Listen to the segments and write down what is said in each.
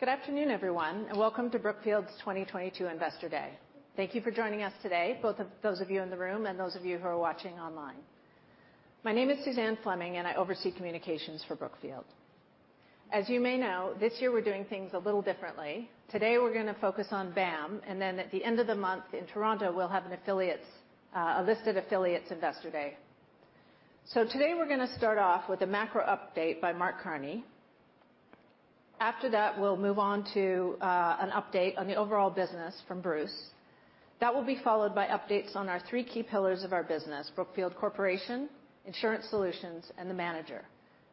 Good afternoon, everyone, and welcome to Brookfield's 2022 Investor Day. Thank you for joining us today, both of those of you in the room and those of you who are watching online. My name is Suzanne Fleming, and I oversee communications for Brookfield. As you may know, this year we're doing things a little differently. Today, we're gonna focus on BAM, and then at the end of the month, in Toronto, we'll have a listed affiliates investor day. Today we're gonna start off with a macro update by Mark Carney. After that, we'll move on to an update on the overall business from Bruce. That will be followed by updates on our three key pillars of our business, Brookfield Corporation, Insurance Solutions, and the manager.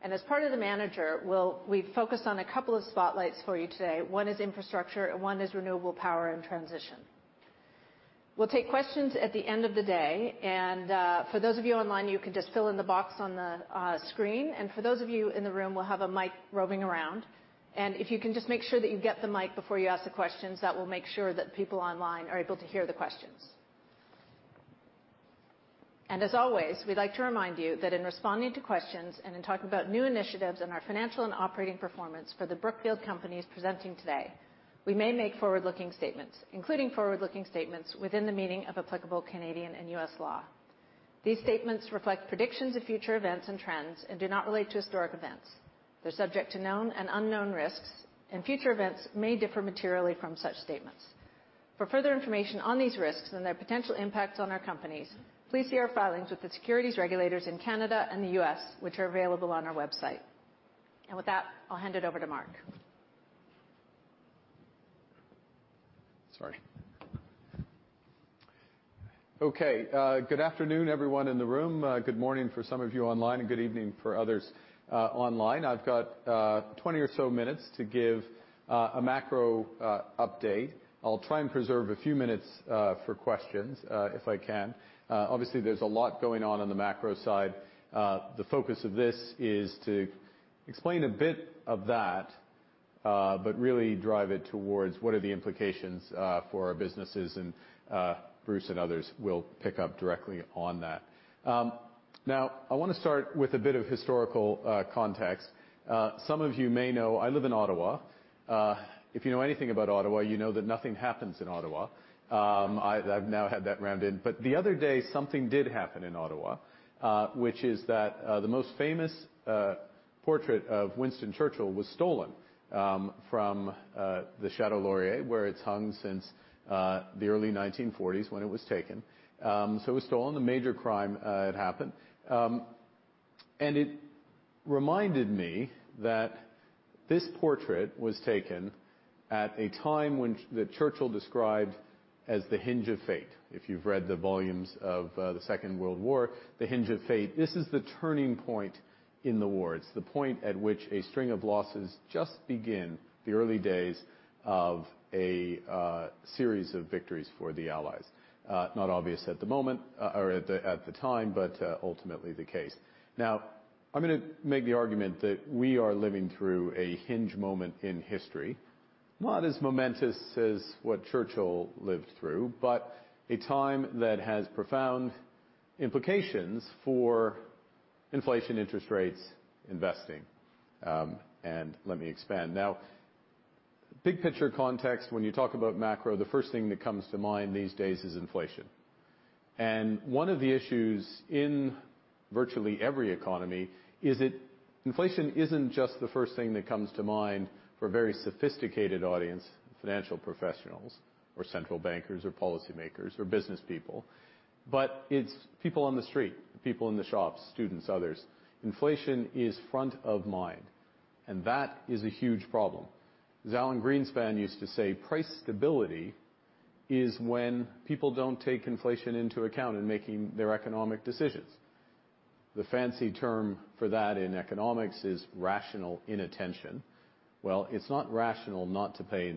As part of the manager, we've focused on a couple of spotlights for you today. One is infrastructure, and one is renewable power and transition. We'll take questions at the end of the day, and, for those of you online, you can just fill in the box on the, screen. For those of you in the room, we'll have a mic roving around. If you can just make sure that you get the mic before you ask the questions, that will make sure that people online are able to hear the questions. As always, we'd like to remind you that in responding to questions and in talking about new initiatives and our financial and operating performance for the Brookfield companies presenting today, we may make forward-looking statements, including forward-looking statements within the meaning of applicable Canadian and U.S. law. These statements reflect predictions of future events and trends and do not relate to historic events. They're subject to known and unknown risks, and future events may differ materially from such statements. For further information on these risks and their potential impacts on our companies, please see our filings with the securities regulators in Canada and the U.S., which are available on our website. With that, I'll hand it over to Mark. Sorry. Okay, good afternoon, everyone in the room, good morning for some of you online and good evening for others, online. I've got 20 or so minutes to give, a macro update. I'll try and preserve a few minutes for questions, if I can. Obviously, there's a lot going on on the macro side. The focus of this is to explain a bit of that, but really drive it towards what are the implications for our businesses, and, Bruce and others will pick up directly on that. Now, I wanna start with a bit of historical context. Some of you may know I live in Ottawa. If you know anything about Ottawa, you know that nothing happens in Ottawa. I've now had that rammed in. The other day, something did happen in Ottawa, which is that the most famous portrait of Winston Churchill was stolen from the Château Laurier, where it's hung since the early 1940s when it was taken. It was stolen. A major crime had happened. It reminded me that this portrait was taken at a time when that Churchill described as the Hinge of Fate. If you've read the volumes of the Second World War, the Hinge of Fate. This is the turning point in the war. It's the point at which a string of losses just begin the early days of a series of victories for the Allies. Not obvious at the moment or at the time, but ultimately the case. Now, I'm gonna make the argument that we are living through a hinge moment in history, not as momentous as what Churchill lived through, but a time that has profound implications for inflation, interest rates, investing. Let me expand. Now, big picture context, when you talk about macro, the first thing that comes to mind these days is inflation. One of the issues in virtually every economy is that inflation isn't just the first thing that comes to mind for a very sophisticated audience, financial professionals or central bankers or policymakers or businesspeople, but it's people on the street, people in the shops, students, others. Inflation is front of mind, and that is a huge problem. As Alan Greenspan used to say, price stability is when people don't take inflation into account in making their economic decisions. The fancy term for that in economics is rational inattention. Well, it's not rational not to pay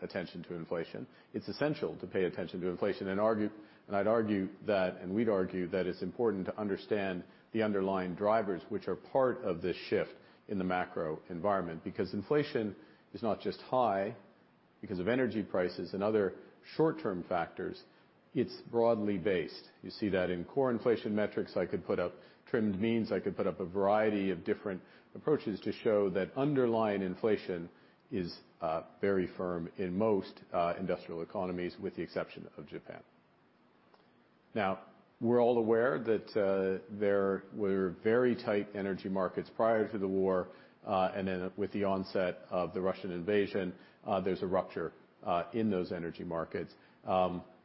attention to inflation. It's essential to pay attention to inflation. We'd argue that it's important to understand the underlying drivers, which are part of this shift in the macro environment, because inflation is not just high because of energy prices and other short-term factors. It's broadly based. You see that in core inflation metrics. I could put up trimmed means. I could put up a variety of different approaches to show that underlying inflation is very firm in most industrial economies, with the exception of Japan. Now, we're all aware that there were very tight energy markets prior to the war, and then with the onset of the Russian invasion, there's a rupture in those energy markets.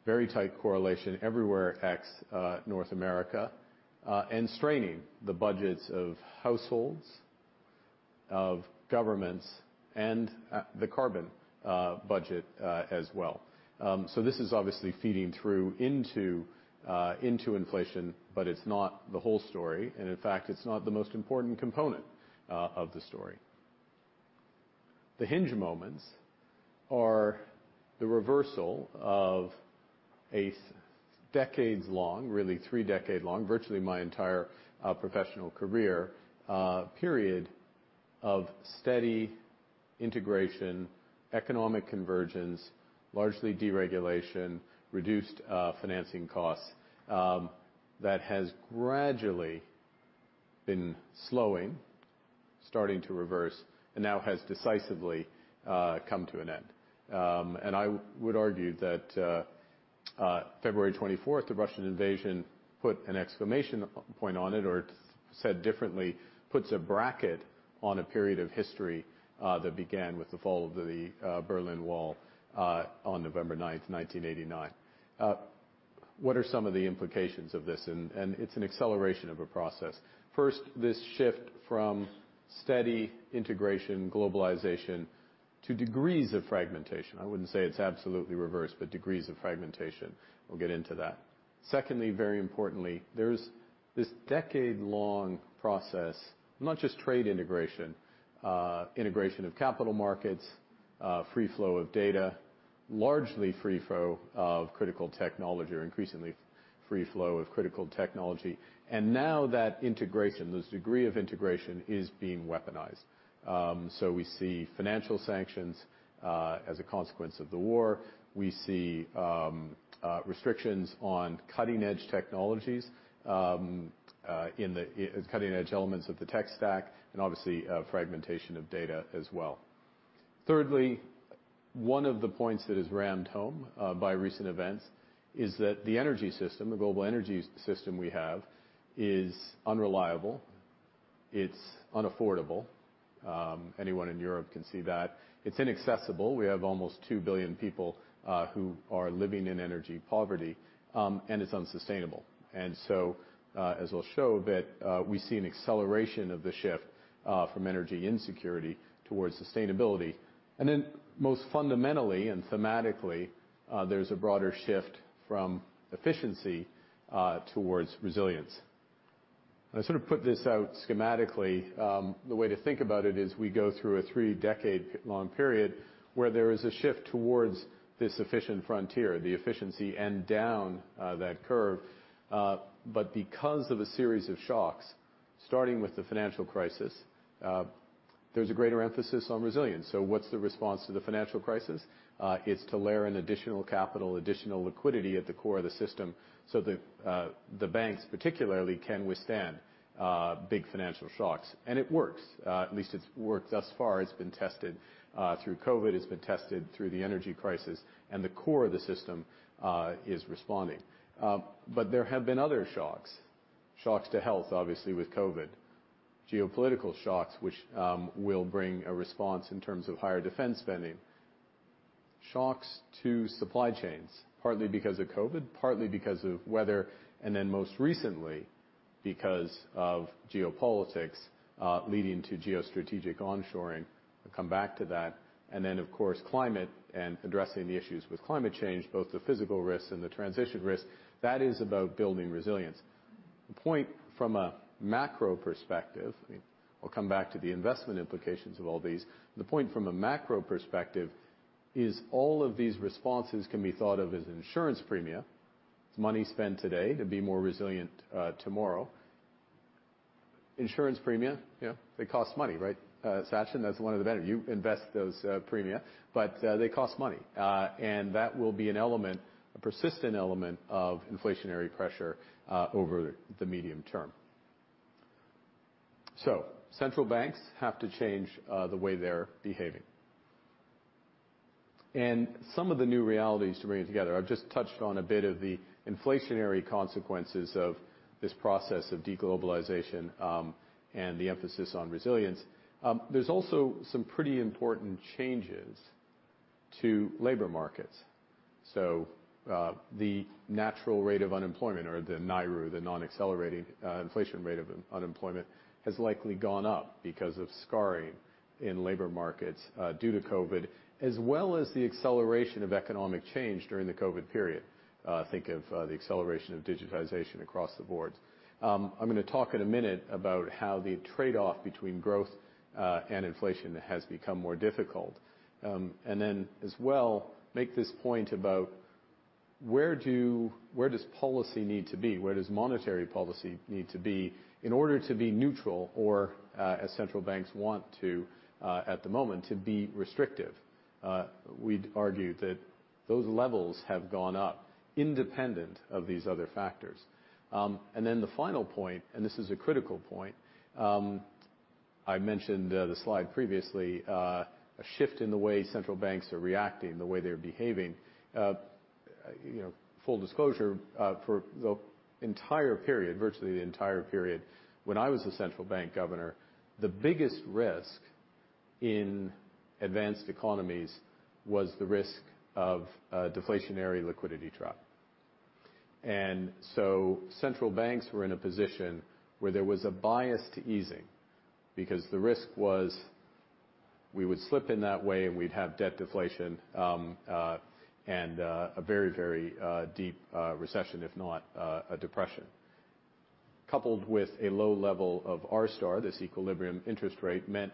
Very tight correlation everywhere except North America and straining the budgets of households, of governments, and the carbon budget as well. This is obviously feeding through into inflation, but it's not the whole story. In fact, it's not the most important component of the story. The hinge moments are the reversal of a decades-long, really three-decade-long, virtually my entire professional career period of steady integration, economic convergence, largely deregulation, reduced financing costs that has gradually been slowing, starting to reverse, and now has decisively come to an end. I would argue that February 24th, the Russian invasion put an exclamation point on it, or said differently, puts a bracket on a period of history that began with the fall of the Berlin Wall on November 9th, 1989. What are some of the implications of this? It's an acceleration of a process. First, this shift from steady integration, globalization to degrees of fragmentation. I wouldn't say it's absolutely reversed, but degrees of fragmentation. We'll get into that. Secondly, very importantly, there's this decade-long process, not just trade integration of capital markets, free flow of data, largely free flow of critical technology or increasingly free flow of critical technology. Now that integration, this degree of integration is being weaponized. So we see financial sanctions as a consequence of the war. We see restrictions on cutting-edge technologies in cutting-edge elements of the tech stack, and obviously fragmentation of data as well. Thirdly, one of the points that is rammed home by recent events is that the energy system, the global energy system we have, is unreliable, it's unaffordable, anyone in Europe can see that. It's inaccessible. We have almost 2 billion people who are living in energy poverty, and it's unsustainable. As I'll show a bit, we see an acceleration of the shift from energy insecurity towards sustainability. Then most fundamentally and thematically, there's a broader shift from efficiency towards resilience. I sort of put this out schematically. The way to think about it is we go through a three-decade-long period where there is a shift towards this efficient frontier, the efficiency end down that curve. Because of a series of shocks, starting with the financial crisis, there's a greater emphasis on resilience. What's the response to the financial crisis? It's to layer in additional capital, additional liquidity at the core of the system so that the banks, particularly, can withstand big financial shocks. It works. At least it's worked thus far. It's been tested through COVID, it's been tested through the energy crisis, and the core of the system is responding. There have been other shocks. Shocks to health, obviously, with COVID. Geopolitical shocks, which will bring a response in terms of higher defense spending. Shocks to supply chains, partly because of COVID, partly because of weather, and then most recently, because of geopolitics, leading to geostrategic onshoring. We'll come back to that. Of course, climate and addressing the issues with climate change, both the physical risks and the transition risks. That is about building resilience. The point from a macro perspective, I'll come back to the investment implications of all these, is all of these responses can be thought of as insurance premia. It's money spent today to be more resilient tomorrow. Insurance premia, you know, they cost money, right? Sachin, that's one of the benefits. You invest those premia, but they cost money. That will be an element, a persistent element of inflationary pressure over the medium term. Central banks have to change the way they're behaving. Some of the new realities to bring it together, I've just touched on a bit of the inflationary consequences of this process of de-globalization, and the emphasis on resilience. There's also some pretty important changes to labor markets. The natural rate of unemployment or the NAIRU, the non-accelerating inflation rate of unemployment, has likely gone up because of scarring in labor markets due to COVID, as well as the acceleration of economic change during the COVID period. Think of the acceleration of digitization across the board. I'm gonna talk in a minute about how the trade-off between growth and inflation has become more difficult. Then as well, make this point about where does policy need to be? Where does monetary policy need to be in order to be neutral or, as central banks want to, at the moment, to be restrictive? We'd argue that those levels have gone up independent of these other factors. Then the final point, and this is a critical point. I mentioned the slide previously, a shift in the way central banks are reacting, the way they're behaving. You know, full disclosure, for the entire period, virtually the entire period when I was a central bank governor, the biggest risk in advanced economies was the risk of a deflationary liquidity trap. Central banks were in a position where there was a bias to easing because the risk was we would slip in that way, and we'd have debt deflation, and a very deep recession, if not a depression. Coupled with a low level of R star, this equilibrium interest rate meant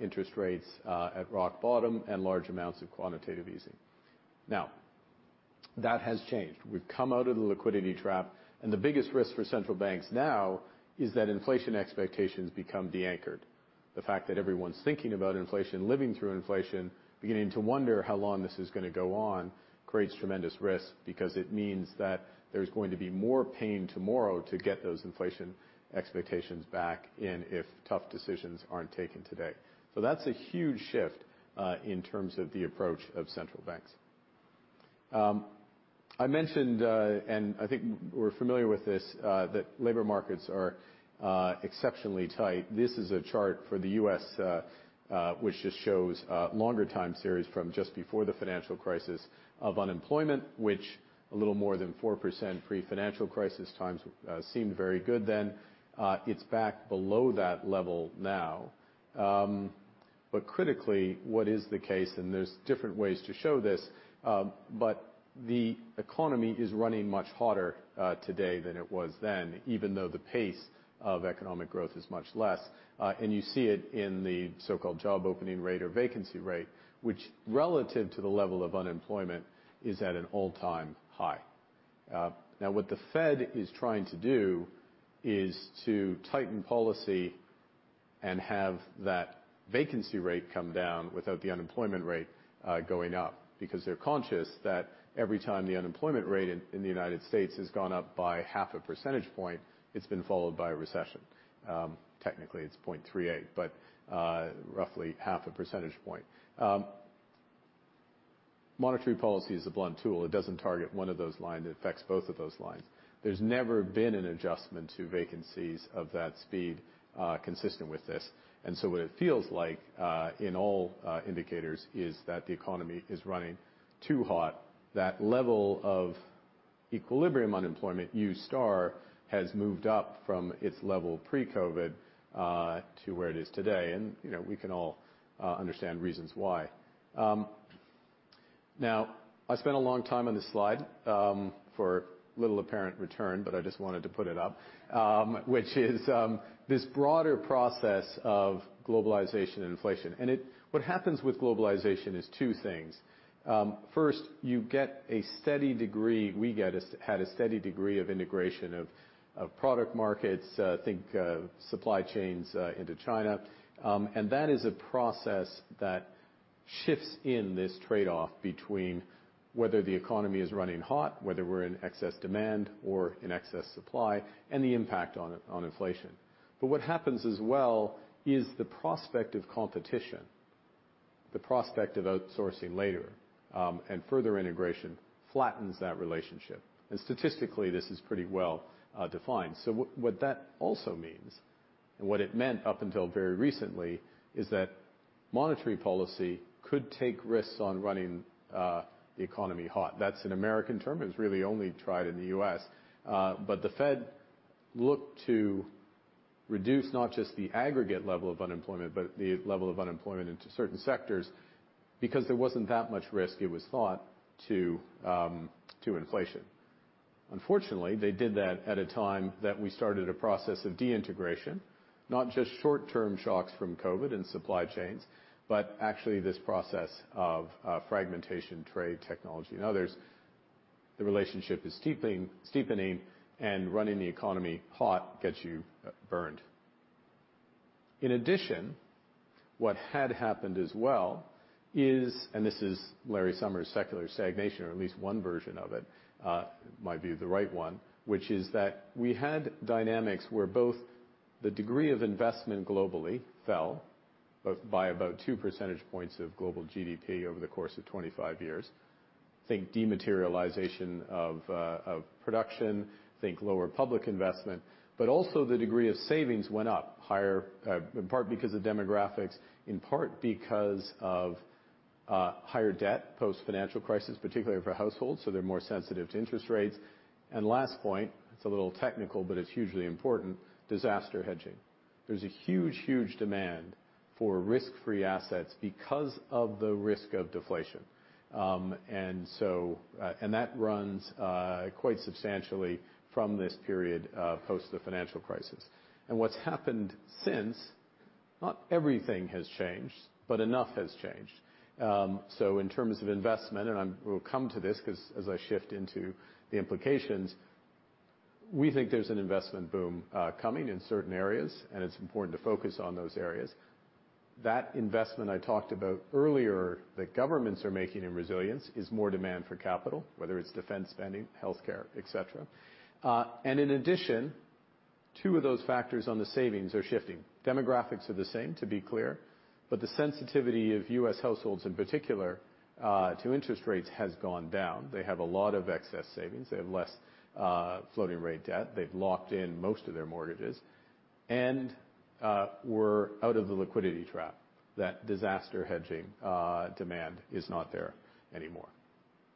interest rates at rock bottom and large amounts of quantitative easing. Now, that has changed. We've come out of the liquidity trap, and the biggest risk for central banks now is that inflation expectations become de-anchored. The fact that everyone's thinking about inflation, living through inflation, beginning to wonder how long this is gonna go on, creates tremendous risk because it means that there's going to be more pain tomorrow to get those inflation expectations back in if tough decisions aren't taken today. That's a huge shift in terms of the approach of Central Banks. I mentioned, and I think we're familiar with this, that labor markets are exceptionally tight. This is a chart for the U.S., which just shows a longer time series from just before the financial crisis of unemployment, which a little more than 4% pre-financial crisis times seemed very good then. It's back below that level now. Critically, what is the case, and there's different ways to show this, but the economy is running much hotter today than it was then, even though the pace of economic growth is much less. You see it in the so-called job opening rate or vacancy rate, which relative to the level of unemployment is at an all-time high. Now what the Fed is trying to do is to tighten policy and have that vacancy rate come down without the unemployment rate going up, because they're conscious that every time the unemployment rate in the United States has gone up by half a percentage point, it's been followed by a recession. Technically, it's 0.38, but roughly half a percentage point. Monetary policy is a blunt tool. It doesn't target one of those lines, it affects both of those lines. There's never been an adjustment to vacancies of that speed consistent with this. What it feels like in all indicators is that the economy is running too hot. That level of equilibrium unemployment, u-star, has moved up from its level pre-COVID to where it is today. You know, we can all understand reasons why. Now I spent a long time on this slide for little apparent return, but I just wanted to put it up, which is this broader process of globalization and inflation. What happens with globalization is two things. First, you get a steady degree, we had a steady degree of integration of product markets, I think, supply chains into China. That is a process that shifts in this trade-off between whether the economy is running hot, whether we're in excess demand or in excess supply, and the impact on inflation. But what happens as well is the prospect of competition, the prospect of outsourcing later, and further integration flattens that relationship. Statistically, this is pretty well defined. What that also means, and what it meant up until very recently, is that monetary policy could take risks on running the economy hot. That's an American term. It's really only tried in the U.S. But the Fed looked to reduce not just the aggregate level of unemployment, but the level of unemployment in certain sectors, because there wasn't that much risk, it was thought, to inflation. Unfortunately, they did that at a time that we started a process of deintegration, not just short-term shocks from COVID and supply chains, but actually this process of fragmentation, trade, technology, and others. The relationship is steepening and running the economy hot gets you burned. In addition, what had happened as well is, and this is Larry Summers's secular stagnation, or at least one version of it, might be the right one, which is that we had dynamics where both the degree of investment globally fell, both by about 2 percentage points of global GDP over the course of 25 years. Think dematerialization of production, think lower public investment, but also the degree of savings went up higher, in part because of demographics, in part because of higher debt post-financial crisis, particularly for households, so they're more sensitive to interest rates. Last point, it's a little technical, but it's hugely important. Disaster hedging. There's a huge, huge demand for risk-free assets because of the risk of deflation. So that runs quite substantially from this period post the financial crisis. What's happened since, not everything has changed, but enough has changed. So in terms of investment, we'll come to this 'cause as I shift into the implications, we think there's an investment boom coming in certain areas, and it's important to focus on those areas. That investment I talked about earlier that governments are making in resilience is more demand for capital, whether it's defense spending, healthcare, et cetera. And in addition, two of those factors on the savings are shifting. Demographics are the same, to be clear, but the sensitivity of U.S. households in particular to interest rates has gone down. They have a lot of excess savings. They have less floating rate debt. They've locked in most of their mortgages. We're out of the liquidity trap. That disaster hedging demand is not there anymore.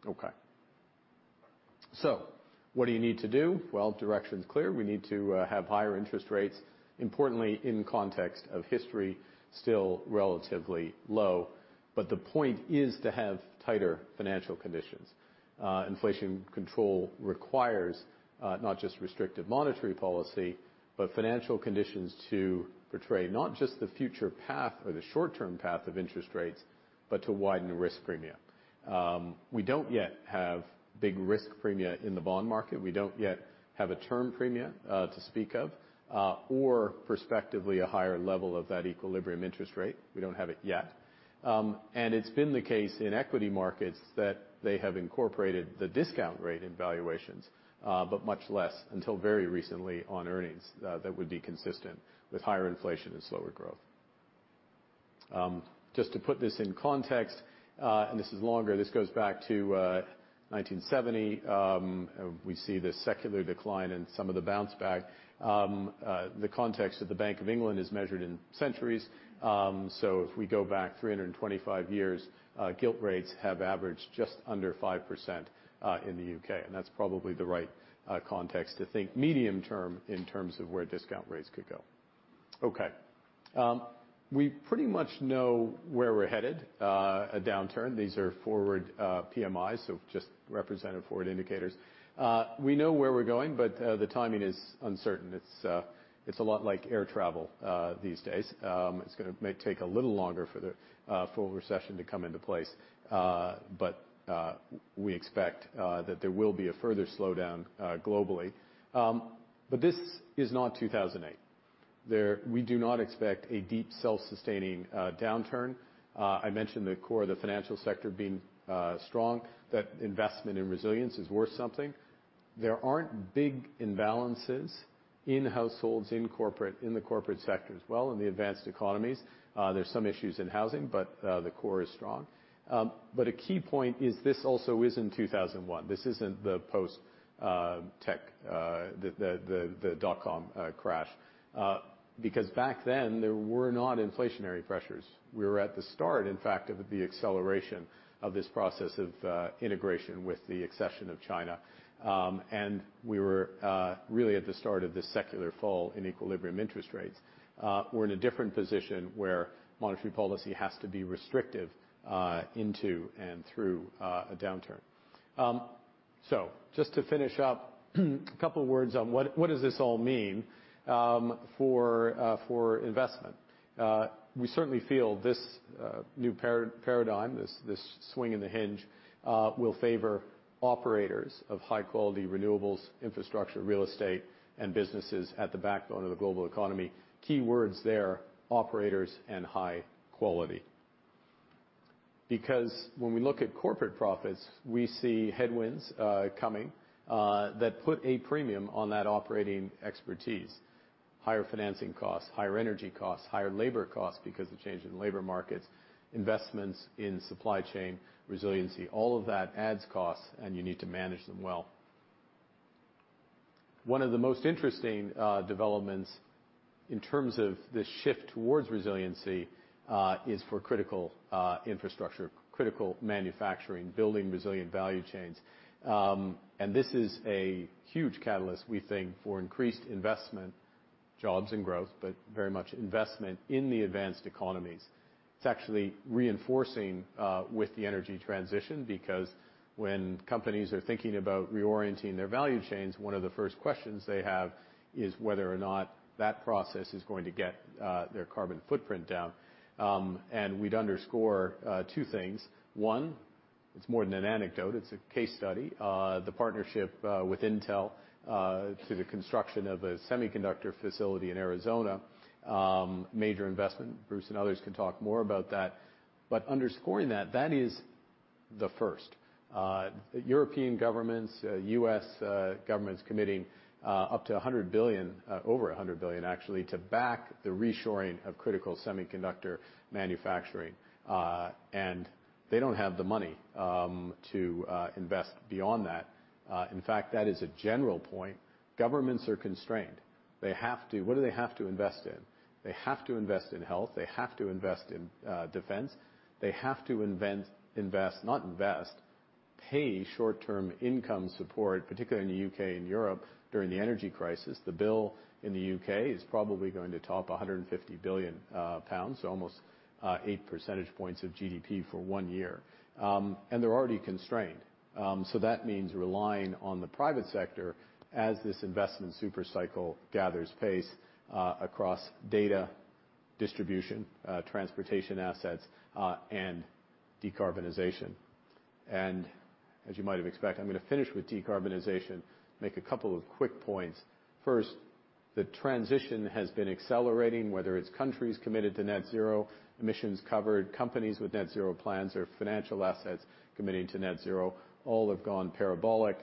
Okay. What do you need to do? Well, direction's clear. We need to have higher interest rates, importantly in context of history, still relatively low. The point is to have tighter financial conditions. Inflation control requires not just restrictive monetary policy, but financial conditions to portray not just the future path or the short-term path of interest rates, but to widen the risk premium. We don't yet have big risk premia in the bond market. We don't yet have a term premia to speak of, or prospectively a higher level of that equilibrium interest rate. We don't have it yet. It's been the case in equity markets that they have incorporated the discount rate in valuations, but much less until very recently on earnings that would be consistent with higher inflation and slower growth. Just to put this in context, this is longer, this goes back to 1970, we see the secular decline and some of the bounce back. The context of the Bank of England is measured in centuries. If we go back 325 years, gilt rates have averaged just under 5%, in the UK, and that's probably the right context to think medium term in terms of where discount rates could go. Okay. We pretty much know where we're headed, a downturn. These are forward PMIs, so just representative forward indicators. We know where we're going, but the timing is uncertain. It's a lot like air travel these days. May take a little longer for the full recession to come into place. We expect that there will be a further slowdown globally. This is not 2008. We do not expect a deep self-sustaining downturn. I mentioned the core of the financial sector being strong, that investment in resilience is worth something. There aren't big imbalances in households, in the corporate sector as well, in the advanced economies. There's some issues in housing, but the core is strong. A key point is this also isn't 2001. This isn't the post tech the dot-com crash because back then there were not inflationary pressures. We were at the start, in fact, of the acceleration of this process of integration with the accession of China. We were really at the start of this secular fall in equilibrium interest rates. We're in a different position where monetary policy has to be restrictive into and through a downturn. Just to finish up, a couple words on what does this all mean for investment. We certainly feel this new paradigm, this swing in the hinge, will favor operators of high-quality renewables, infrastructure, real estate, and businesses at the backbone of the global economy. Key words there, operators and high quality. Because when we look at corporate profits, we see headwinds coming that put a premium on that operating expertise. Higher financing costs, higher energy costs, higher labor costs because of change in labor markets, investments in supply chain resiliency, all of that adds costs, and you need to manage them well. One of the most interesting developments in terms of the shift towards resiliency is for critical infrastructure, critical manufacturing, building resilient value chains. This is a huge catalyst we think for increased investment, jobs and growth, but very much investment in the advanced economies. It's actually reinforcing with the energy transition because when companies are thinking about reorienting their value chains, one of the first questions they have is whether or not that process is going to get their carbon footprint down. We'd underscore two things. One, it's more than an anecdote, it's a case study. The partnership with Intel through the construction of a semiconductor facility in Arizona, major investment. Bruce and others can talk more about that. Underscoring that is the first. European governments, U.S. governments committing up to $100 billion, over $100 billion actually, to back the reshoring of critical semiconductor manufacturing. They don't have the money to invest beyond that. In fact, that is a general point. Governments are constrained. They have to. What do they have to invest in? They have to invest in health, they have to invest in defense, they have to pay short-term income support, particularly in the U.K. and Europe during the energy crisis. The bill in the UK is probably going to top 150 billion pounds, so almost 8 percentage points of GDP for one year. They're already constrained. So that means relying on the private sector as this investment super cycle gathers pace across data distribution, transportation assets, and decarbonization. As you might have expected, I'm gonna finish with decarbonization, make a couple of quick points. First, the transition has been accelerating, whether it's countries committed to net zero, emissions covered, companies with net zero plans or financial assets committing to net zero, all have gone parabolic.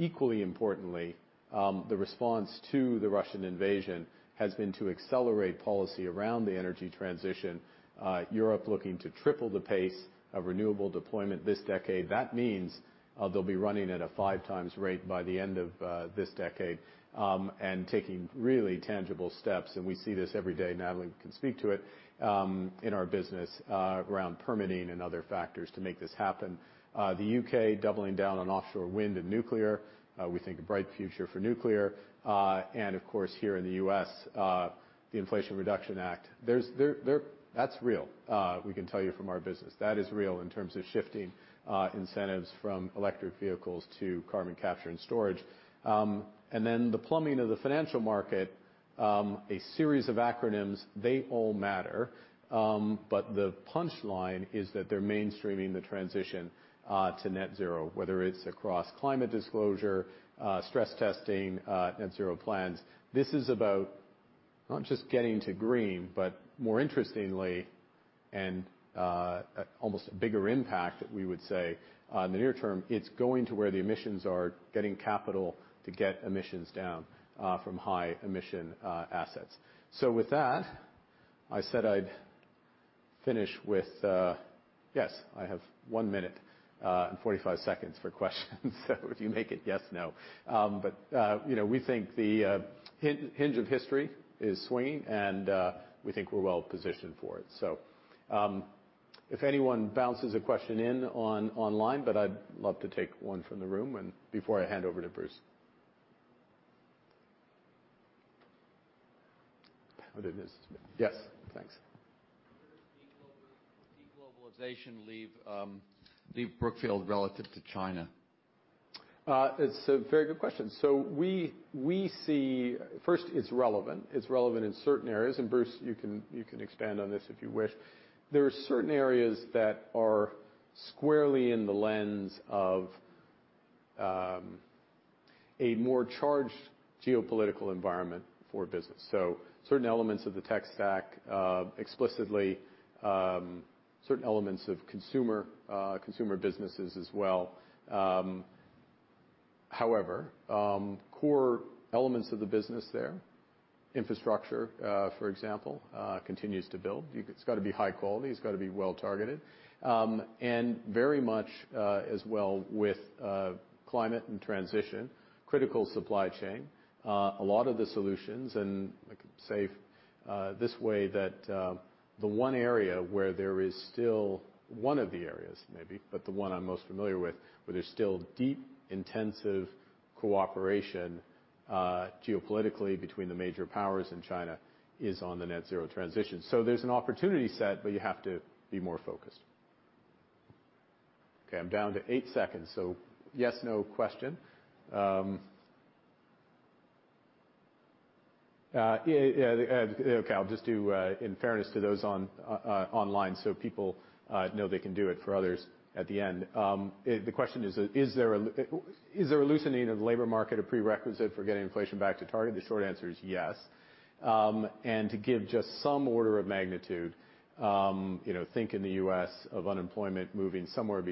Equally importantly, the response to the Russian invasion has been to accelerate policy around the energy transition. Europe looking to triple the pace of renewable deployment this decade. That means, they'll be running at a five times rate by the end of this decade, and taking really tangible steps. We see this every day, Madeline can speak to it, in our business, around permitting and other factors to make this happen. The U.K. doubling down on offshore wind and nuclear, we think a bright future for nuclear. Of course, here in the U.S., the Inflation Reduction Act. That's real, we can tell you from our business. That is real in terms of shifting incentives from electric vehicles to carbon capture and storage. Then the plumbing of the financial market, a series of acronyms, they all matter. The punchline is that they're mainstreaming the transition to net zero, whether it's across climate disclosure, stress testing, net zero plans. This is about not just getting to green, but more interestingly, and almost a bigger impact that we would say on the near term, it's going to where the emissions are, getting capital to get emissions down from high emission assets. With that, I said I'd finish with. Yes, I have 1 minute and 45 seconds for questions. If you make it yes/no. You know, we think the hinge of history is swinging, and we think we're well positioned for it. If anyone bounces a question in online, but I'd love to take one from the room before I hand over to Bruce Flatt. Oh, there is. Yes. Thanks. Where does deglobalization leave Brookfield relative to China? It's a very good question. We see first, it's relevant. It's relevant in certain areas, and Bruce, you can expand on this if you wish. There are certain areas that are squarely in the lens of a more charged geopolitical environment for business. Certain elements of the tech stack explicitly, certain elements of consumer businesses as well. However, core elements of the business there, infrastructure for example continues to build. It's gotta be high quality, it's gotta be well targeted. Very much as well with climate and transition, critical supply chain. A lot of the solutions, one of the areas maybe, but the one I'm most familiar with, where there's still deep, intensive cooperation geopolitically between the major powers in China, is on the net zero transition. There's an opportunity set, but you have to be more focused. Okay, I'm down to 8 seconds, so yes/no question. I'll just do in fairness to those online, so people know they can do it for others at the end. The question is there a loosening of the labor market a prerequisite for getting inflation back to target? The short answer is yes. To give just some order of magnitude, you know, think in the U.S. of unemployment moving somewhere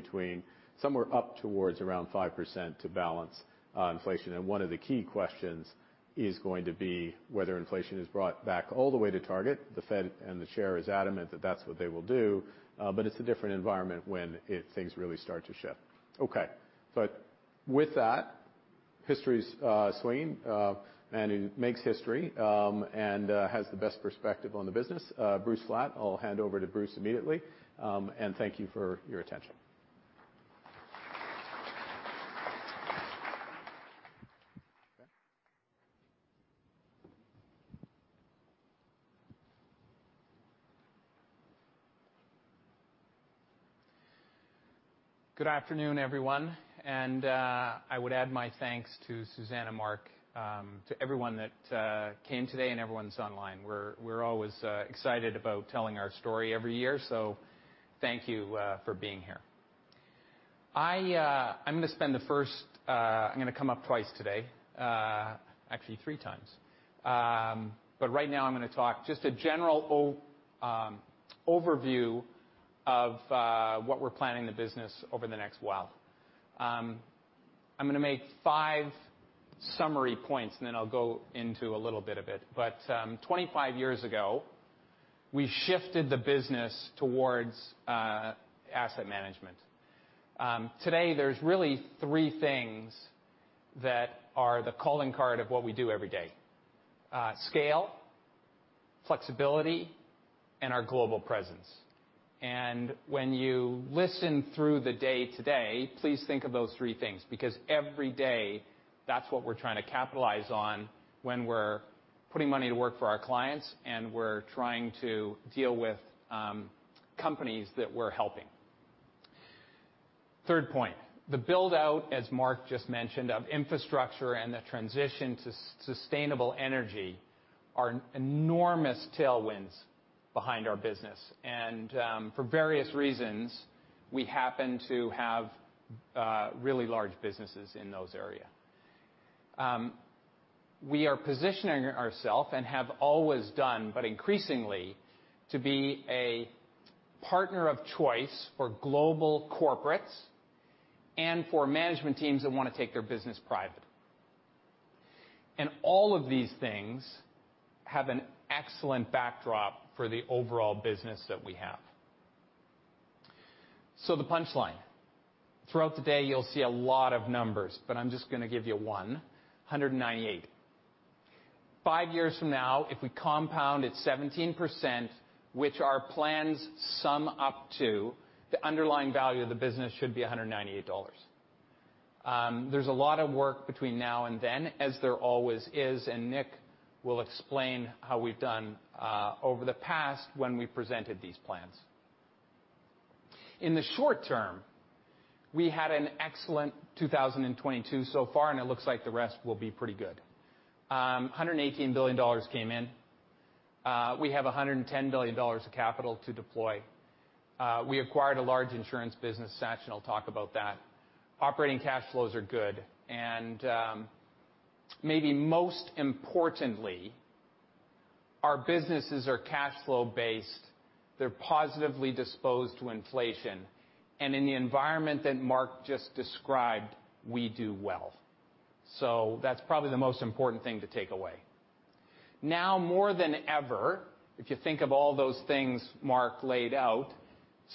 up towards around 5% to balance inflation. One of the key questions is going to be whether inflation is brought back all the way to target. The Fed and the chair is adamant that that's what they will do, but it's a different environment when things really start to shift. With that, history's swinging, and it makes history, and has the best perspective on the business. Bruce Flatt. I'll hand over to Bruce immediately. Thank you for your attention. Good afternoon, everyone. I would add my thanks to Suzanne, Mark, to everyone that came today and everyone's online. We're always excited about telling our story every year, so thank you for being here. I'm gonna come up twice today. Actually three times. Right now I'm gonna talk just a general overview of what we're planning for the business over the next while. I'm gonna make five summary points, and then I'll go into a little bit of it. 25 years ago, we shifted the business towards asset management. Today there's really three things that are the calling card of what we do every day: scale, flexibility, and our global presence. When you listen through the day today, please think of those three things, because every day, that's what we're trying to capitalize on when we're putting money to work for our clients, and we're trying to deal with companies that we're helping. Third point, the build-out, as Mark just mentioned, of infrastructure and the transition to sustainable energy are enormous tailwinds behind our business. For various reasons, we happen to have really large businesses in those areas. We are positioning ourselves, and have always done, but increasingly, to be a partner of choice for global corporates and for management teams that wanna take their business private. All of these things have an excellent backdrop for the overall business that we have. The punchline. Throughout the day, you'll see a lot of numbers, but I'm just gonna give you one: 198. Five years from now, if we compound at 17%, which our plans sum up to, the underlying value of the business should be $198. There's a lot of work between now and then, as there always is, and Nick will explain how we've done over the past when we presented these plans. In the short term, we had an excellent 2022 so far, and it looks like the rest will be pretty good. $118 billion came in. We have $110 billion of capital to deploy. We acquired a large insurance business, Sachin will talk about that. Operating cash flows are good. Maybe most importantly, our businesses are cash flow based, they're positively disposed to inflation, and in the environment that Mark just described, we do well. That's probably the most important thing to take away. Now more than ever, if you think of all those things Mark laid out,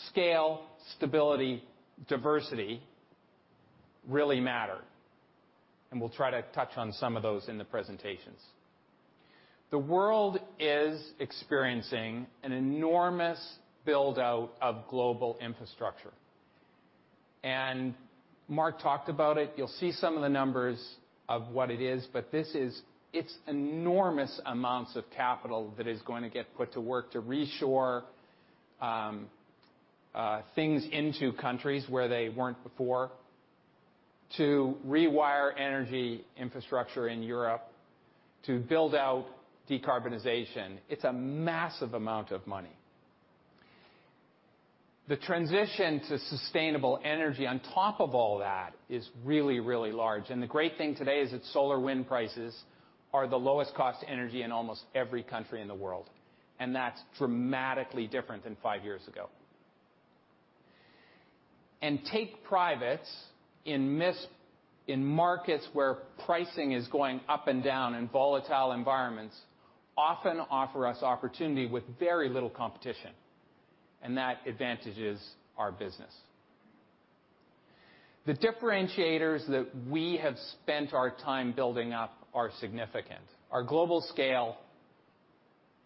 scale, stability, diversity really matter. We'll try to touch on some of those in the presentations. The world is experiencing an enormous build-out of global infrastructure. Mark talked about it, you'll see some of the numbers of what it is, but this is. It's enormous amounts of capital that is going to get put to work to reshore things into countries where they weren't before, to rewire energy infrastructure in Europe, to build out decarbonization. It's a massive amount of money. The transition to sustainable energy on top of all that is really, really large. The great thing today is that solar and wind prices are the lowest cost energy in almost every country in the world. That's dramatically different than five years ago. Take privates in markets where pricing is going up and down in volatile environments often offer us opportunity with very little competition, and that advantages our business. The differentiators that we have spent our time building up are significant. Our global scale,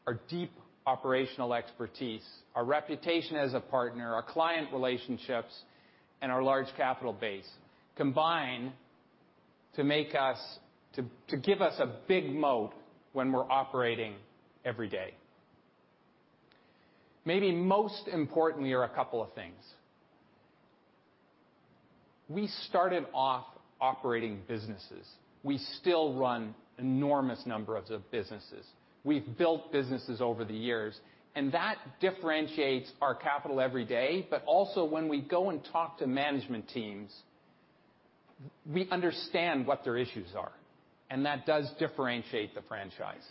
our deep operational expertise, our reputation as a partner, our client relationships, and our large capital base combine to give us a big moat when we're operating every day. Maybe most importantly are a couple of things. We started off operating businesses. We still run enormous numbers of businesses. We've built businesses over the years, and that differentiates our capital every day. But also, when we go and talk to management teams, we understand what their issues are, and that does differentiate the franchise.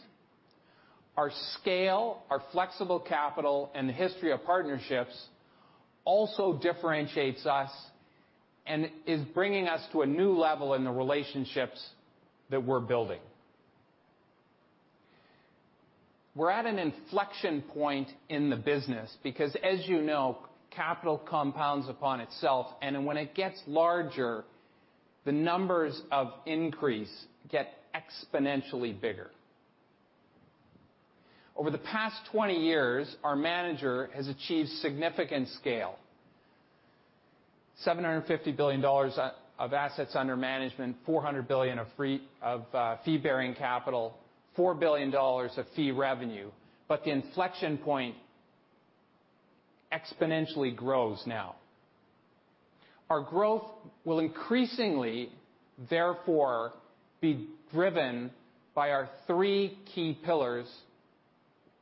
Our scale, our flexible capital, and the history of partnerships also differentiates us and is bringing us to a new level in the relationships that we're building. We're at an inflection point in the business because as you know, capital compounds upon itself, and when it gets larger, the numbers increase get exponentially bigger. Over the past 20 years, our manager has achieved significant scale. $700 billion of assets under management, $400 billion of Fee-Bearing Capital, $4 billion of fee revenue. The inflection point exponentially grows now. Our growth will increasingly, therefore, be driven by our three key pillars,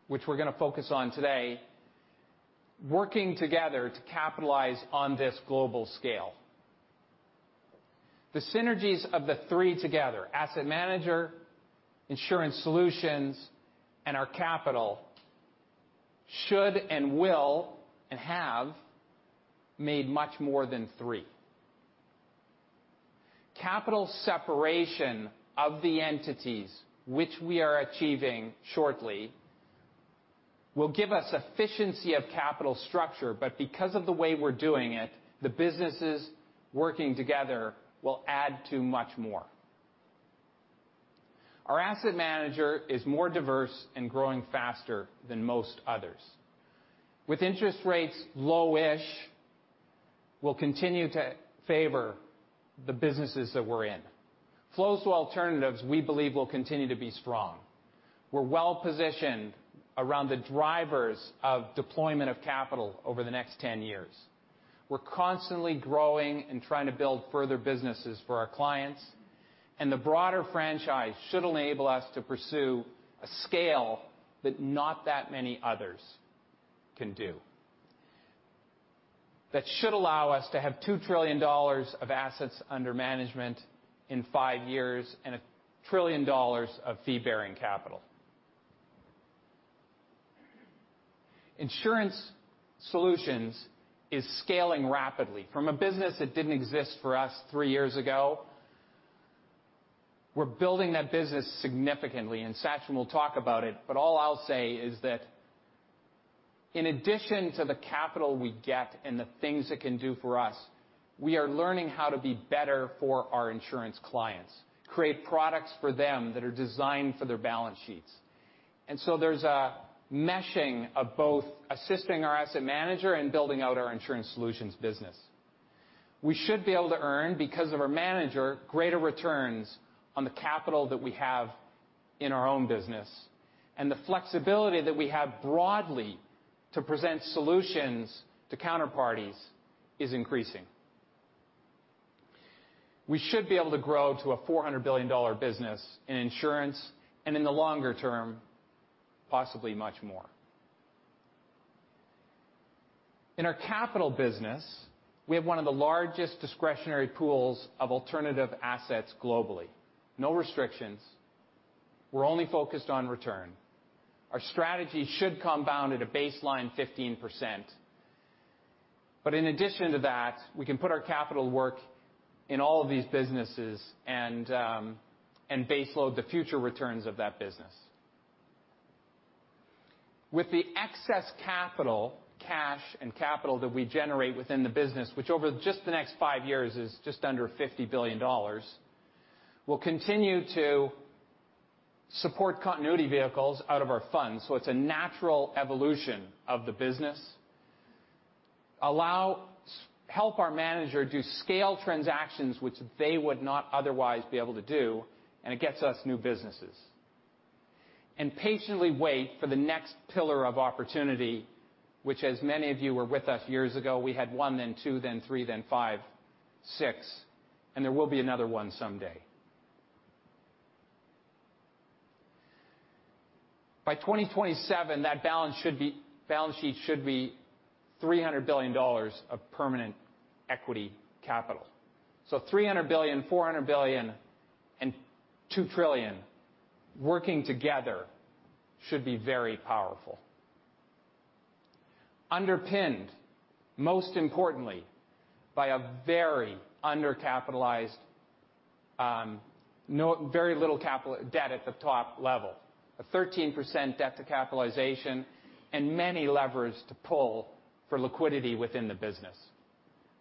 which we're gonna focus on today, working together to capitalize on this global scale. The synergies of the three together, asset manager, Insurance Solutions, and our capital should and will, and have made much more than three. Capital separation of the entities which we are achieving shortly will give us efficiency of capital structure. Because of the way we're doing it, the businesses working together will add to much more. Our asset manager is more diverse and growing faster than most others. With interest rates low-ish, we'll continue to favor the businesses that we're in. Flows to alternatives, we believe, will continue to be strong. We're well-positioned around the drivers of deployment of capital over the next 10 years. We're constantly growing and trying to build further businesses for our clients, and the broader franchise should enable us to pursue a scale that not that many others can do. That should allow us to have $2 trillion of assets under management in five years and $1 trillion of Fee-Bearing Capital. Insurance Solutions is scaling rapidly from a business that didn't exist for us three years ago. We're building that business significantly, and Sachin will talk about it. All I'll say is that in addition to the capital we get and the things it can do for us, we are learning how to be better for our insurance clients, create products for them that are designed for their balance sheets. There's a meshing of both assisting our asset manager and building out our Insurance Solutions business. We should be able to earn, because of our manager, greater returns on the capital that we have in our own business. The flexibility that we have broadly to present solutions to counterparties is increasing. We should be able to grow to a $400 billion business in insurance and in the longer term, possibly much more. In our capital business, we have one of the largest discretionary pools of alternative assets globally. No restrictions. We're only focused on return. Our strategy should compound at a baseline 15%. In addition to that, we can put our capital to work in all of these businesses and baseload the future returns of that business. With the excess capital, cash and capital that we generate within the business, which over just the next five years is just under $50 billion, we'll continue to support continuity vehicles out of our funds. It's a natural evolution of the business. Help our manager do scale transactions which they would not otherwise be able to do, and it gets us new businesses. Patiently wait for the next pillar of opportunity, which as many of you were with us years ago, we had one, then two, then three, then five, six, and there will be another one someday. By 2027, that balance sheet should be $300 billion of permanent equity capital. $300 billion, $400 billion and $2 trillion working together should be very powerful. Underpinned, most importantly, by a very undercapitalized, very little capital debt at the top level. A 13% debt to capitalization and many levers to pull for liquidity within the business,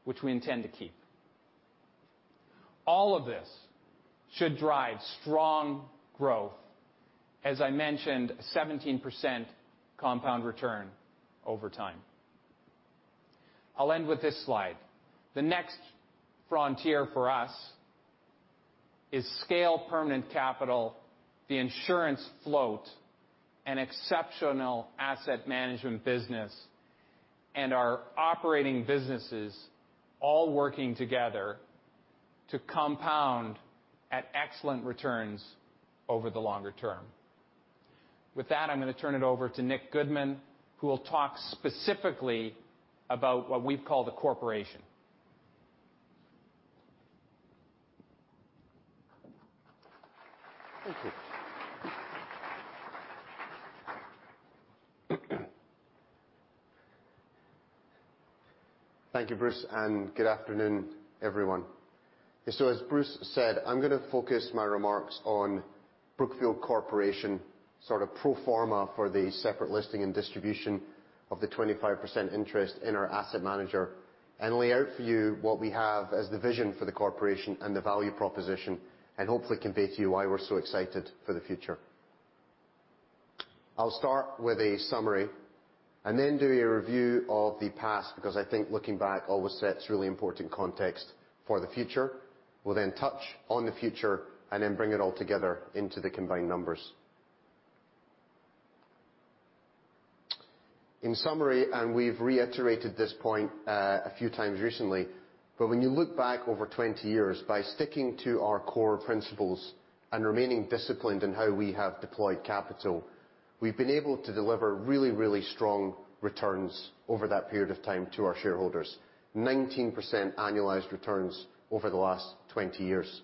which we intend to keep. All of this should drive strong growth. As I mentioned, 17% compound return over time. I'll end with this slide. The next frontier for us is scale permanent capital, the insurance float, and exceptional asset management business, and our operating businesses all working together to compound at excellent returns over the longer term. With that, I'm gonna turn it over to Nick Goodman, who will talk specifically about what we call the corporation. Thank you. Thank you, Bruce, and good afternoon, everyone. As Bruce said, I'm gonna focus my remarks on Brookfield Corporation, sort of pro forma for the separate listing and distribution of the 25% interest in our asset manager and lay out for you what we have as the vision for the corporation and the value proposition, and hopefully convey to you why we're so excited for the future. I'll start with a summary and then do a review of the past because I think looking back always sets really important context for the future. We'll then touch on the future and then bring it all together into the combined numbers. In summary, we've reiterated this point a few times recently, but when you look back over 20 years, by sticking to our core principles and remaining disciplined in how we have deployed capital, we've been able to deliver really, really strong returns over that period of time to our shareholders. 19% annualized returns over the last 20 years.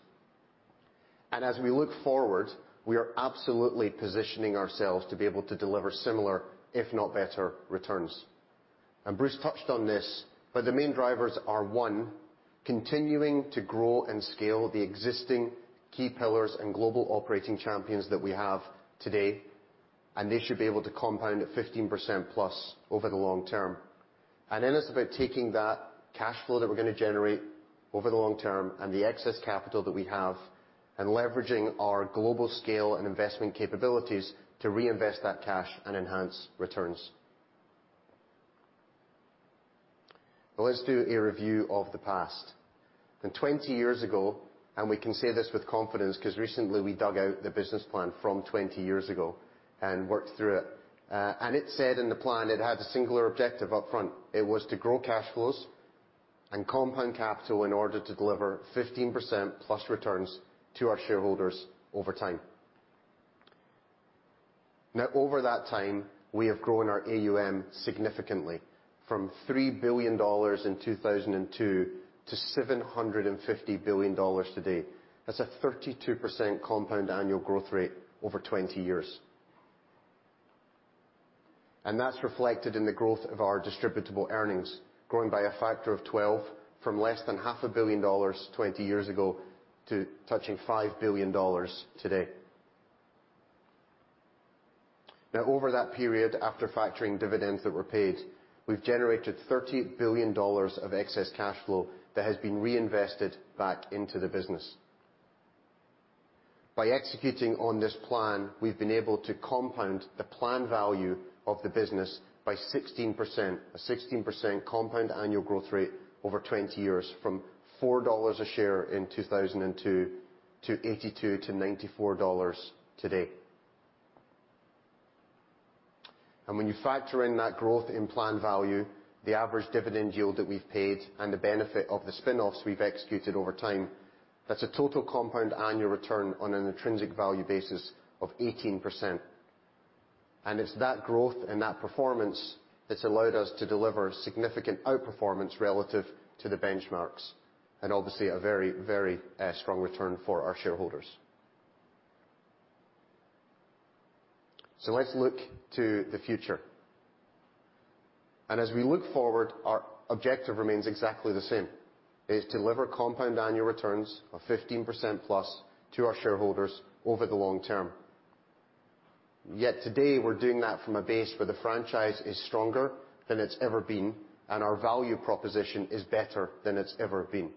As we look forward, we are absolutely positioning ourselves to be able to deliver similar, if not better, returns. Bruce touched on this, but the main drivers are, 1, continuing to grow and scale the existing key pillars and global operating champions that we have today, and they should be able to compound at 15%+ over the long term. Then it's about taking that cash flow that we're gonna generate over the long term and the excess capital that we have and leveraging our global scale and investment capabilities to reinvest that cash and enhance returns. Let's do a review of the past. 20 years ago, we can say this with confidence 'cause recently we dug out the business plan from 20 years ago and worked through it. It said in the plan it had a singular objective up front. It was to grow cash flows and compound capital in order to deliver 15%+ returns to our shareholders over time. Now, over that time, we have grown our AUM significantly from $3 billion in 2002 to $750 billion today. That's a 32% compound annual growth rate over 20 years. That's reflected in the growth of our distributable earnings, growing by a factor of 12 from less than half a billion dollars 20 years ago to touching $5 billion today. Now, over that period, after factoring dividends that were paid, we've generated $30 billion of excess cash flow that has been reinvested back into the business. By executing on this plan, we've been able to compound the plan value of the business by 16%, a 16% compound annual growth rate over 20 years from $4 a share in 2002 to $82-$94 today. When you factor in that growth in plan value, the average dividend yield that we've paid, and the benefit of the spin-offs we've executed over time, that's a total compound annual return on an intrinsic value basis of 18%. It's that growth and that performance that's allowed us to deliver significant outperformance relative to the benchmarks, and obviously a very strong return for our shareholders. Let's look to the future. As we look forward, our objective remains exactly the same, is deliver compound annual returns of 15%+ to our shareholders over the long term. Yet today, we're doing that from a base where the franchise is stronger than it's ever been, and our value proposition is better than it's ever been.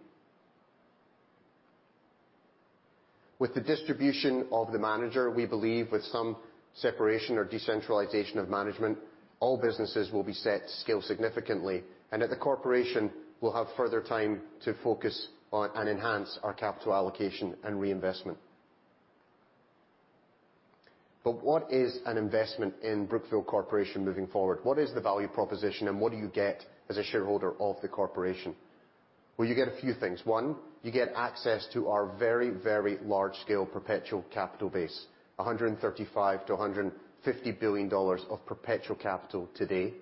With the distribution of the manager, we believe with some separation or decentralization of management, all businesses will be set to scale significantly. At the corporation, we'll have further time to focus on and enhance our capital allocation and reinvestment. What is an investment in Brookfield Corporation moving forward? What is the value proposition, and what do you get as a shareholder of the corporation? Well, you get a few things. One, you get access to our very, very large scale perpetual capital base, $135 billion-$150 billion of perpetual capital today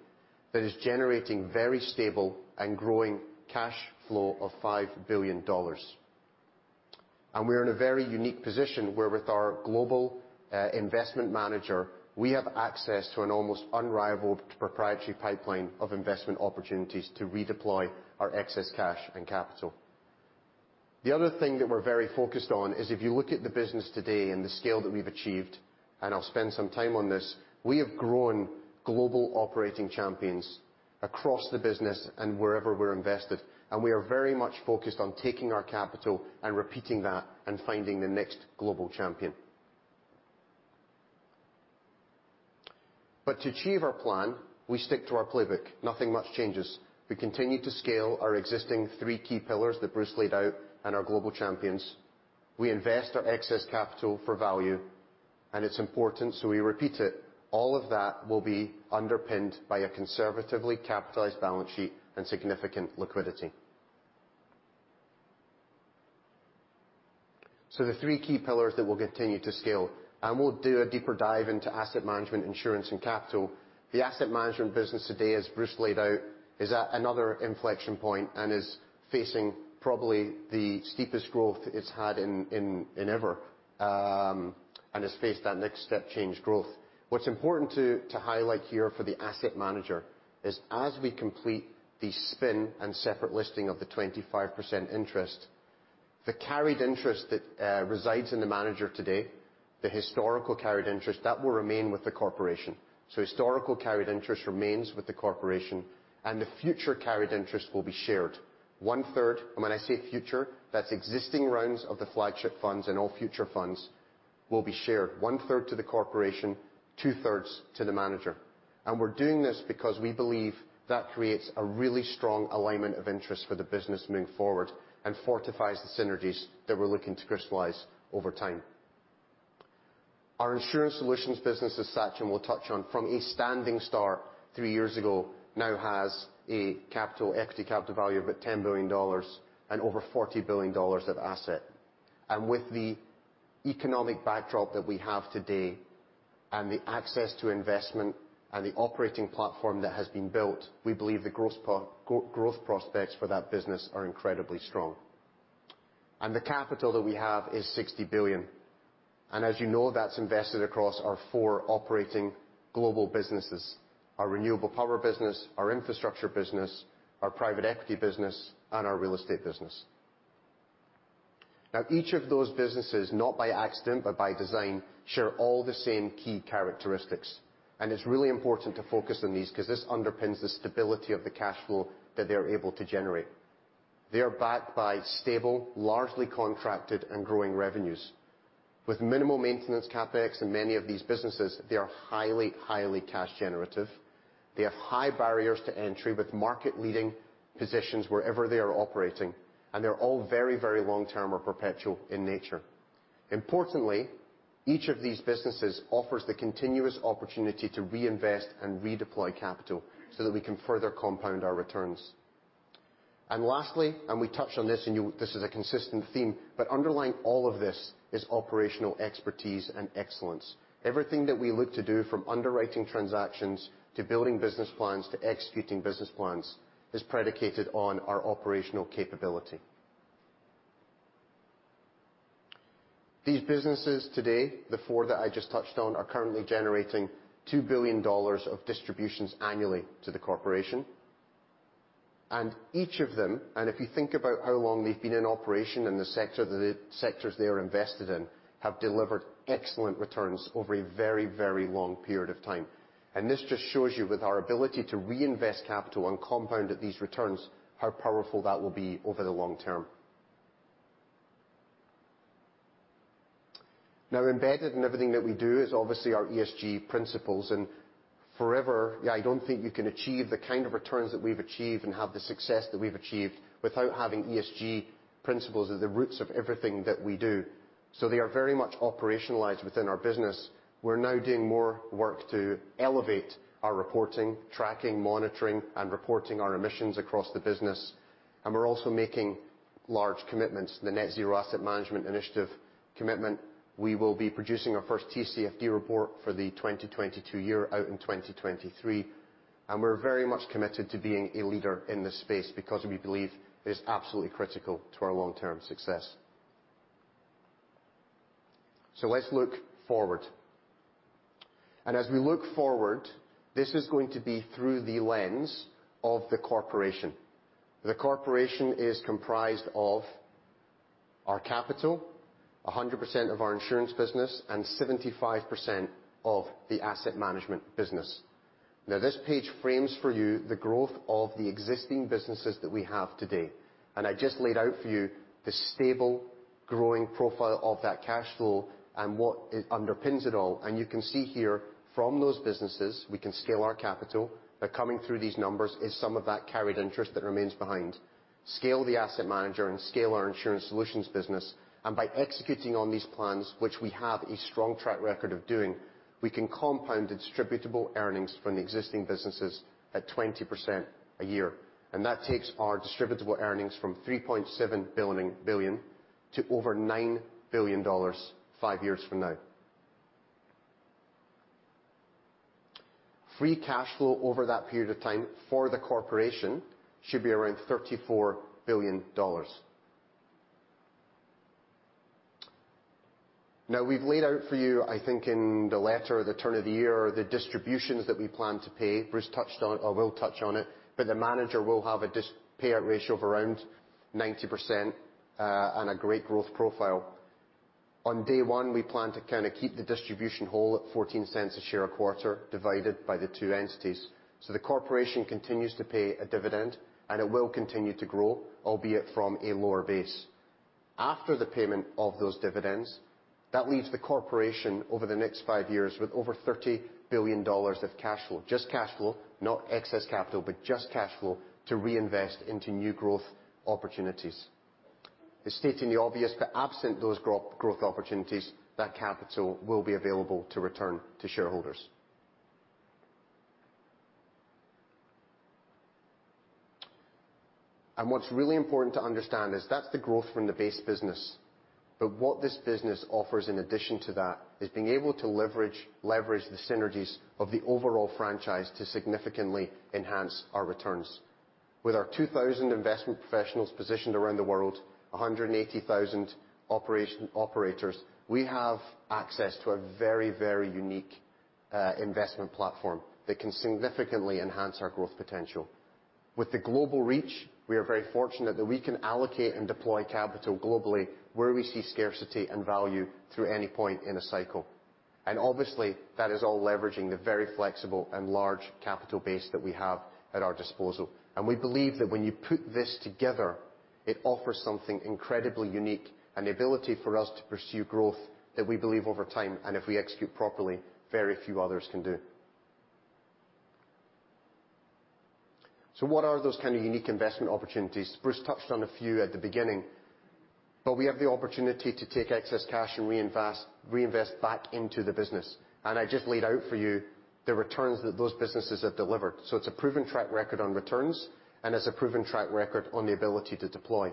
that is generating very stable and growing cash flow of $5 billion. We're in a very unique position where with our global investment manager, we have access to an almost unrivaled proprietary pipeline of investment opportunities to redeploy our excess cash and capital. The other thing that we're very focused on is if you look at the business today and the scale that we've achieved, and I'll spend some time on this, we have grown global operating champions across the business and wherever we're invested, and we are very much focused on taking our capital and repeating that and finding the next global champion. To achieve our plan, we stick to our playbook. Nothing much changes. We continue to scale our existing three key pillars that Bruce laid out and our global champions. We invest our excess capital for value, and it's important, so we repeat it. All of that will be underpinned by a conservatively capitalized balance sheet and significant liquidity. The three key pillars that we'll continue to scale, and we'll do a deeper dive into asset management, insurance, and capital. The asset management business today, as Bruce Flatt laid out, is at another inflection point and is facing probably the steepest growth it's had in ever, and has faced that next step change growth. What's important to highlight here for the asset manager is as we complete the spin and separate listing of the 25% interest, the carried interest that resides in the manager today, the historical carried interest, that will remain with the corporation. Historical carried interest remains with the corporation, and the future carried interest will be shared. One third. When I say future, that's existing rounds of the flagship funds and all future funds will be shared, one-third to the corporation, two-thirds to the manager. We're doing this because we believe that creates a really strong alignment of interest for the business moving forward and fortifies the synergies that we're looking to crystallize over time. Our Insurance Solutions business, as Sachin will touch on, from a standing start three years ago, now has a capital, equity capital value of about $10 billion and over $40 billion of assets. With the economic backdrop that we have today and the access to investment and the operating platform that has been built, we believe the growth prospects for that business are incredibly strong. The capital that we have is $60 billion. As you know, that's invested across our four operating global businesses, our Renewable Power business, our Infrastructure business, our Private Equity business, and our Real Estate business. Now, each of those businesses, not by accident, but by design, share all the same key characteristics. It's really important to focus on these because this underpins the stability of the cash flow that they're able to generate. They are backed by stable, largely contracted and growing revenues. With minimal maintenance CapEx in many of these businesses, they are highly cash generative. They have high barriers to entry with market-leading positions wherever they are operating, and they're all very long-term or perpetual in nature. Importantly, each of these businesses offers the continuous opportunity to reinvest and redeploy capital so that we can further compound our returns. Lastly, we touched on this. This is a consistent theme, but underlying all of this is operational expertise and excellence. Everything that we look to do, from underwriting transactions to building business plans to executing business plans, is predicated on our operational capability. These businesses today, the four that I just touched on, are currently generating $2 billion of distributions annually to the corporation. Each of them, and if you think about how long they've been in operation and the sector, the sectors they are invested in, have delivered excellent returns over a very, very long period of time. This just shows you with our ability to reinvest capital and compound at these returns, how powerful that will be over the long term. Now, embedded in everything that we do is obviously our ESG principles. Forever, yeah, I don't think you can achieve the kind of returns that we've achieved and have the success that we've achieved without having ESG principles at the roots of everything that we do. They are very much operationalized within our business. We're now doing more work to elevate our reporting, tracking, monitoring, and reporting our emissions across the business. We're also making large commitments. The Net Zero Asset Managers initiative commitment, we will be producing our first TCFD report for the 2022 year out in 2023. We're very much committed to being a leader in this space because we believe it is absolutely critical to our long-term success. Let's look forward. As we look forward, this is going to be through the lens of the corporation. The corporation is comprised of our capital, 100% of our insurance business, and 75% of the asset management business. Now this page frames for you the growth of the existing businesses that we have today. I just laid out for you the stable growing profile of that cash flow and what it underpins it all. You can see here from those businesses, we can scale our capital. Coming through these numbers is some of that carried interest that remains behind. Scale the asset manager and scale our insurance solutions business. By executing on these plans, which we have a strong track record of doing, we can compound distributable earnings from the existing businesses at 20% a year. That takes our distributable earnings from $3.7 billion to over $9 billion five years from now. Free cash flow over that period of time for the corporation should be around $34 billion. Now we've laid out for you, I think in the letter at the turn of the year, the distributions that we plan to pay. Bruce touched on it or will touch on it, but the manager will have a payout ratio of around 90%, and a great growth profile. On day one, we plan to kinda keep the distribution whole at $0.14 a share a quarter, divided by the two entities. The corporation continues to pay a dividend, and it will continue to grow, albeit from a lower base. After the payment of those dividends, that leaves the corporation over the next five years with over $30 billion of cash flow. Just cash flow, not excess capital, but just cash flow to reinvest into new growth opportunities. It's stating the obvious, but absent those growth opportunities, that capital will be available to return to shareholders. What's really important to understand is that's the growth from the base business. What this business offers in addition to that is being able to leverage the synergies of the overall franchise to significantly enhance our returns. With our 2,000 investment professionals positioned around the world, 180,000 operation operators, we have access to a very, very unique investment platform that can significantly enhance our growth potential. With the global reach, we are very fortunate that we can allocate and deploy capital globally where we see scarcity and value through any point in a cycle. Obviously, that is all leveraging the very flexible and large capital base that we have at our disposal. We believe that when you put this together, it offers something incredibly unique, an ability for us to pursue growth that we believe over time, and if we execute properly, very few others can do. What are those kind of unique investment opportunities? Bruce touched on a few at the beginning. We have the opportunity to take excess cash and reinvest back into the business. I just laid out for you the returns that those businesses have delivered. It's a proven track record on returns, and it's a proven track record on the ability to deploy.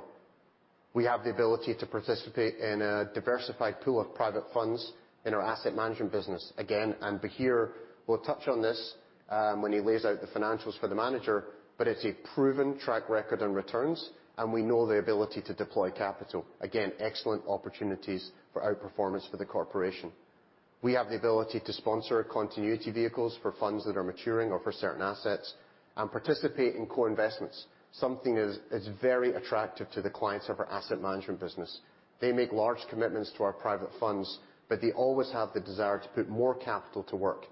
We have the ability to participate in a diversified pool of private funds in our asset management business. Again, Bahir will touch on this when he lays out the financials for the manager, but it's a proven track record on returns, and we know the ability to deploy capital. Again, excellent opportunities for outperformance for the corporation. We have the ability to sponsor continuity vehicles for funds that are maturing or for certain assets and participate in co-investments. Something is very attractive to the clients of our asset management business. They make large commitments to our private funds, but they always have the desire to put more capital to work.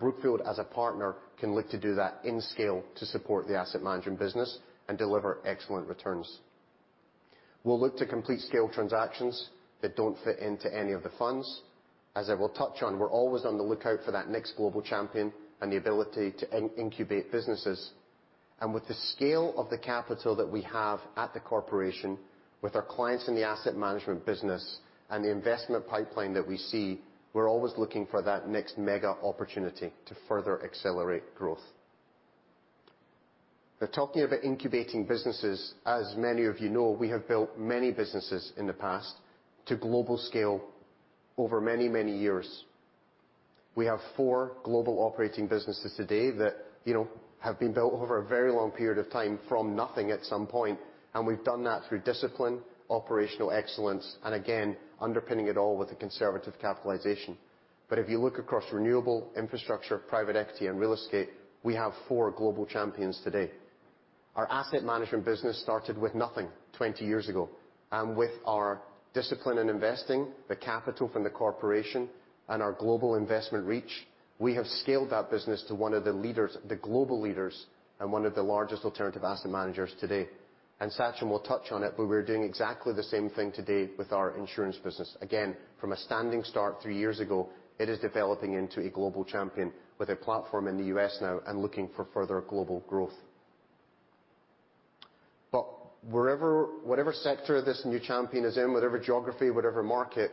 Brookfield, as a partner, can look to do that at scale to support the asset management business and deliver excellent returns. We'll look to complete scale transactions that don't fit into any of the funds. As I will touch on, we're always on the lookout for that next global champion and the ability to incubate businesses. With the scale of the capital that we have at the corporation, with our clients in the asset management business and the investment pipeline that we see, we're always looking for that next mega opportunity to further accelerate growth. Talking about incubating businesses, as many of you know, we have built many businesses in the past to global scale over many, many years. We have four global operating businesses today that, you know, have been built over a very long period of time from nothing at some point, and we've done that through discipline, operational excellence, and again, underpinning it all with the conservative capitalization. If you look across renewable infrastructure, private equity, and real estate, we have four global champions today. Our asset management business started with nothing 20 years ago. With our discipline in investing, the capital from the corporation, and our global investment reach, we have scaled that business to one of the leaders, the global leaders, and one of the largest alternative asset managers today. Sachin will touch on it, but we're doing exactly the same thing today with our insurance business. Again, from a standing start three years ago, it is developing into a global champion with a platform in the U.S. now and looking for further global growth. Wherever, whatever sector this new champion is in, whatever geography, whatever market,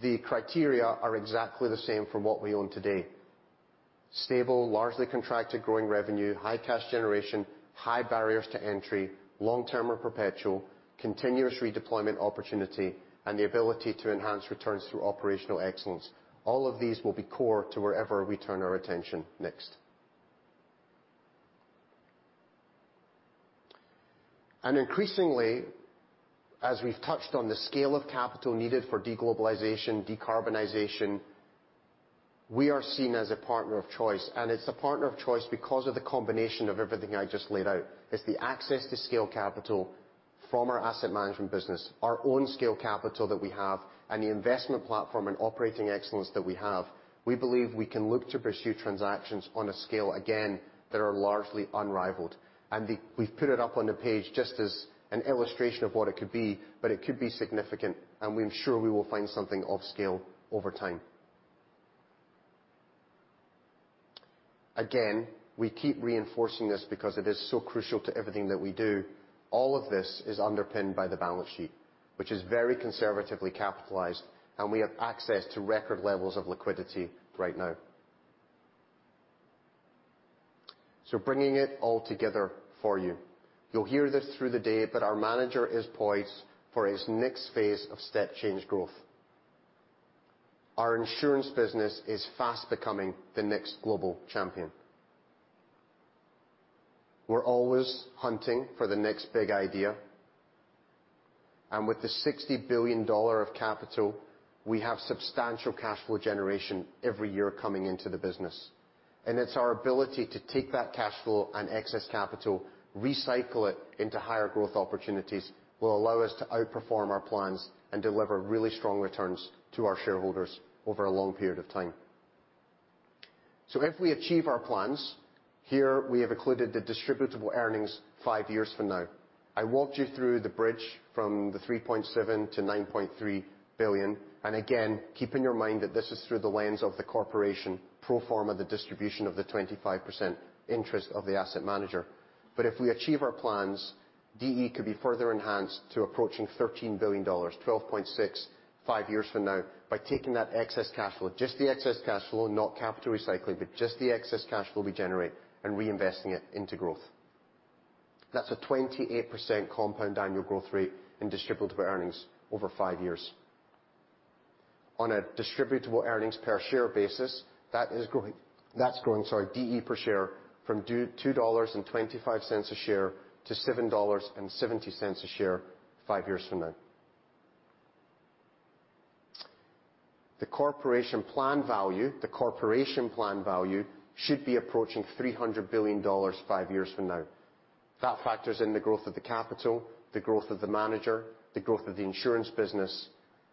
the criteria are exactly the same from what we own today. Stable, largely contracted growing revenue, high cash generation, high barriers to entry, long-term or perpetual, continuous redeployment opportunity, and the ability to enhance returns through operational excellence. All of these will be core to wherever we turn our attention next. Increasingly, as we've touched on the scale of capital needed for deglobalization, decarbonization, we are seen as a partner of choice. It's a partner of choice because of the combination of everything I just laid out. It's the access to scale capital from our asset management business, our own scale capital that we have, and the investment platform and operating excellence that we have. We believe we can look to pursue transactions on a scale, again, that are largely unrivaled. We've put it up on the page just as an illustration of what it could be, but it could be significant, and we're sure we will find something of scale over time. Again, we keep reinforcing this because it is so crucial to everything that we do. All of this is underpinned by the balance sheet, which is very conservatively capitalized, and we have access to record levels of liquidity right now. Bringing it all together for you. You'll hear this through the day, but our manager is poised for his next phase of step-change growth. Our insurance business is fast becoming the next global champion. We're always hunting for the next big idea. With the $60 billion of capital, we have substantial cash flow generation every year coming into the business. It's our ability to take that cash flow and excess capital, recycle it into higher growth opportunities will allow us to outperform our plans and deliver really strong returns to our shareholders over a long period of time. If we achieve our plans, here we have included the distributable earnings five years from now. I walked you through the bridge from $3.7 billion to $9.3 billion. Again, keep in your mind that this is through the lens of the corporation, pro forma the distribution of the 25% interest of the asset manager. If we achieve our plans, DE could be further enhanced to approaching $13 billion, $12.6 billion five years from now, by taking that excess cash flow, just the excess cash flow, not capital recycling, but just the excess cash flow we generate and reinvesting it into growth. That's a 28% compound annual growth rate in distributable earnings over five years. On a distributable earnings per share basis, that's growing, sorry, DE per share from $2.25 a share to $7.70 a share five years from now. The Corporation plan value, the Corporation plan value should be approaching $300 billion five years from now. That factors in the growth of the capital, the growth of the manager, the growth of the insurance business,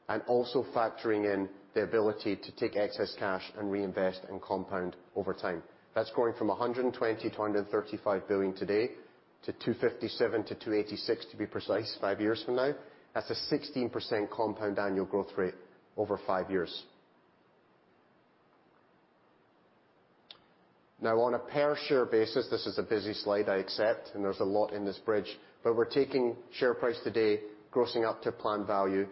and also factoring in the ability to take excess cash and reinvest and compound over time. That's growing from $120-$135 billion today to $257-$286 billion, to be precise, five years from now. That's a 16% compound annual growth rate over five years. Now, on a per share basis, this is a busy slide, I accept, and there's a lot in this bridge, but we're taking share price today, grossing up to plan value,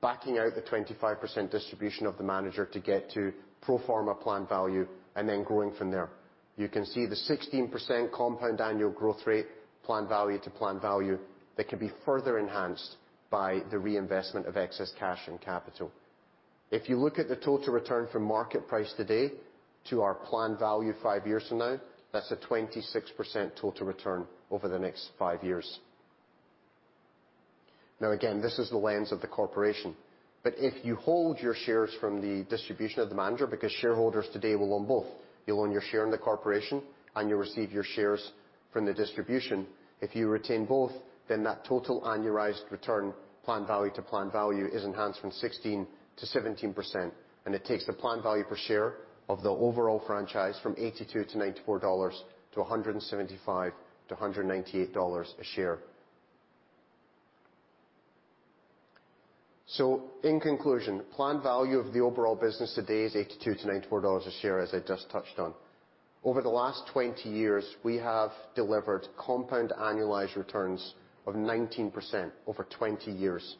backing out the 25% distribution of the manager to get to pro forma plan value, and then growing from there. You can see the 16% compound annual growth rate, plan value to plan value that can be further enhanced by the reinvestment of excess cash and capital. If you look at the total return from market price today to our plan value five years from now, that's a 26% total return over the next five years. Now, again, this is the lens of the corporation. If you hold your shares from the distribution of the manager, because shareholders today will own both, you'll own your share in the corporation and you'll receive your shares from the distribution. If you retain both, then that total annualized return, plan value to plan value, is enhanced from 16%-17%, and it takes the plan value per share of the overall franchise from $82-$94 to $175-$198 a share. In conclusion, plan value of the overall business today is $82-$94 a share, as I just touched on. Over the last 20 years, we have delivered compound annualized returns of 19% over 20 years.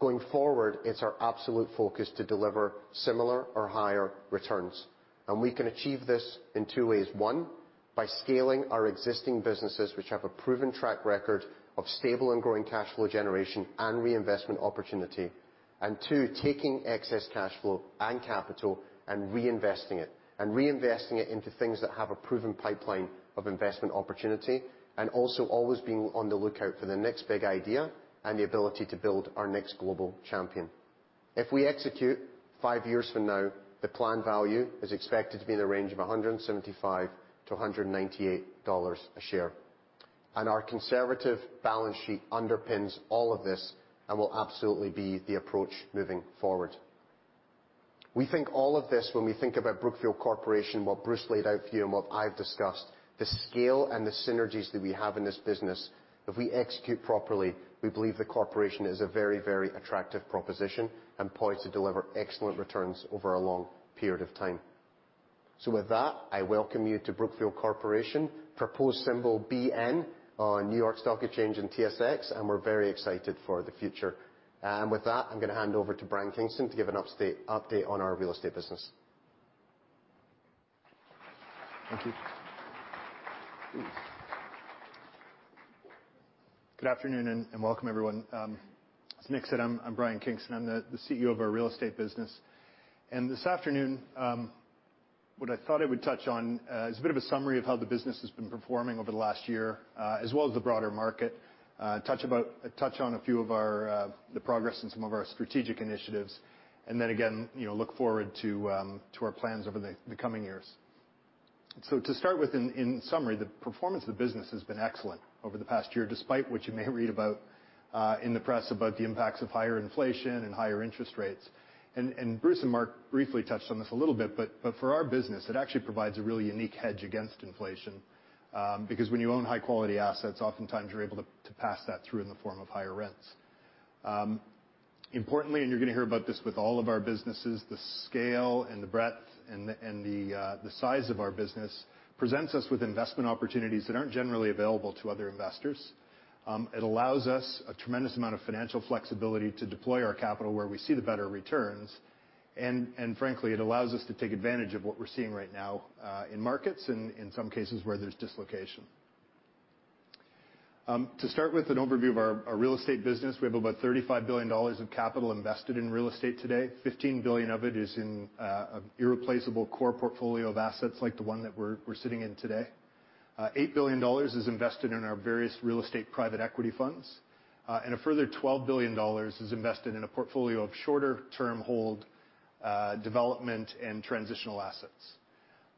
Going forward, it's our absolute focus to deliver similar or higher returns. We can achieve this in 2 ways. 1, by scaling our existing businesses, which have a proven track record of stable and growing cash flow generation and reinvestment opportunity. Two, taking excess cash flow and capital and reinvesting it, and reinvesting it into things that have a proven pipeline of investment opportunity, and also always being on the lookout for the next big idea and the ability to build our next global champion. If we execute five years from now, the plan value is expected to be in the range of $175-$198 a share. Our conservative balance sheet underpins all of this and will absolutely be the approach moving forward. We think all of this, when we think about Brookfield Corporation, what Bruce laid out for you and what I've discussed, the scale and the synergies that we have in this business, if we execute properly, we believe the corporation is a very, very attractive proposition and poised to deliver excellent returns over a long period of time. With that, I welcome you to Brookfield Corporation, proposed symbol BN on New York Stock Exchange and TSX, and we're very excited for the future. With that, I'm gonna hand over to Brian Kingston to give an update on our real estate business. Thank you. Good afternoon and welcome everyone. As Nick said, I'm Brian Kingston. I'm the CEO of our real estate business. This afternoon, what I thought I would touch on is a bit of a summary of how the business has been performing over the last year, as well as the broader market. Touch on a few of our the progress in some of our strategic initiatives, and then again, you know, look forward to our plans over the coming years. To start with, in summary, the performance of the business has been excellent over the past year, despite what you may read about in the press about the impacts of higher inflation and higher interest rates. Bruce and Mark briefly touched on this a little bit, but for our business, it actually provides a really unique hedge against inflation, because when you own high quality assets, oftentimes you're able to pass that through in the form of higher rents. Importantly, you're gonna hear about this with all of our businesses, the scale and the breadth and the size of our business presents us with investment opportunities that aren't generally available to other investors. It allows us a tremendous amount of financial flexibility to deploy our capital where we see the better returns. Frankly, it allows us to take advantage of what we're seeing right now, in markets and in some cases where there's dislocation. To start with an overview of our real estate business, we have about $35 billion of capital invested in real estate today. $15 billion of it is in an irreplaceable core portfolio of assets like the one that we're sitting in today. $8 billion is invested in our various real estate private equity funds, and a further $12 billion is invested in a portfolio of shorter term hold, development and transitional assets.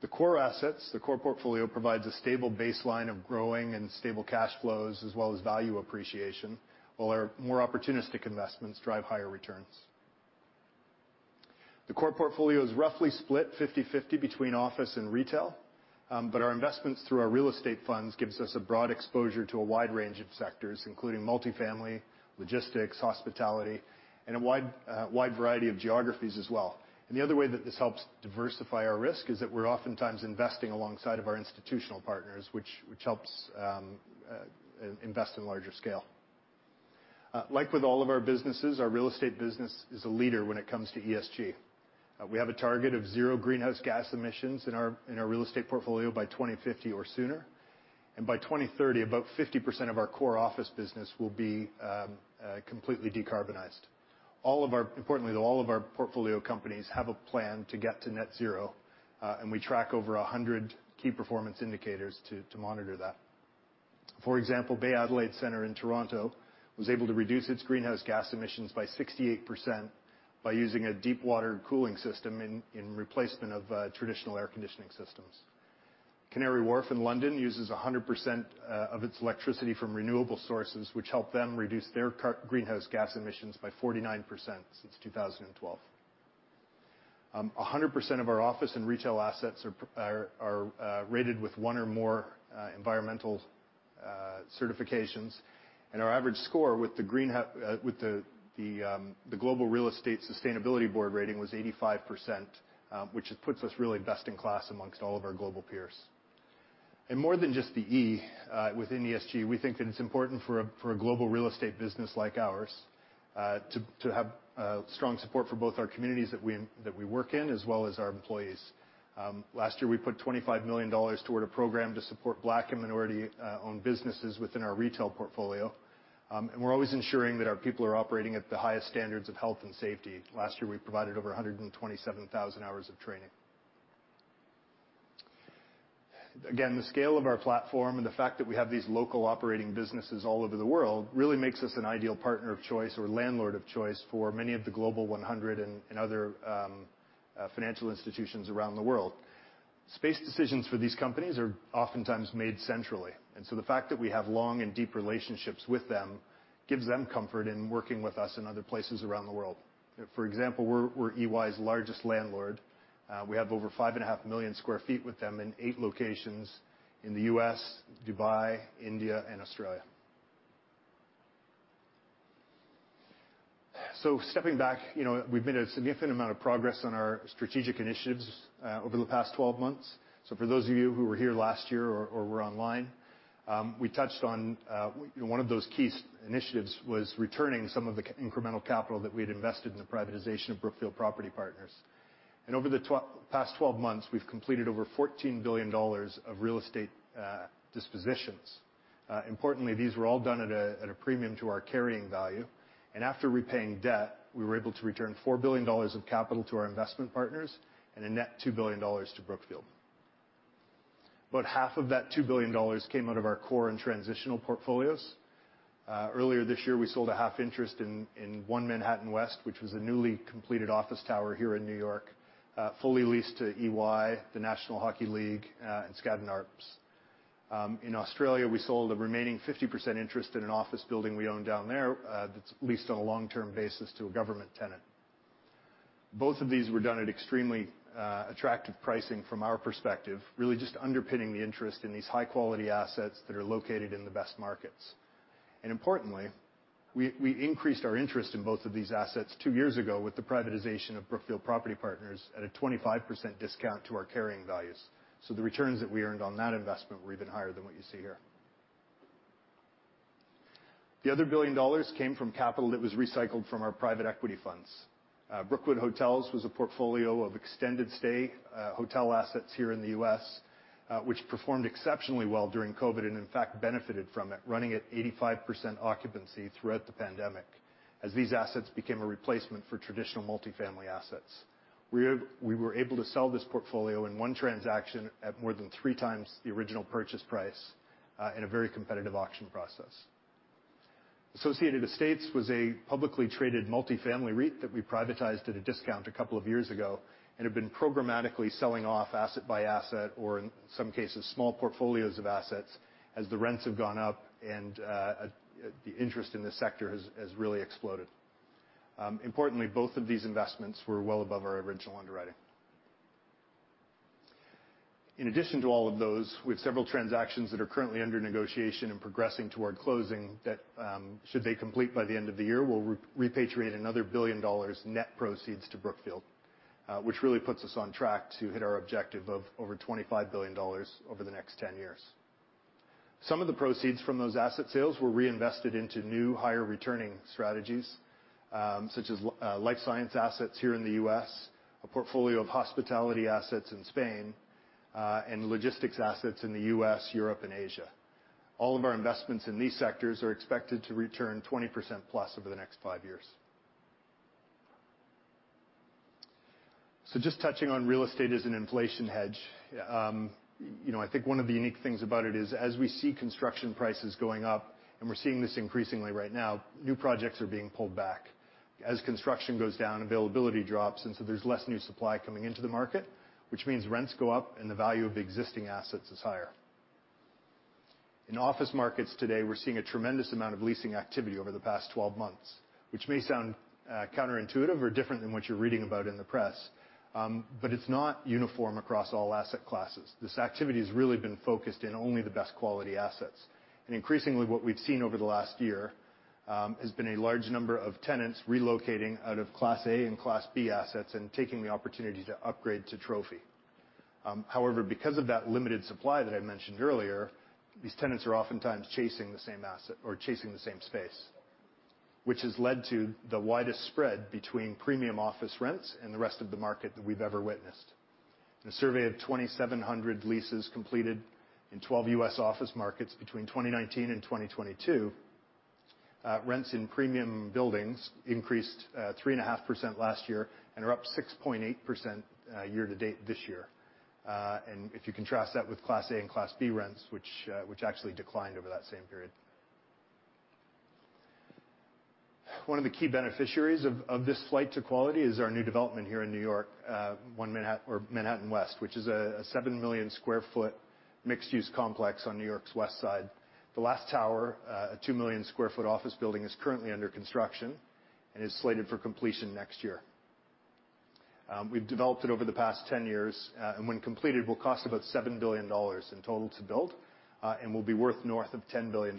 The core assets, the core portfolio provides a stable baseline of growing and stable cash flows as well as value appreciation, while our more opportunistic investments drive higher returns. The core portfolio is roughly split 50/50 between office and retail. Our investments through our real estate funds gives us a broad exposure to a wide range of sectors, including multifamily, logistics, hospitality, and a wide variety of geographies as well. The other way that this helps diversify our risk is that we're oftentimes investing alongside of our institutional partners, which helps invest in larger scale. Like with all of our businesses, our real estate business is a leader when it comes to ESG. We have a target of zero greenhouse gas emissions in our real estate portfolio by 2050 or sooner. By 2030, about 50% of our core office business will be completely decarbonized. Importantly, though, all of our portfolio companies have a plan to get to net zero, and we track over 100 key performance indicators to monitor that. For example, Bay Adelaide Centre in Toronto was able to reduce its greenhouse gas emissions by 68% by using a deep water cooling system in replacement of traditional air conditioning systems. Canary Wharf in London uses 100% of its electricity from renewable sources, which help them reduce their greenhouse gas emissions by 49% since 2012. 100% of our office and retail assets are rated with one or more environmental certifications. Our average score with the Global Real Estate Sustainability Benchmark rating was 85%, which puts us really best in class among all of our global peers. More than just the E within ESG, we think that it's important for a global real estate business like ours to have strong support for both our communities that we work in, as well as our employees. Last year, we put $25 million toward a program to support Black and minority owned businesses within our retail portfolio. We're always ensuring that our people are operating at the highest standards of health and safety. Last year, we provided over 127,000 hours of training. Again, the scale of our platform and the fact that we have these local operating businesses all over the world really makes us an ideal partner of choice or landlord of choice for many of the Global 100 and other financial institutions around the world. Space decisions for these companies are oftentimes made centrally, and so the fact that we have long and deep relationships with them gives them comfort in working with us in other places around the world. For example, we're EY's largest landlord. We have over 5.5 million sq ft with them in 8 locations in the U.S., Dubai, India, and Australia. Stepping back, you know, we've made a significant amount of progress on our strategic initiatives over the past 12 months. For those of you who were here last year or were online, we touched on one of those key initiatives was returning some of the incremental capital that we had invested in the privatization of Brookfield Property Partners. Over the past 12 months, we've completed over $14 billion of real estate dispositions. Importantly, these were all done at a premium to our carrying value. After repaying debt, we were able to return $4 billion of capital to our investment partners and a net $2 billion to Brookfield. About half of that $2 billion came out of our core and transitional portfolios. Earlier this year, we sold a half interest in One Manhattan West, which was a newly completed office tower here in New York, fully leased to EY, the National Hockey League, and Skadden Arps. In Australia, we sold a remaining 50% interest in an office building we own down there, that's leased on a long-term basis to a government tenant. Both of these were done at extremely attractive pricing from our perspective, really just underpinning the interest in these high-quality assets that are located in the best markets. Importantly, we increased our interest in both of these assets two years ago with the privatization of Brookfield Property Partners at a 25% discount to our carrying values. The returns that we earned on that investment were even higher than what you see here. The other $1 billion came from capital that was recycled from our private equity funds. Brookwood Hotels was a portfolio of extended-stay hotel assets here in the U.S., which performed exceptionally well during COVID, and in fact, benefited from it, running at 85% occupancy throughout the pandemic as these assets became a replacement for traditional multifamily assets. We were able to sell this portfolio in one transaction at more than three times the original purchase price, in a very competitive auction process. Associated Estates was a publicly traded multifamily REIT that we privatized at a discount a couple of years ago and have been programmatically selling off asset by asset, or in some cases, small portfolios of assets as the rents have gone up and the interest in this sector has really exploded. Importantly, both of these investments were well above our original underwriting. In addition to all of those, with several transactions that are currently under negotiation and progressing toward closing that, should they complete by the end of the year, we'll repatriate another $1 billion net proceeds to Brookfield, which really puts us on track to hit our objective of over $25 billion over the next ten years. Some of the proceeds from those asset sales were reinvested into new, higher returning strategies, such as, life science assets here in the U.S., a portfolio of hospitality assets in Spain, and logistics assets in the U.S., Europe and Asia. All of our investments in these sectors are expected to return 20%+ over the next five years. Just touching on real estate as an inflation hedge. You know, I think one of the unique things about it is, as we see construction prices going up, and we're seeing this increasingly right now, new projects are being pulled back. As construction goes down, availability drops, and so there's less new supply coming into the market, which means rents go up and the value of the existing assets is higher. In office markets today, we're seeing a tremendous amount of leasing activity over the past 12 months, which may sound counterintuitive or different than what you're reading about in the press. But it's not uniform across all asset classes. This activity has really been focused in only the best quality assets. Increasingly, what we've seen over the last year has been a large number of tenants relocating out of Class A and Class B assets and taking the opportunity to upgrade to trophy. However, because of that limited supply that I mentioned earlier, these tenants are oftentimes chasing the same asset or chasing the same space, which has led to the widest spread between premium office rents and the rest of the market that we've ever witnessed. In a survey of 2,700 leases completed in 12 U.S. office markets between 2019 and 2022, rents in premium buildings increased 3.5% last year and are up 6.8% year to date this year. If you contrast that with Class A and Class B rents, which actually declined over that same period. One of the key beneficiaries of this flight to quality is our new development here in New York, One Manhattan or Manhattan West, which is a 7 million sq ft mixed-use complex on New York's West Side. The last tower, a 2 million sq ft office building is currently under construction and is slated for completion next year. We've developed it over the past 10 years, and when completed, will cost about $7 billion in total to build, and will be worth north of $10 billion,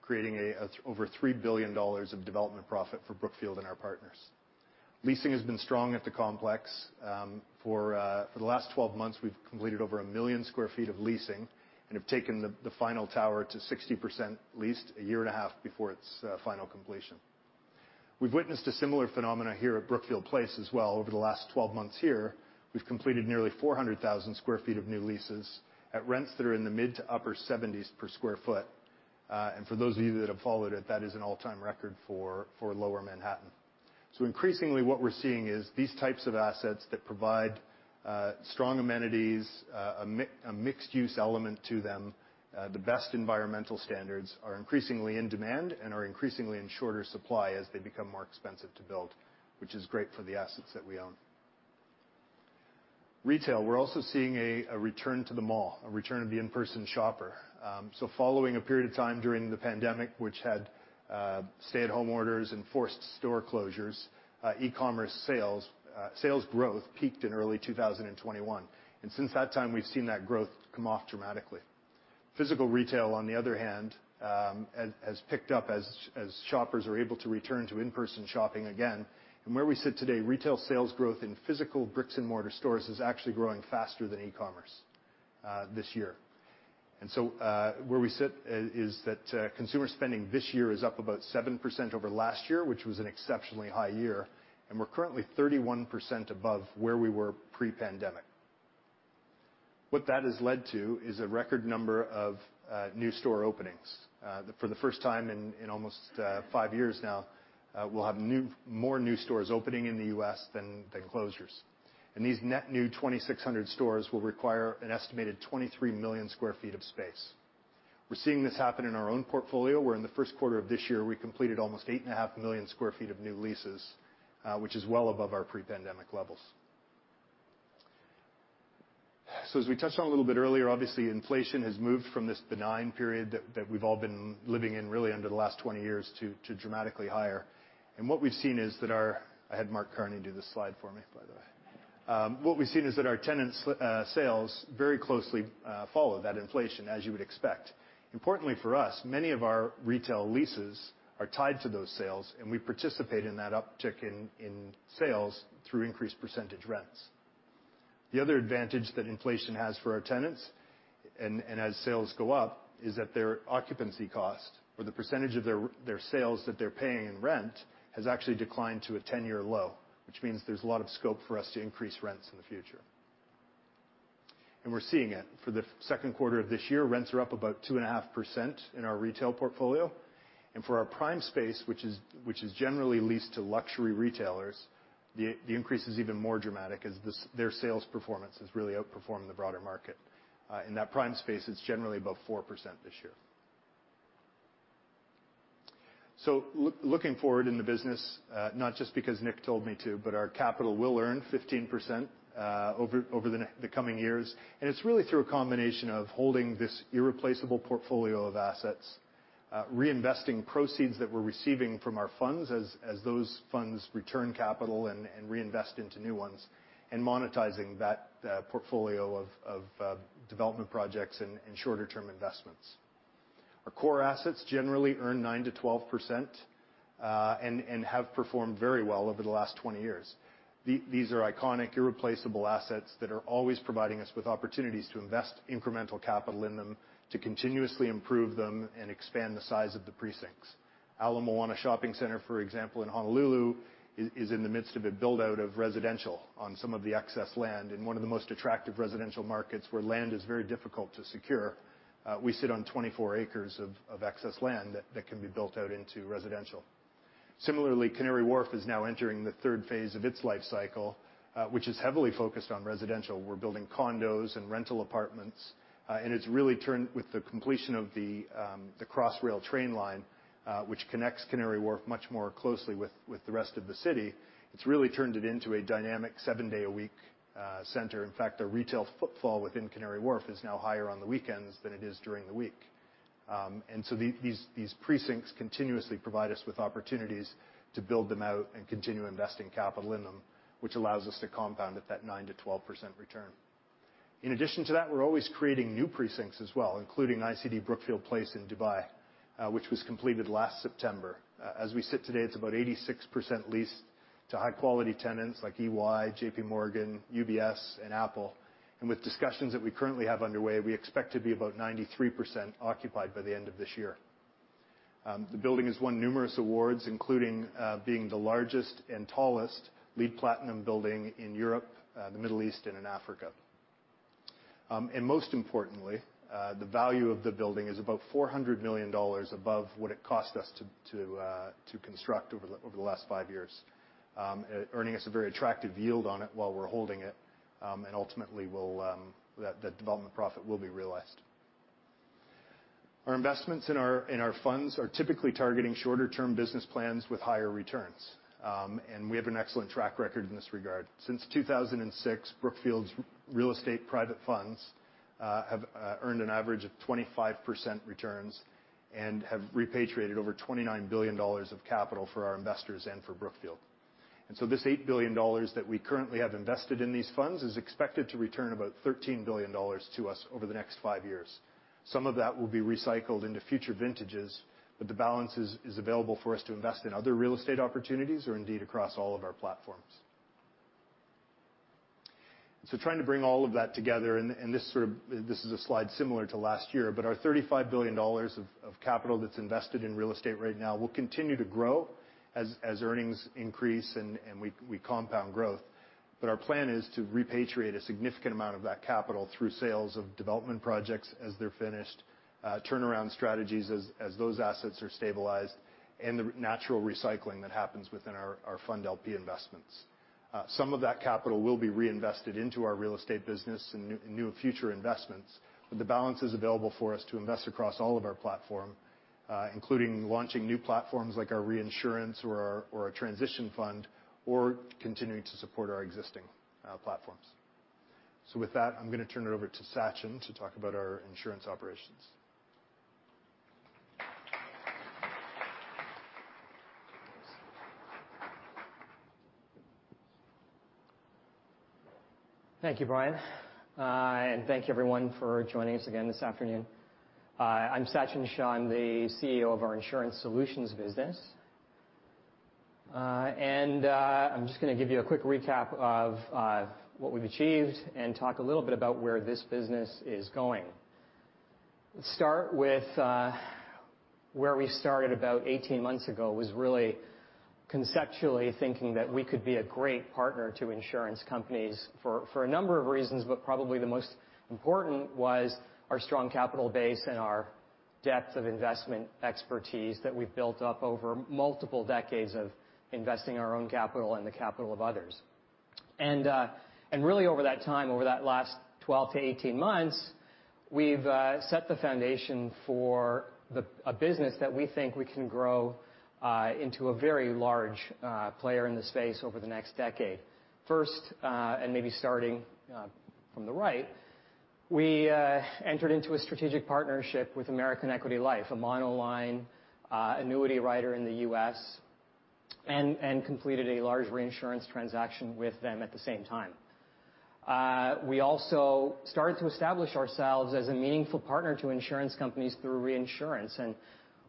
creating over $3 billion of development profit for Brookfield and our partners. Leasing has been strong at the complex. For the last 12 months, we've completed over 1 million sq ft of leasing and have taken the final tower to 60% leased a year and a half before its final completion. We've witnessed a similar phenomenon here at Brookfield Place as well. Over the last 12 months here, we've completed nearly 400,000 sq ft of new leases at rents that are in the mid- to upper-70s per sq ft. For those of you that have followed it, that is an all-time record for Lower Manhattan. Increasingly, what we're seeing is these types of assets that provide strong amenities, a mixed use element to them, the best environmental standards are increasingly in demand and are increasingly in shorter supply as they become more expensive to build, which is great for the assets that we own. Retail. We're also seeing a return to the mall, a return of the in-person shopper. Following a period of time during the pandemic, which had stay-at-home orders and forced store closures, e-commerce sales growth peaked in early 2021. Since that time, we've seen that growth come off dramatically. Physical retail, on the other hand, has picked up as shoppers are able to return to in-person shopping again. Where we sit today, retail sales growth in physical bricks and mortar stores is actually growing faster than e-commerce this year. Where we sit is that consumer spending this year is up about 7% over last year, which was an exceptionally high year. We're currently 31% above where we were pre-pandemic. What that has led to is a record number of new store openings. For the first time in almost five years now, we'll have more new stores opening in the US than closures. These net new 2,600 stores will require an estimated 23 million sq ft of space. We're seeing this happen in our own portfolio, where in the first quarter of this year, we completed almost 8.5 million sq ft of new leases, which is well above our pre-pandemic levels. As we touched on a little bit earlier, obviously inflation has moved from this benign period that we've all been living in really under the last 20 years to dramatically higher. I had Mark Carney do this slide for me, by the way. What we've seen is that our tenants' sales very closely follow that inflation, as you would expect. Importantly for us, many of our retail leases are tied to those sales, and we participate in that uptick in sales through increased percentage rents. The other advantage that inflation has for our tenants and as sales go up, is that their occupancy cost or the percentage of their sales that they're paying in rent, has actually declined to a ten-year low, which means there's a lot of scope for us to increase rents in the future. We're seeing it. For the second quarter of this year, rents are up about 2.5% in our retail portfolio. For our prime space, which is generally leased to luxury retailers, the increase is even more dramatic as their sales performance has really outperformed the broader market. In that prime space, it's generally above 4% this year. Looking forward in the business, not just because Nick told me to, but our capital will earn 15% over the coming years. It's really through a combination of holding this irreplaceable portfolio of assets, reinvesting proceeds that we're receiving from our funds as those funds return capital and reinvest into new ones, and monetizing that portfolio of development projects and shorter-term investments. Our core assets generally earn 9%-12%, and have performed very well over the last 20 years. These are iconic, irreplaceable assets that are always providing us with opportunities to invest incremental capital in them, to continuously improve them and expand the size of the precincts. Ala Moana Shopping Center, for example, in Honolulu, is in the midst of a build-out of residential on some of the excess land. In one of the most attractive residential markets where land is very difficult to secure, we sit on 24 acres of excess land that can be built out into residential. Similarly, Canary Wharf is now entering the third phase of its life cycle, which is heavily focused on residential. We're building condos and rental apartments, and it's really turned with the completion of the Crossrail train line, which connects Canary Wharf much more closely with the rest of the city. It's really turned it into a dynamic seven-day-a-week center. In fact, the retail footfall within Canary Wharf is now higher on the weekends than it is during the week. These precincts continuously provide us with opportunities to build them out and continue investing capital in them, which allows us to compound at that 9%-12% return. In addition to that, we're always creating new precincts as well, including ICD Brookfield Place in Dubai, which was completed last September. As we sit today, it's about 86% leased to high-quality tenants like EY, J.P. Morgan, UBS, and Apple. With discussions that we currently have underway, we expect to be about 93% occupied by the end of this year. The building has won numerous awards, including being the largest and tallest LEED Platinum building in Europe, the Middle East, and Africa. Most importantly, the value of the building is about $400 million above what it cost us to construct over the last five years. Earning us a very attractive yield on it while we're holding it, and ultimately that development profit will be realized. Our investments in our funds are typically targeting shorter-term business plans with higher returns. We have an excellent track record in this regard. Since 2006, Brookfield's real estate private funds have earned an average of 25% returns and have repatriated over $29 billion of capital for our investors and for Brookfield. This eight billion dollars that we currently have invested in these funds is expected to return about $13 billion to us over the next five years. Some of that will be recycled into future vintages, but the balance is available for us to invest in other real estate opportunities or indeed across all of our platforms. Trying to bring all of that together, this is a slide similar to last year, but our $35 billion of capital that's invested in real estate right now will continue to grow as earnings increase and we compound growth. Our plan is to repatriate a significant amount of that capital through sales of development projects as they're finished, turnaround strategies as those assets are stabilized, and the natural recycling that happens within our fund LP investments. Some of that capital will be reinvested into our real estate business and new future investments, but the balance is available for us to invest across all of our platform, including launching new platforms like our reinsurance or our transition fund, or continuing to support our existing platforms. With that, I'm gonna turn it over to Sachin to talk about our insurance operations. Thank you, Brian. And thank you everyone for joining us again this afternoon. I'm Sachin Shah, I'm the CEO of our Insurance Solutions business. I'm just gonna give you a quick recap of what we've achieved and talk a little bit about where this business is going. Let's start with where we started about 18 months ago, was really conceptually thinking that we could be a great partner to insurance companies for a number of reasons, but probably the most important was our strong capital base and our depth of investment expertise that we've built up over multiple decades of investing our own capital and the capital of others. Really over that time, over that last 12-18 months, we've set the foundation for a business that we think we can grow into a very large player in the space over the next decade. We entered into a strategic partnership with American Equity Life, a monoline annuity writer in the U.S., and completed a large reinsurance transaction with them at the same time. We also started to establish ourselves as a meaningful partner to insurance companies through reinsurance.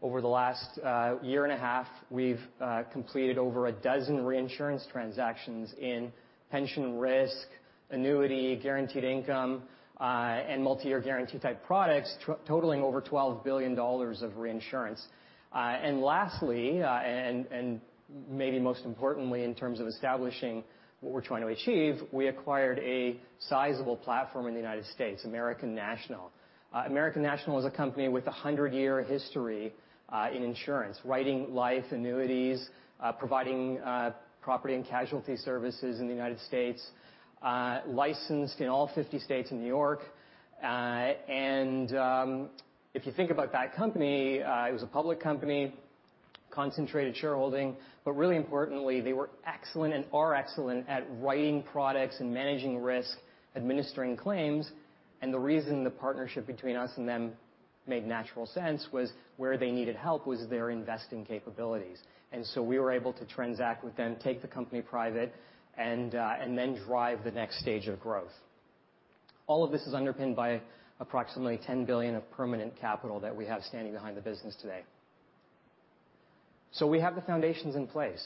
Over the last year and a half, we've completed over 12 reinsurance transactions in pension risk, annuity, guaranteed income, and multi-year guarantee-type products, totaling over $12 billion of reinsurance. Lastly, maybe most importantly, in terms of establishing what we're trying to achieve, we acquired a sizable platform in the United States, American National. American National is a company with a 100-year history in insurance, writing life annuities, providing property and casualty services in the United States, licensed in all 50 states and New York. If you think about that company, it was a public company, concentrated shareholding. Really importantly, they were excellent and are excellent at writing products and managing risk, administering claims. The reason the partnership between us and them made natural sense was where they needed help was their investing capabilities. We were able to transact with them, take the company private, and then drive the next stage of growth. All of this is underpinned by approximately $10 billion of permanent capital that we have standing behind the business today. We have the foundations in place.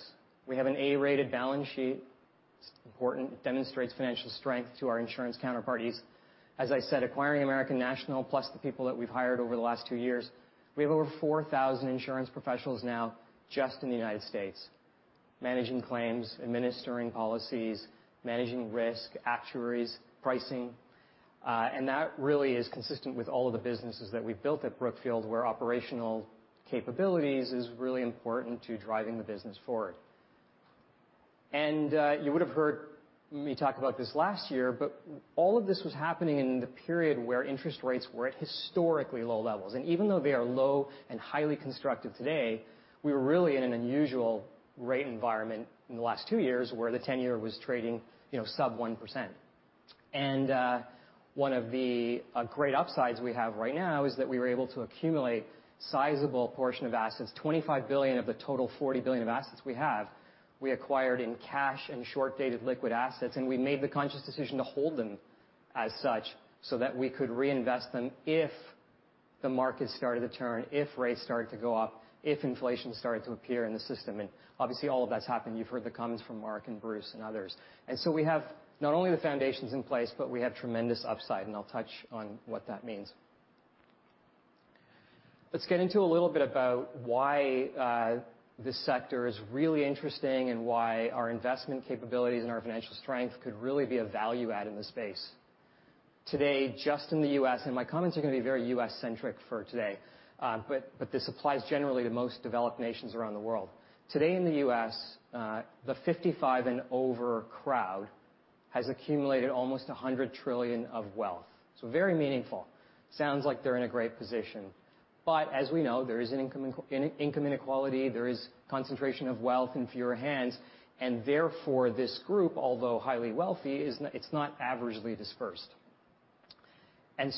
We have an A-rated balance sheet. It's important. It demonstrates financial strength to our insurance counterparties. As I said, acquiring American National plus the people that we've hired over the last two years, we have over 4,000 insurance professionals now just in the United States, managing claims, administering policies, managing risk, actuaries, pricing. And that really is consistent with all of the businesses that we've built at Brookfield, where operational capabilities is really important to driving the business forward. You would have heard me talk about this last year, but all of this was happening in the period where interest rates were at historically low levels. Even though they are low and highly constructive today, we were really in an unusual rate environment in the last two years where the ten-year was trading, you know, sub 1%. One of the great upsides we have right now is that we were able to accumulate sizable portion of assets. $25 billion of the total $40 billion of assets we have, we acquired in cash and short-dated liquid assets, and we made the conscious decision to hold them as such so that we could reinvest them if the market started to turn, if rates started to go up, if inflation started to appear in the system. Obviously, all of that's happened. You've heard the comments from Mark and Bruce and others. We have not only the foundations in place, but we have tremendous upside, and I'll touch on what that means. Let's get into a little bit about why this sector is really interesting and why our investment capabilities and our financial strength could really be a value add in the space. Today, just in the US, and my comments are going to be very US-centric for today, but this applies generally to most developed nations around the world. Today in the US, the 55 and over crowd has accumulated almost $100 trillion of wealth. Very meaningful. Sounds like they're in a great position. As we know, there is an income inequality, there is concentration of wealth in fewer hands, and therefore this group, although highly wealthy, is not, it's not averagely dispersed.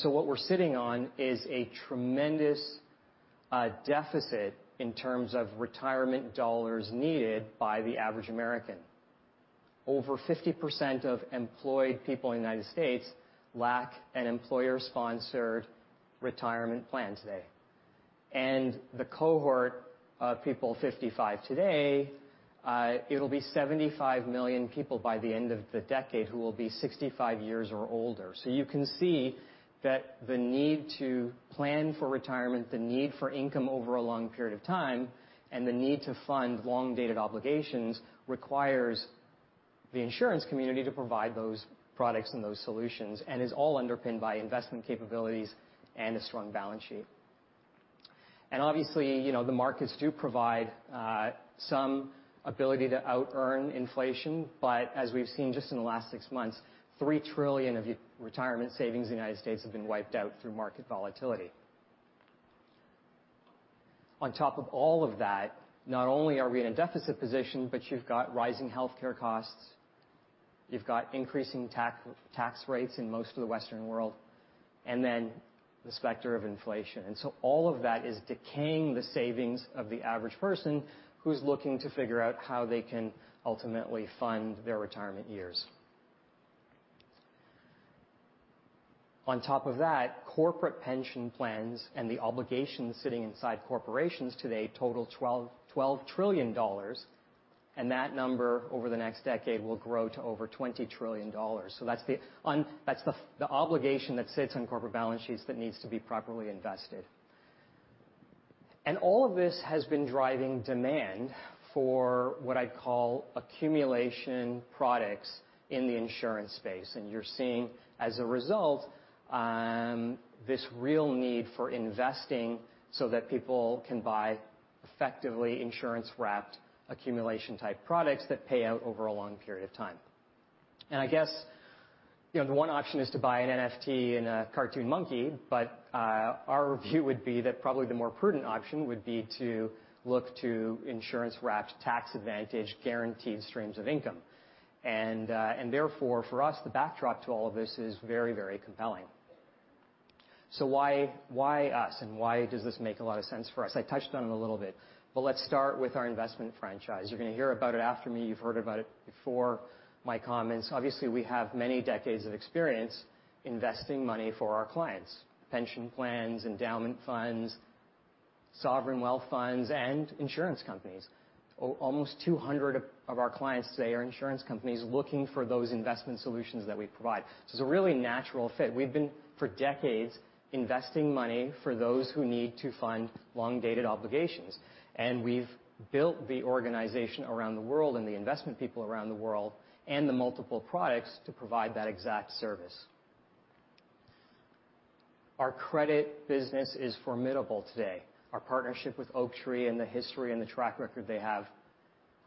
What we're sitting on is a tremendous deficit in terms of retirement dollars needed by the average American. Over 50% of employed people in the United States lack an employer-sponsored retirement plan today. The cohort of people 55 today, it'll be 75 million people by the end of the decade who will be 65 years or older. You can see that the need to plan for retirement, the need for income over a long period of time, and the need to fund long-dated obligations requires the insurance community to provide those products and those solutions, and is all underpinned by investment capabilities and a strong balance sheet. Obviously, you know, the markets do provide some ability to outearn inflation, but as we've seen just in the last six months, $3 trillion of retirement savings in the United States have been wiped out through market volatility. On top of all of that, not only are we in a deficit position, but you've got rising healthcare costs, you've got increasing tax rates in most of the Western world, and then the specter of inflation. All of that is decaying the savings of the average person who's looking to figure out how they can ultimately fund their retirement years. On top of that, corporate pension plans and the obligations sitting inside corporations today total $12 trillion, and that number over the next decade will grow to over $20 trillion. That's the obligation that sits on corporate balance sheets that needs to be properly invested. All of this has been driving demand for what I'd call accumulation products in the insurance space. You're seeing as a result, this real need for investing so that people can buy effectively insurance-wrapped accumulation-type products that pay out over a long period of time. I guess, you know, the one option is to buy an NFT and a cartoon monkey, but our view would be that probably the more prudent option would be to look to insurance-wrapped tax advantage guaranteed streams of income. Therefore, for us, the backdrop to all of this is very, very compelling. Why, why us and why does this make a lot of sense for us? I touched on it a little bit, but let's start with our investment franchise. You're gonna hear about it after me. You've heard about it before my comments. Obviously, we have many decades of experience investing money for our clients, pension plans, endowment funds, sovereign wealth funds, and insurance companies. Almost 200 of our clients today are insurance companies looking for those investment solutions that we provide. It's a really natural fit. We've been, for decades, investing money for those who need to fund long-dated obligations. We've built the organization around the world and the investment people around the world and the multiple products to provide that exact service. Our credit business is formidable today. Our partnership with Oaktree and the history and the track record they have,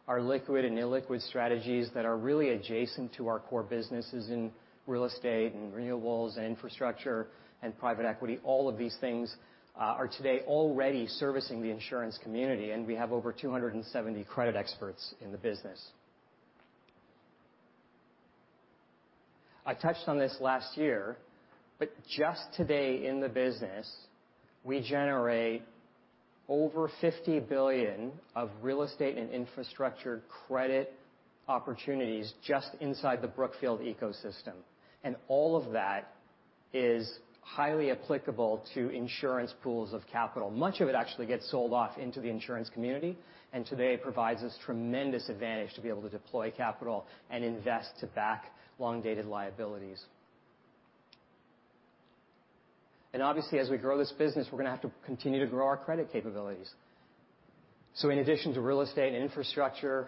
our liquid and illiquid strategies that are really adjacent to our core businesses in real estate and renewables and infrastructure and private equity, all of these things are today already servicing the insurance community, and we have over 270 credit experts in the business. I touched on this last year, but just today in the business, we generate over $50 billion of real estate and infrastructure credit opportunities just inside the Brookfield ecosystem. All of that is highly applicable to insurance pools of capital. Much of it actually gets sold off into the insurance community, and today it provides us tremendous advantage to be able to deploy capital and invest to back long-dated liabilities. Obviously, as we grow this business, we're gonna have to continue to grow our credit capabilities. In addition to real estate and infrastructure,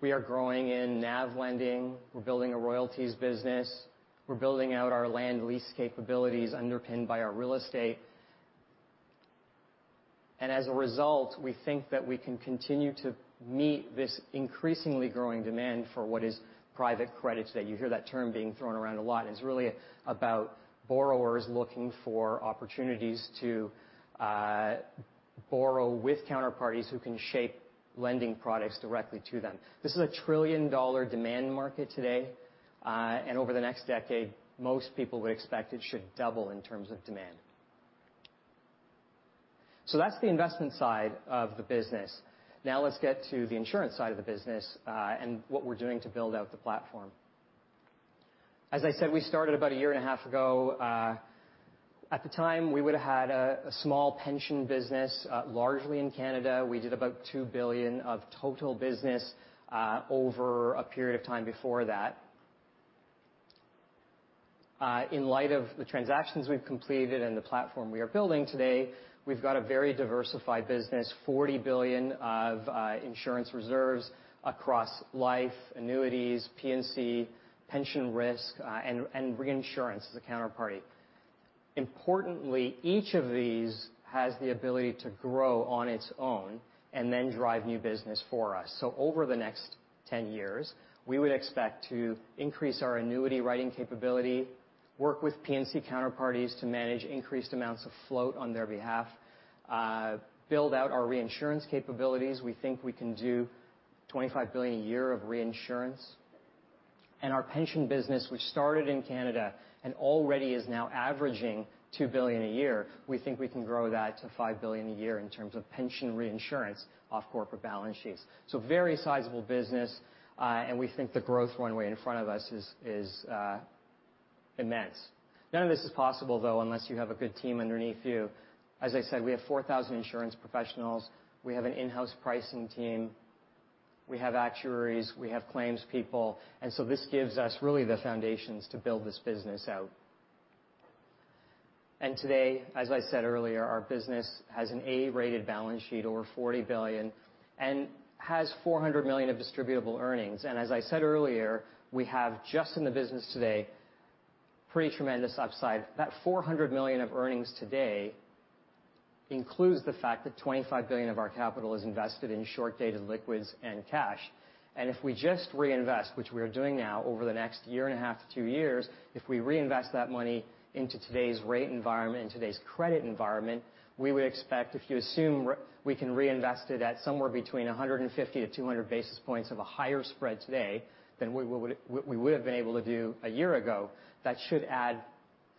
we are growing in NAV Lending. We're building a royalties business. We're building out our land lease capabilities underpinned by our real estate. As a result, we think that we can continue to meet this increasingly growing demand for what is private credit today. You hear that term being thrown around a lot. It's really about borrowers looking for opportunities to borrow with counterparties who can shape lending products directly to them. This is a trillion-dollar demand market today. Over the next decade, most people would expect it should double in terms of demand. That's the investment side of the business. Now let's get to the insurance side of the business and what we're doing to build out the platform. As I said, we started about a year and a half ago. At the time, we would've had a small pension business, largely in Canada. We did about $2 billion of total business over a period of time before that. In light of the transactions we've completed and the platform we are building today, we've got a very diversified business, $40 billion of insurance reserves across life, annuities, P&C, pension risk, and reinsurance as a counterparty. Importantly, each of these has the ability to grow on its own and then drive new business for us. Over the next 10 years, we would expect to increase our annuity writing capability, work with P&C counterparties to manage increased amounts of float on their behalf, build out our reinsurance capabilities. We think we can do $25 billion a year of reinsurance. Our pension business, which started in Canada and already is now averaging $2 billion a year, we think we can grow that to $5 billion a year in terms of pension reinsurance off corporate balance sheets. Very sizable business, and we think the growth runway in front of us is immense. None of this is possible though unless you have a good team underneath you. As I said, we have 4,000 insurance professionals. We have an in-house pricing team. We have actuaries. We have claims people. This gives us really the foundations to build this business out. Today, as I said earlier, our business has an A-rated balance sheet over $40 billion and has $400 million of distributable earnings. As I said earlier, we have just in the business today pretty tremendous upside. That $400 million of earnings today includes the fact that $25 billion of our capital is invested in short-dated liquids and cash. If we just reinvest, which we are doing now, over the next year and a half to two years, if we reinvest that money into today's rate environment and today's credit environment, we would expect, if you assume we can reinvest it at somewhere between 150-200 basis points of a higher spread today than we would have been able to do a year ago, that should add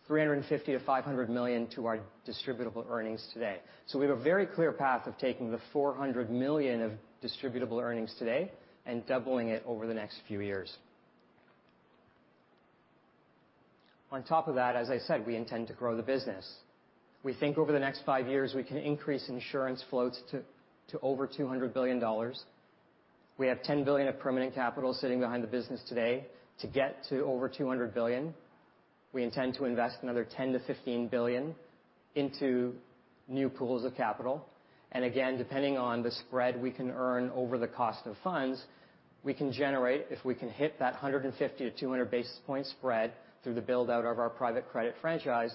$350-$500 million to our distributable earnings today. We have a very clear path of taking the $400 million of distributable earnings today and doubling it over the next few years. On top of that, as I said, we intend to grow the business. We think over the next five years, we can increase insurance floats to over $200 billion. We have $10 billion of permanent capital sitting behind the business today. To get to over $200 billion, we intend to invest another $10-$15 billion into new pools of capital. Again, depending on the spread we can earn over the cost of funds, we can generate, if we can hit that 150-200 basis point spread through the build-out of our private credit franchise,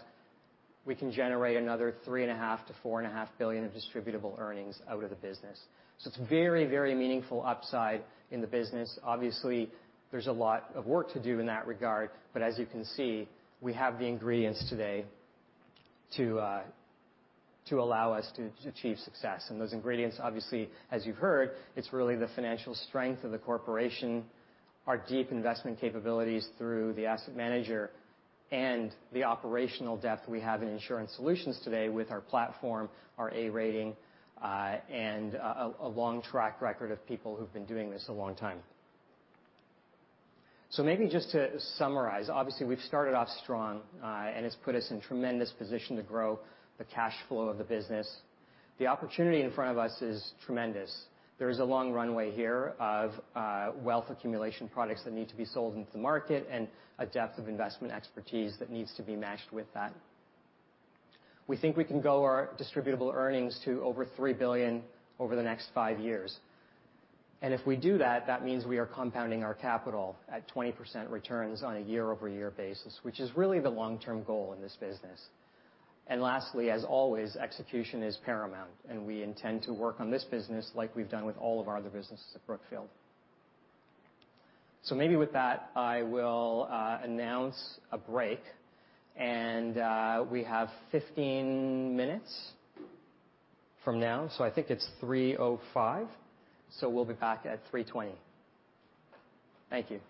we can generate another $3.5-$4.5 billion of distributable earnings out of the business. It's very, very meaningful upside in the business. Obviously, there's a lot of work to do in that regard, but as you can see, we have the ingredients today to allow us to achieve success. Those ingredients, obviously, as you've heard, it's really the financial strength of the corporation, our deep investment capabilities through the asset manager, and the operational depth we have in Insurance Solutions today with our platform, our A rating, and a long track record of people who've been doing this a long time. Maybe just to summarize, obviously, we've started off strong, and it's put us in tremendous position to grow the cash flow of the business. The opportunity in front of us is tremendous. There is a long runway here of wealth accumulation products that need to be sold into the market and a depth of investment expertise that needs to be matched with that. We think we can grow our distributable earnings to over $3 billion over the next five years. If we do that means we are compounding our capital at 20% returns on a year-over-year basis, which is really the long-term goal in this business. Lastly, as always, execution is paramount, and we intend to work on this business like we've done with all of our other businesses at Brookfield. Maybe with that, I will announce a break, and we have 15 minutes from now. I think it's 3:05 P.M. We'll be back at 3:20 P.M.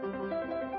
Thank you.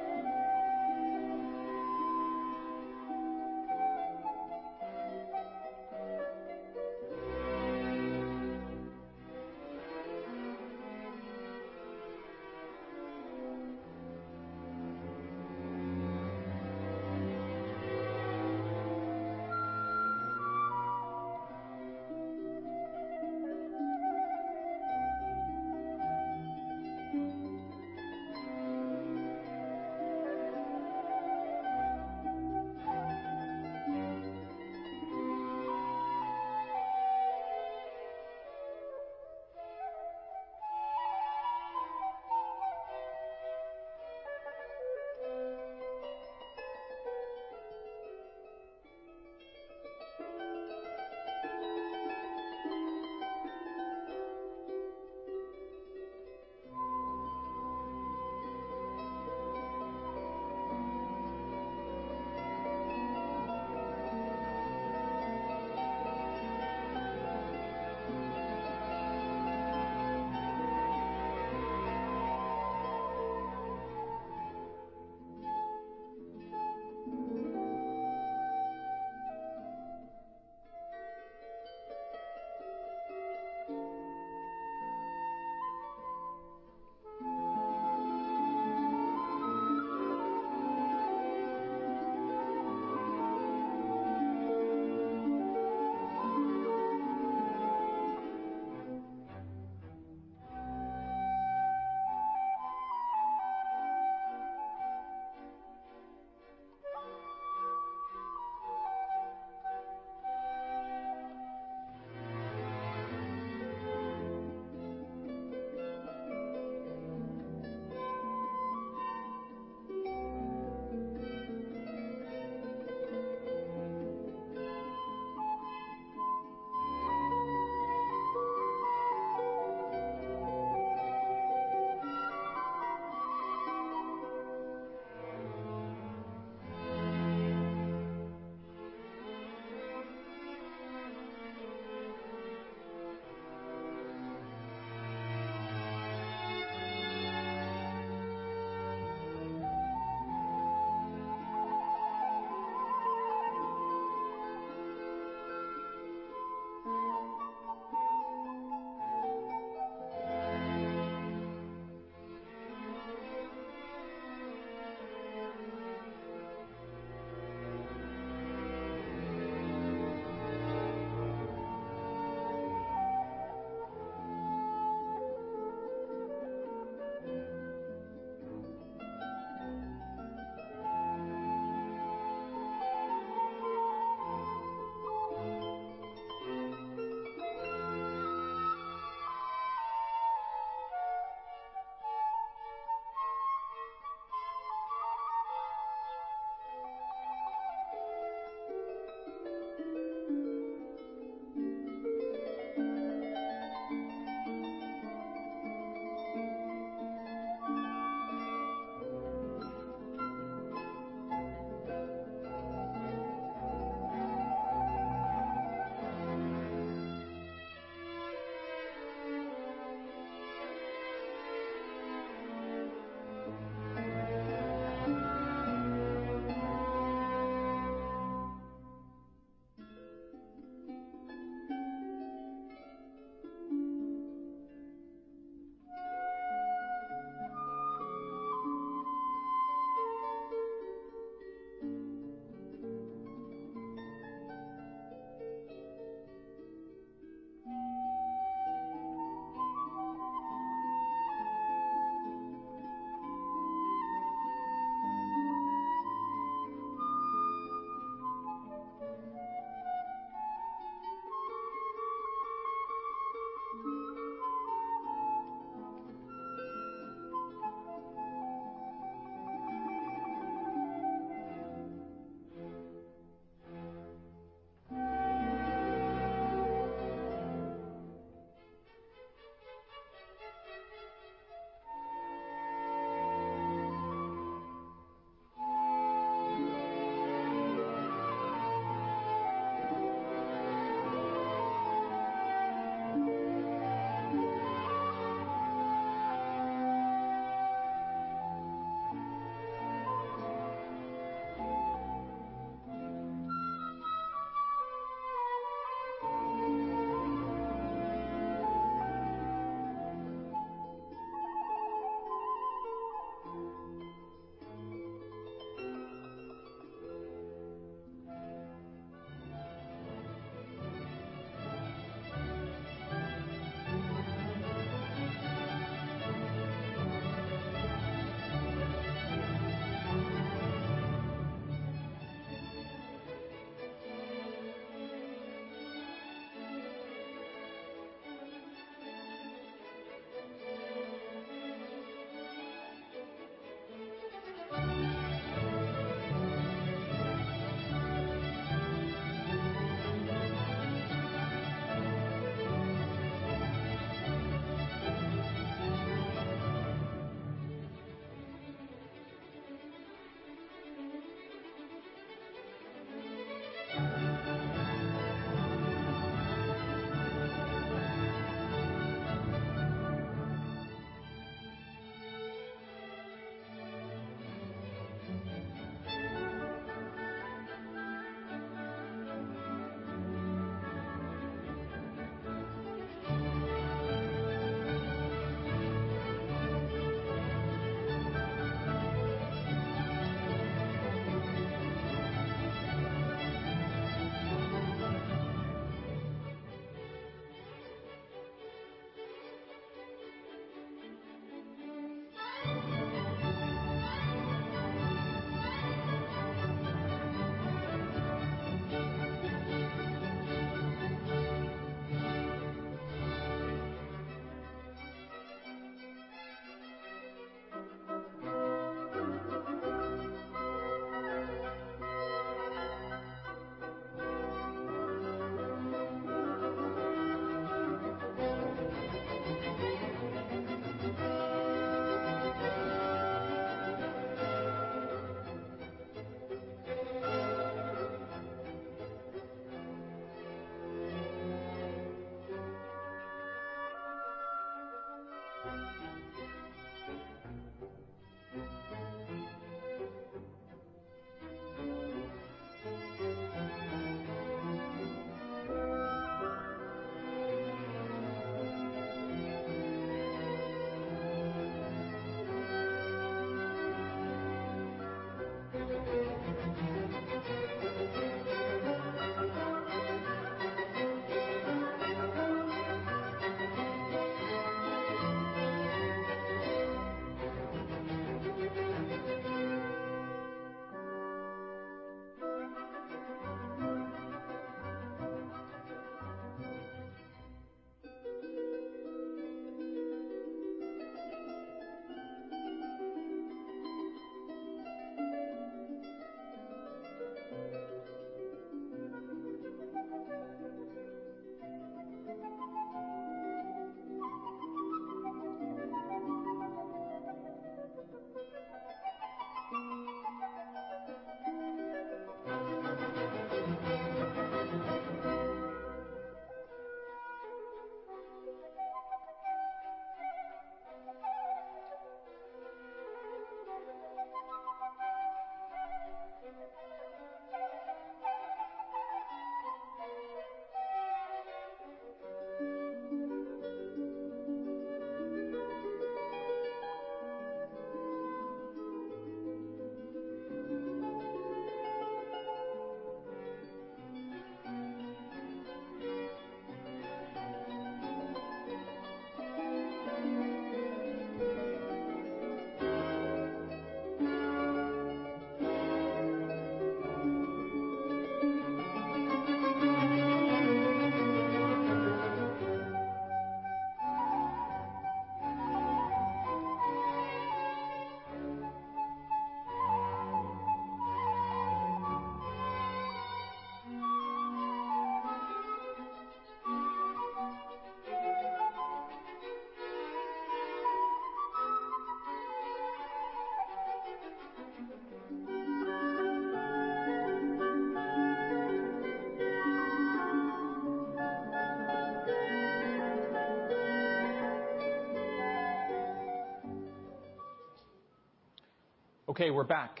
Okay, we're back.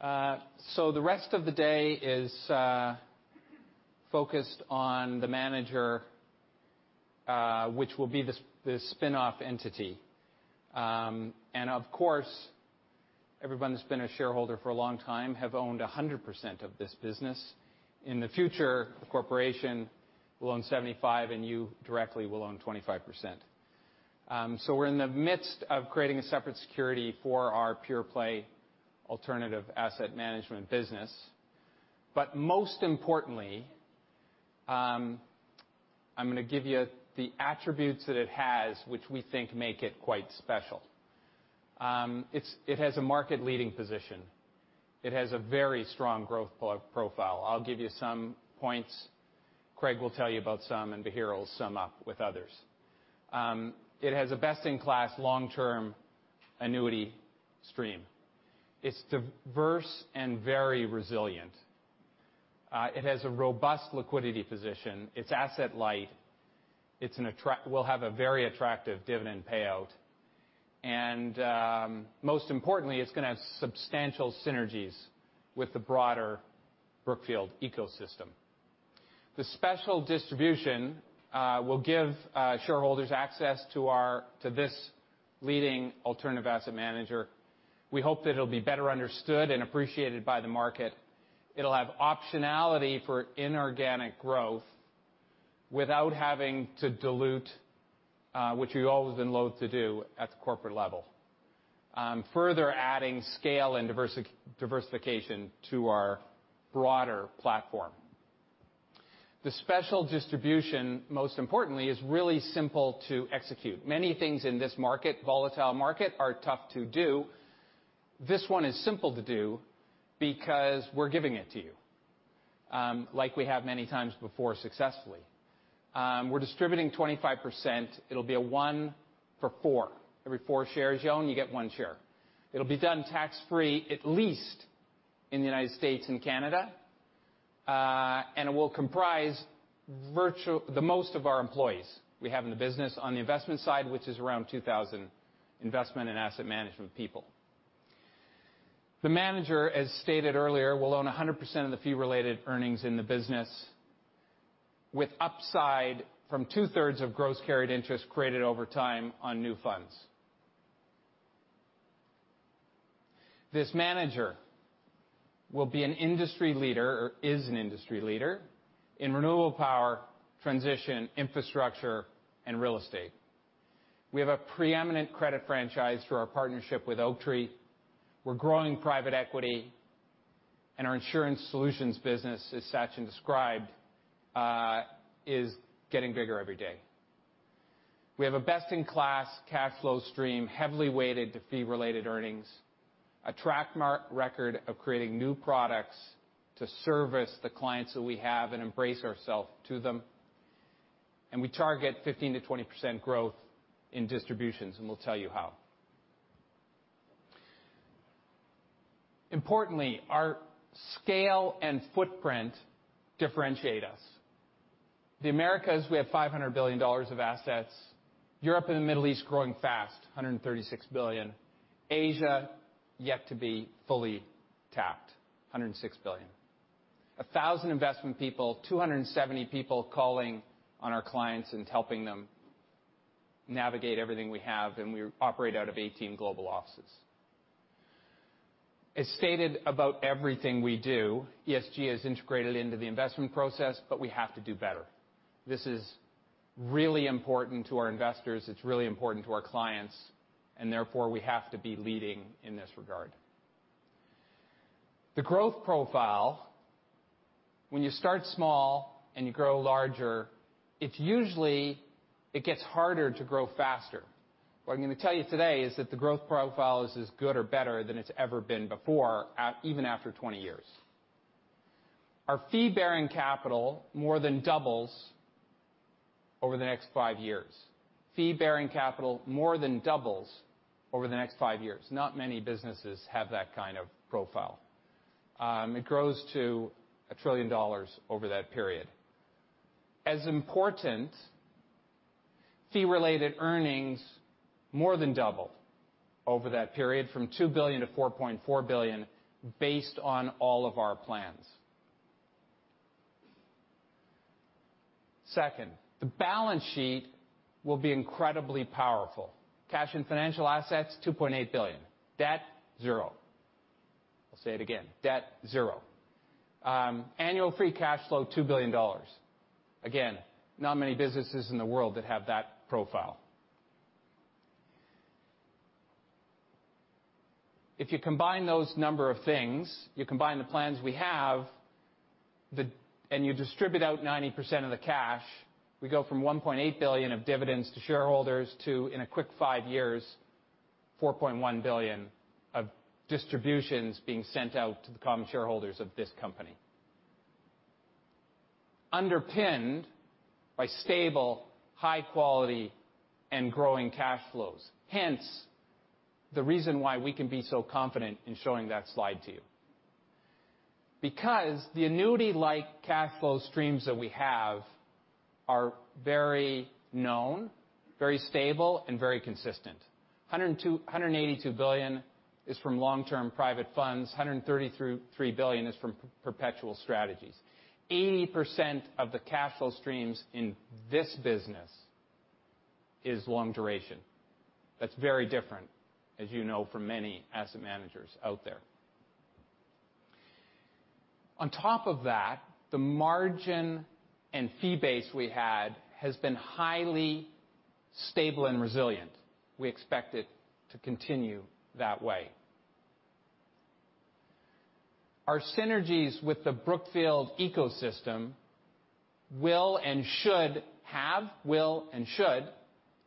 The rest of the day is focused on the manager, which will be the spinoff entity. Of course, everyone that's been a shareholder for a long time have owned 100% of this business. In the future, the corporation will own 75, and you directly will own 25%. We're in the midst of creating a separate security for our pure-play alternative asset management business. Most importantly, I'm gonna give you the attributes that it has, which we think make it quite special. It has a market-leading position. It has a very strong growth profile. I'll give you some points, Craig will tell you about some, and Bahir will sum up with others. It has a best-in-class long-term annuity stream. It's diverse and very resilient. It has a robust liquidity position. It's asset light. It will have a very attractive dividend payout. Most importantly, it's gonna have substantial synergies with the broader Brookfield ecosystem. The special distribution will give shareholders access to this leading alternative asset manager. We hope that it'll be better understood and appreciated by the market. It'll have optionality for inorganic growth without having to dilute what you've always been loath to do at the corporate level, further adding scale and diversification to our broader platform. The special distribution, most importantly, is really simple to execute. Many things in this market, volatile market, are tough to do. This one is simple to do because we're giving it to you like we have many times before successfully. We're distributing 25%. It'll be a 1 for 4. Every 4 shares you own, you get 1 share. It'll be done tax-free, at least in the United States and Canada. It will comprise the most of our employees we have in the business on the investment side, which is around 2,000 investment and asset management people. The manager, as stated earlier, will own 100% of the Fee-Related Earnings in the business with upside from two-thirds of gross carried interest created over time on new funds. This manager will be an industry leader, or is an industry leader in renewable power, transition, infrastructure, and real estate. We have a preeminent credit franchise through our partnership with Oaktree. We're growing private equity, and our Insurance Solutions business, as Sachin described, is getting bigger every day. We have a best-in-class cash flow stream, heavily weighted to Fee-Related Earnings, a track record of creating new products to service the clients that we have and endear ourselves to them. We target 15%-20% growth in distributions, and we'll tell you how. Importantly, our scale and footprint differentiate us. The Americas, we have $500 billion of assets. Europe and the Middle East, growing fast, $136 billion. Asia, yet to be fully tapped, $106 billion. 1,000 investment people, 270 people calling on our clients and helping them navigate everything we have, and we operate out of 18 global offices. As stated about everything we do, ESG is integrated into the investment process, but we have to do better. This is really important to our investors. It's really important to our clients, and therefore, we have to be leading in this regard. The growth profile, when you start small and you grow larger, it's usually harder to grow faster. What I'm gonna tell you today is that the growth profile is as good or better than it's ever been before at even after 20 years. Our Fee-Bearing Capital more than doubles over the next 5 years. Not many businesses have that kind of profile. It grows to $1 trillion over that period. As important, Fee-Related Earnings more than double over that period from $2 billion to $4.4 billion based on all of our plans. Second, the balance sheet will be incredibly powerful. Cash and financial assets, $2.8 billion. Debt, zero. I'll say it again, debt, zero. Annual free cash flow, $2 billion. Again, not many businesses in the world that have that profile. If you combine those number of things, you combine the plans we have, and you distribute out 90% of the cash, we go from $1.8 billion of dividends to shareholders to, in a quick five years, $4.1 billion of distributions being sent out to the common shareholders of this company. Underpinned by stable, high quality, and growing cash flows. Hence, the reason why we can be so confident in showing that slide to you. Because the annuity-like cash flow streams that we have are very known, very stable, and very consistent. $282 billion is from long-term private funds. $133 billion is from perpetual strategies. 80% of the cash flow streams in this business is long duration. That's very different, as you know, for many asset managers out there. On top of that, the margin and fee base we had has been highly stable and resilient. We expect it to continue that way. Our synergies with the Brookfield ecosystem will and should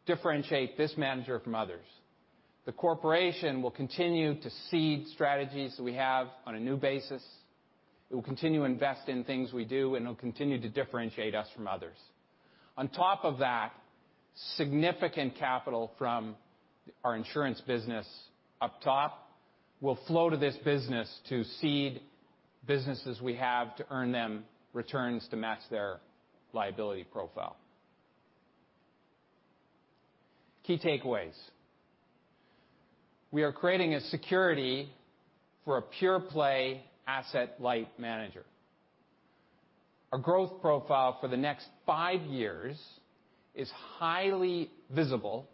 differentiate this manager from others. The corporation will continue to seed strategies we have on a new basis. It will continue to invest in things we do, and it'll continue to differentiate us from others. On top of that, significant capital from our insurance business up top will flow to this business to seed businesses we have to earn them returns to match their liability profile. Key takeaways. We are creating a security for a pure play asset light manager. Our growth profile for the next five years is highly visible,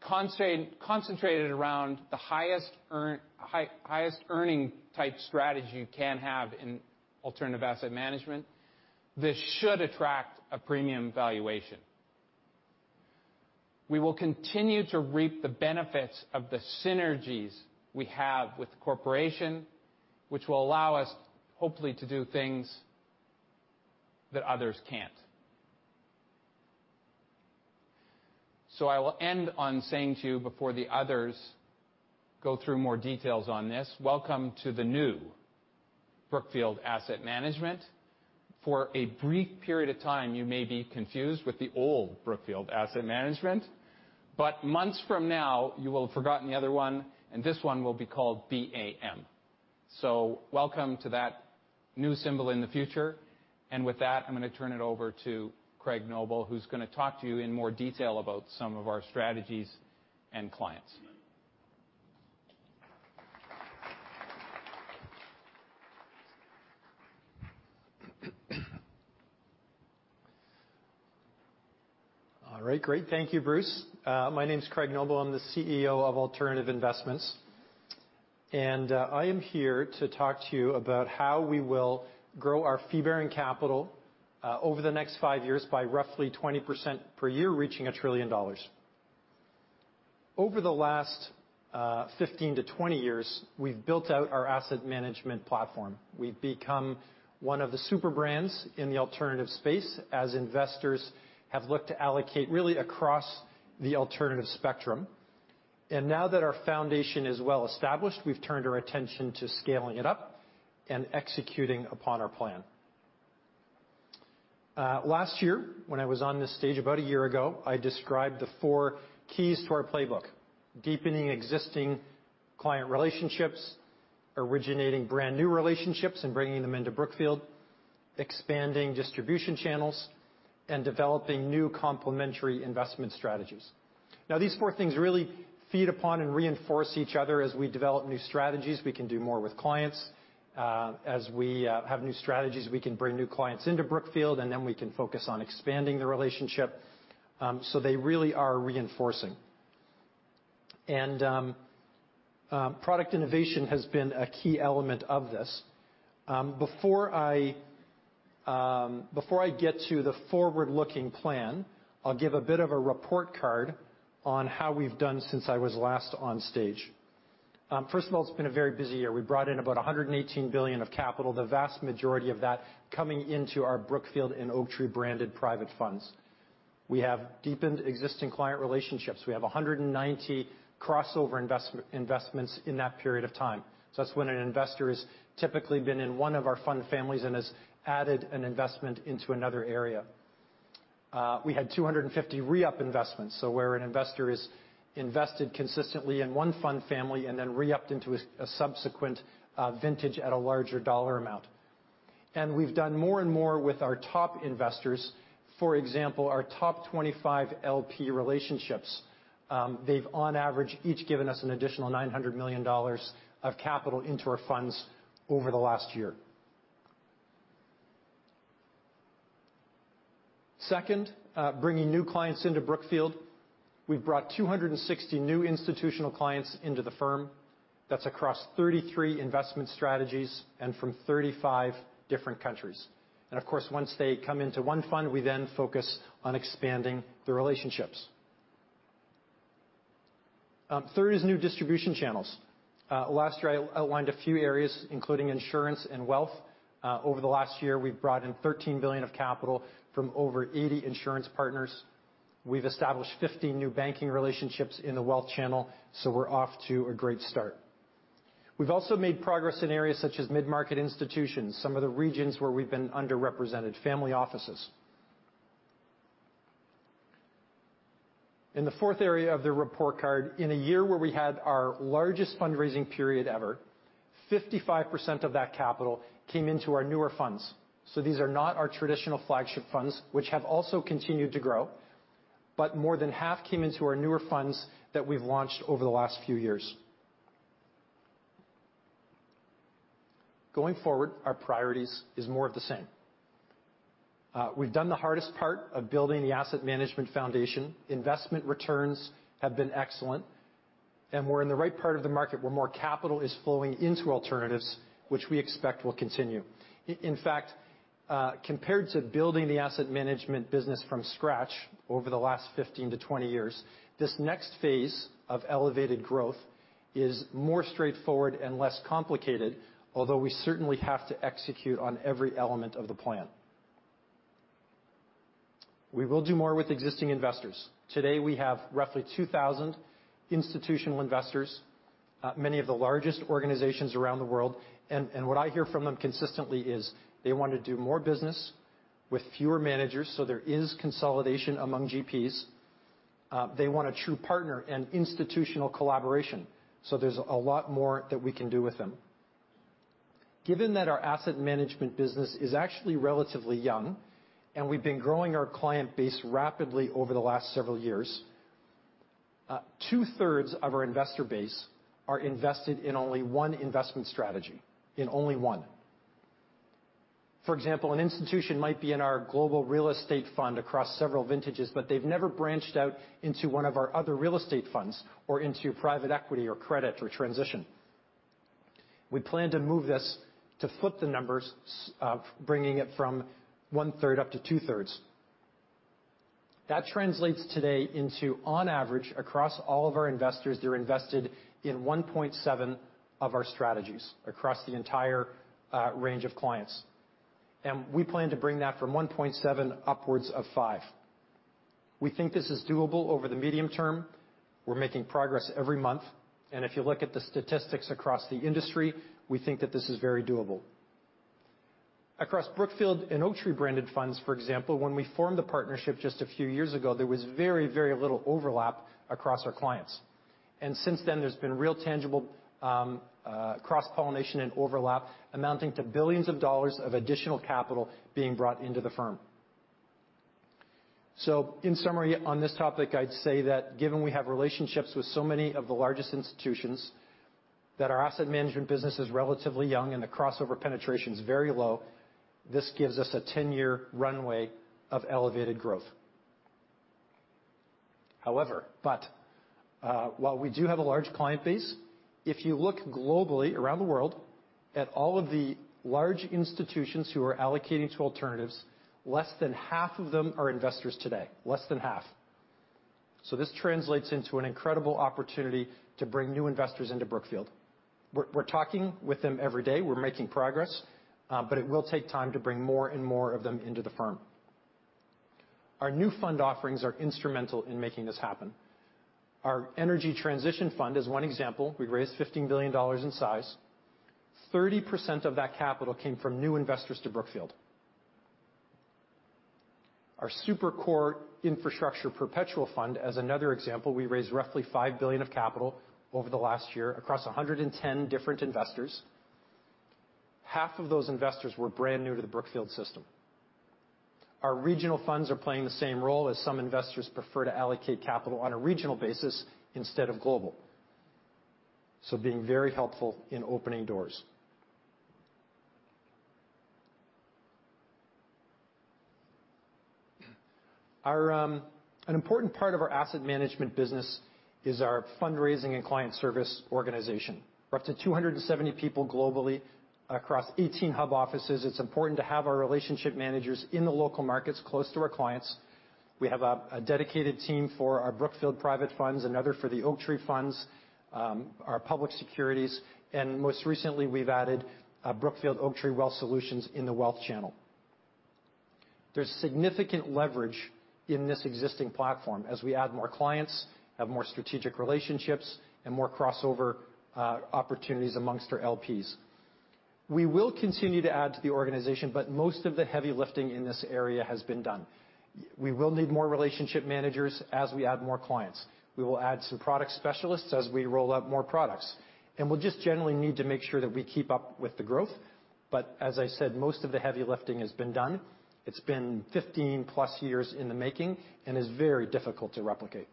concentrated around the highest earning type strategy you can have in alternative asset management. This should attract a premium valuation. We will continue to reap the benefits of the synergies we have with the corporation, which will allow us, hopefully, to do things that others can't. I will end on saying to you before the others go through more details on this. Welcome to the new Brookfield Asset Management. For a brief period of time, you may be confused with the old Brookfield Asset Management. Months from now, you will have forgotten the other one, and this one will be called BAM. Welcome to that. New symbol in the future. With that, I'm gonna turn it over to Craig Noble, who's gonna talk to you in more detail about some of our strategies and clients. All right. Great. Thank you, Bruce. My name's Craig Noble. I'm the CEO of Alternative Investments. I am here to talk to you about how we will grow our Fee-Bearing Capital over the next 5 years by roughly 20% per year, reaching $1 trillion. Over the last 15-20 years, we've built out our asset management platform. We've become one of the super brands in the alternative space as investors have looked to allocate really across the alternative spectrum. Now that our foundation is well established, we've turned our attention to scaling it up and executing upon our plan. Last year, when I was on this stage about a year ago, I described the 4 keys to our playbook. Deepening existing client relationships, originating brand-new relationships and bringing them into Brookfield, expanding distribution channels, and developing new complementary investment strategies. These four things really feed upon and reinforce each other. As we develop new strategies, we can do more with clients. As we have new strategies, we can bring new clients into Brookfield, and then we can focus on expanding the relationship, so they really are reinforcing. Product innovation has been a key element of this. Before I get to the forward-looking plan, I'll give a bit of a report card on how we've done since I was last on stage. First of all, it's been a very busy year. We brought in about $118 billion of capital, the vast majority of that coming into our Brookfield and Oaktree-branded private funds. We have deepened existing client relationships. We have 190 crossover investments in that period of time. That's when an investor has typically been in one of our fund families and has added an investment into another area. We had 250 re-up investments, so where an investor has invested consistently in one fund family and then re-upped into a subsequent vintage at a larger dollar amount. We've done more and more with our top investors. For example, our top 25 LP relationships, they've on average each given us an additional $900 million of capital into our funds over the last year. Second, bringing new clients into Brookfield. We've brought 260 new institutional clients into the firm. That's across 33 investment strategies and from 35 different countries. Of course, once they come into one fund, we then focus on expanding the relationships. Third is new distribution channels. Last year, I outlined a few areas, including insurance and wealth. Over the last year, we've brought in $13 billion of capital from over 80 insurance partners. We've established 15 new banking relationships in the wealth channel, so we're off to a great start. We've also made progress in areas such as mid-market institutions, some of the regions where we've been underrepresented, family offices. In the fourth area of the report card, in a year where we had our largest fundraising period ever, 55% of that capital came into our newer funds. These are not our traditional flagship funds, which have also continued to grow, but more than half came into our newer funds that we've launched over the last few years. Going forward, our priorities is more of the same. We've done the hardest part of building the asset management foundation. Investment returns have been excellent, and we're in the right part of the market where more capital is flowing into alternatives, which we expect will continue. In fact, compared to building the asset management business from scratch over the last 15-20 years, this next phase of elevated growth is more straightforward and less complicated, although we certainly have to execute on every element of the plan. We will do more with existing investors. Today, we have roughly 2,000 institutional investors, many of the largest organizations around the world, and what I hear from them consistently is they want to do more business with fewer managers, so there is consolidation among GPs. They want a true partner and institutional collaboration, so there's a lot more that we can do with them. Given that our asset management business is actually relatively young, and we've been growing our client base rapidly over the last several years, two-thirds of our investor base are invested in only one investment strategy, in only one. For example, an institution might be in our global real estate fund across several vintages, but they've never branched out into one of our other real estate funds or into private equity or credit or transition. We plan to move this to flip the numbers, bringing it from one-third up to two-thirds. That translates today into, on average, across all of our investors, they're invested in 1.7 of our strategies across the entire range of clients. We plan to bring that from 1.7 upwards of 5. We think this is doable over the medium term. We're making progress every month. If you look at the statistics across the industry, we think that this is very doable. Across Brookfield and Oaktree-branded funds, for example, when we formed the partnership just a few years ago, there was very, very little overlap across our clients. Since then, there's been real tangible cross-pollination and overlap amounting to $ billions of additional capital being brought into the firm. In summary, on this topic, I'd say that given we have relationships with so many of the largest institutions, that our asset management business is relatively young and the crossover penetration's very low, this gives us a ten-year runway of elevated growth. However, while we do have a large client base, if you look globally around the world at all of the large institutions who are allocating to alternatives, less than half of them are investors today. Less than half. This translates into an incredible opportunity to bring new investors into Brookfield. We're talking with them every day. We're making progress, but it will take time to bring more and more of them into the firm. Our new fund offerings are instrumental in making this happen. Our energy transition fund is one example. We've raised $15 billion in size. 30% of that capital came from new investors to Brookfield. Our super core infrastructure perpetual fund is another example, we raised roughly $5 billion of capital over the last year across 110 different investors. Half of those investors were brand new to the Brookfield system. Our regional funds are playing the same role as some investors prefer to allocate capital on a regional basis instead of global, being very helpful in opening doors. An important part of our asset management business is our fundraising and client service organization. We're up to 270 people globally across 18 Hub Offices. It's important to have our relationship managers in the local markets close to our clients. We have a dedicated team for our Brookfield private funds, another for the Oaktree funds, our public securities, and most recently, we've added Brookfield Oaktree Wealth Solutions in the wealth channel. There's significant leverage in this existing platform as we add more clients, have more strategic relationships, and more crossover opportunities amongst our LPs. We will continue to add to the organization, but most of the heavy lifting in this area has been done. We will need more relationship managers as we add more clients. We will add some product specialists as we roll out more products. We'll just generally need to make sure that we keep up with the growth. As I said, most of the heavy lifting has been done. It's been 15+ years in the making and is very difficult to replicate.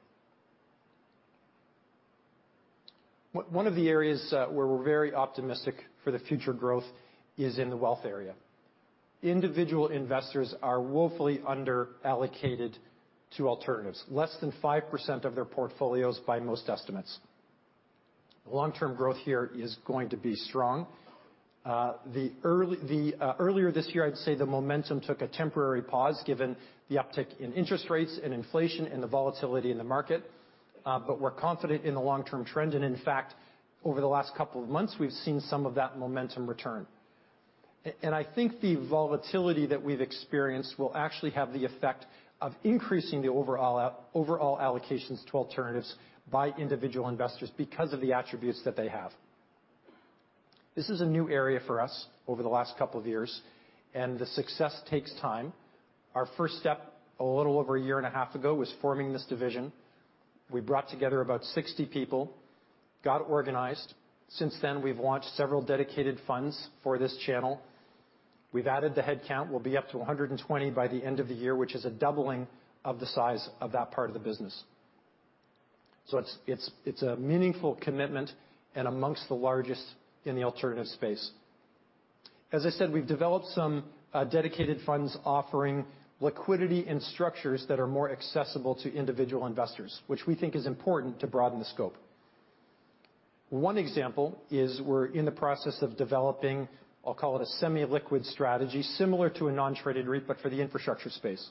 One of the areas where we're very optimistic for the future growth is in the wealth area. Individual investors are woefully under-allocated to alternatives. Less than 5% of their portfolios by most estimates. Long-term growth here is going to be strong. Earlier this year, I'd say the momentum took a temporary pause given the uptick in interest rates and inflation and the volatility in the market. We're confident in the long-term trend. In fact, over the last couple of months, we've seen some of that momentum return. I think the volatility that we've experienced will actually have the effect of increasing the overall allocations to alternatives by individual investors because of the attributes that they have. This is a new area for us over the last couple of years, and the success takes time. Our first step, a little over a year and a half ago, was forming this division. We brought together about 60 people, got organized. Since then, we've launched several dedicated funds for this channel. We've added the headcount. We'll be up to 120 by the end of the year, which is a doubling of the size of that part of the business. It's a meaningful commitment and amongst the largest in the alternative space. As I said, we've developed some dedicated funds offering liquidity and structures that are more accessible to individual investors, which we think is important to broaden the scope. One example is we're in the process of developing, I'll call it a semi-liquid strategy, similar to a non-traded REIT, but for the infrastructure space.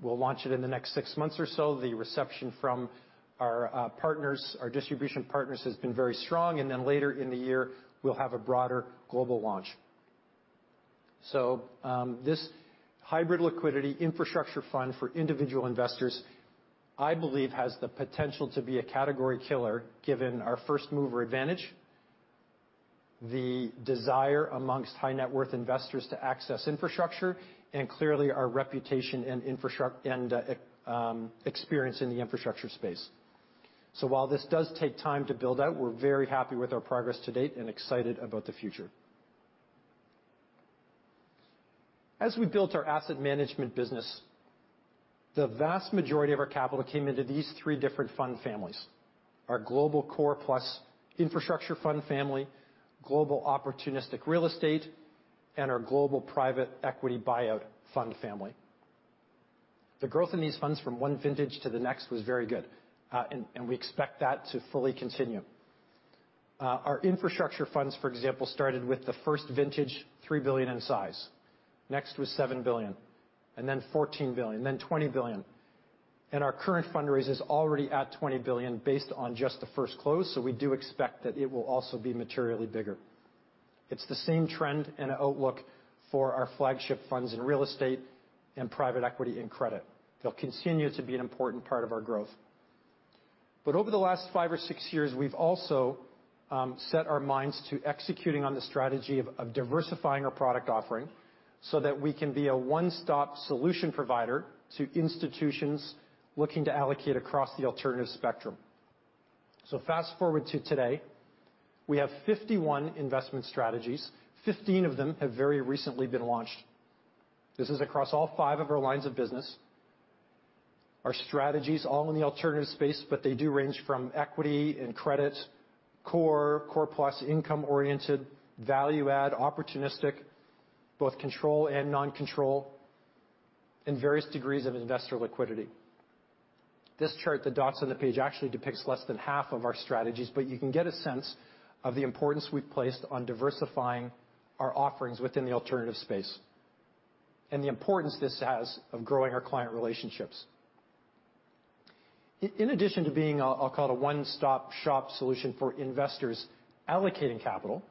We'll launch it in the next six months or so. The reception from our partners, our distribution partners, has been very strong. Later in the year, we'll have a broader global launch. This hybrid liquidity infrastructure fund for individual investors, I believe has the potential to be a category killer, given our first-mover advantage, the desire among high-net-worth investors to access infrastructure, and clearly, our reputation and experience in the infrastructure space. While this does take time to build out, we're very happy with our progress to date and excited about the future. As we built our asset management business, the vast majority of our capital came into these three different fund families, our Global Core Plus Infrastructure Fund family, Global Opportunistic Real Estate, and our Global Private Equity Buyout Fund family. The growth in these funds from one vintage to the next was very good, and we expect that to fully continue. Our infrastructure funds, for example, started with the first vintage, $3 billion in size. Next was $7 billion, and then $14 billion, and then $20 billion. Our current fundraise is already at $20 billion based on just the first close, so we do expect that it will also be materially bigger. It's the same trend and outlook for our flagship funds in real estate and private equity and credit. They'll continue to be an important part of our growth. Over the last five or six years, we've also set our minds to executing on the strategy of diversifying our product offering so that we can be a one-stop solution provider to institutions looking to allocate across the alternative spectrum. Fast-forward to today, we have 51 investment strategies. 15 of them have very recently been launched. This is across all 5 of our lines of business. Our strategies all in the alternative space, but they do range from equity and credit, core plus, income-oriented, value add, opportunistic, both control and non-control, and various degrees of investor liquidity. This chart, the dots on the page actually depicts less than half of our strategies, but you can get a sense of the importance we've placed on diversifying our offerings within the alternative space and the importance this has of growing our client relationships. In addition to being a, I'll call it a one-stop-shop solution for investors allocating capital,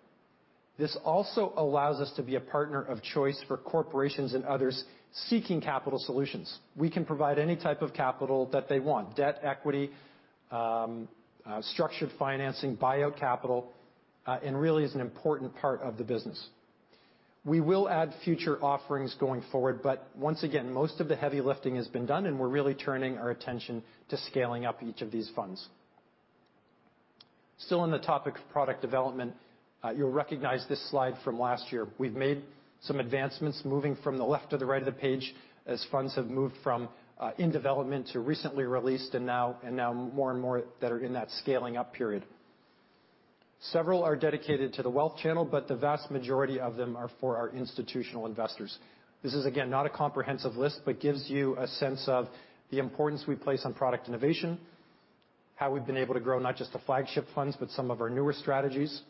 this also allows us to be a partner of choice for corporations and others seeking capital solutions. We can provide any type of capital that they want, debt, equity, structured financing, buyout capital, and really is an important part of the business. We will add future offerings going forward, but once again, most of the heavy lifting has been done, and we're really turning our attention to scaling up each of these funds. Still on the topic of product development, you'll recognize this slide from last year. We've made some advancements moving from the left to the right of the page as funds have moved from in development to recently released and now more and more that are in that scaling-up period. Several are dedicated to the wealth channel, but the vast majority of them are for our institutional investors. This is, again, not a comprehensive list, but gives you a sense of the importance we place on product innovation, how we've been able to grow not just the flagship funds, but some of our newer strategies,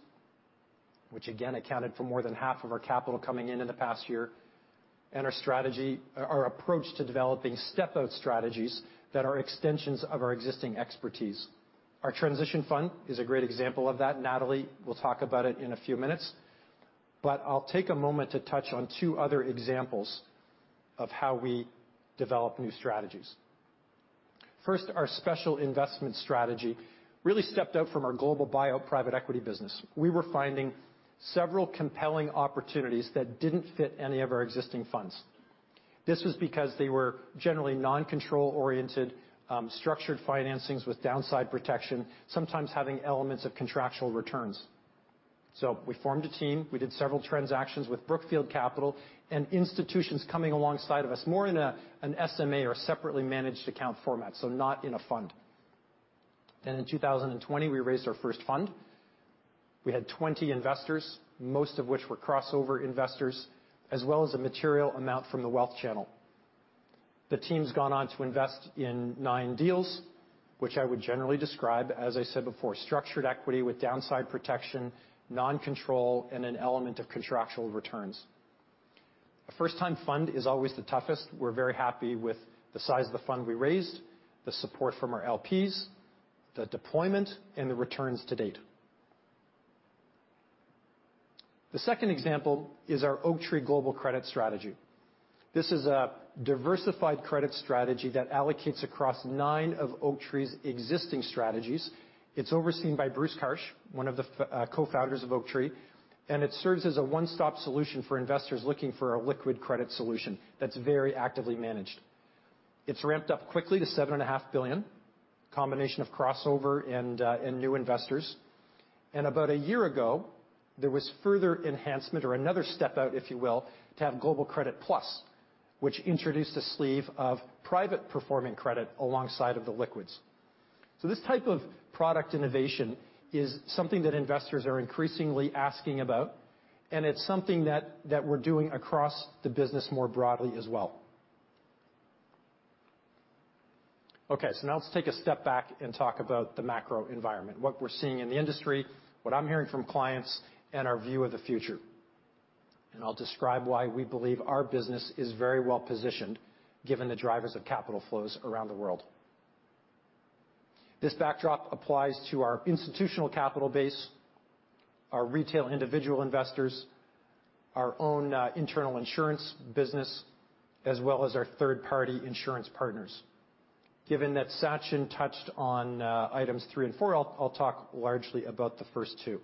which again accounted for more than half of our capital coming in in the past year, and our strategy, our approach to developing step-out strategies that are extensions of our existing expertise. Our transition fund is a great example of that. Natalie will talk about it in a few minutes. I'll take a moment to touch on two other examples of how we develop new strategies. First, our Special Investments strategy really stepped out from our global buyout private equity business. We were finding several compelling opportunities that didn't fit any of our existing funds. This was because they were generally non-control-oriented, structured financings with downside protection, sometimes having elements of contractual returns. We formed a team. We did several transactions with Brookfield Capital and institutions coming alongside of us, more in an SMA or a separately managed account format, so not in a fund. In 2020, we raised our first fund. We had 20 investors, most of which were crossover investors, as well as a material amount from the wealth channel. The team's gone on to invest in nine deals, which I would generally describe, as I said before, structured equity with downside protection, non-control, and an element of contractual returns. A first-time fund is always the toughest. We're very happy with the size of the fund we raised, the support from our LPs, the deployment, and the returns to date. The second example is our Oaktree Global Credit strategy. This is a diversified credit strategy that allocates across nine of Oaktree's existing strategies. It's overseen by Bruce Karsh, one of the cofounders of Oaktree, and it serves as a one-stop solution for investors looking for a liquid credit solution that's very actively managed. It's ramped up quickly to $7.5 billion, combination of crossover and new investors. About a year ago, there was further enhancement or another step-out, if you will, to have Global Credit Plus, which introduced a sleeve of private performing credit alongside of the liquids. This type of product innovation is something that investors are increasingly asking about, and it's something that we're doing across the business more broadly as well. Okay, now let's take a step back and talk about the macro environment, what we're seeing in the industry, what I'm hearing from clients, and our view of the future. I'll describe why we believe our business is very well-positioned given the drivers of capital flows around the world. This backdrop applies to our institutional capital base, our retail individual investors, our own internal insurance business, as well as our third-party insurance partners. Given that Sachin touched on items 3 and 4, I'll talk largely about the first 2.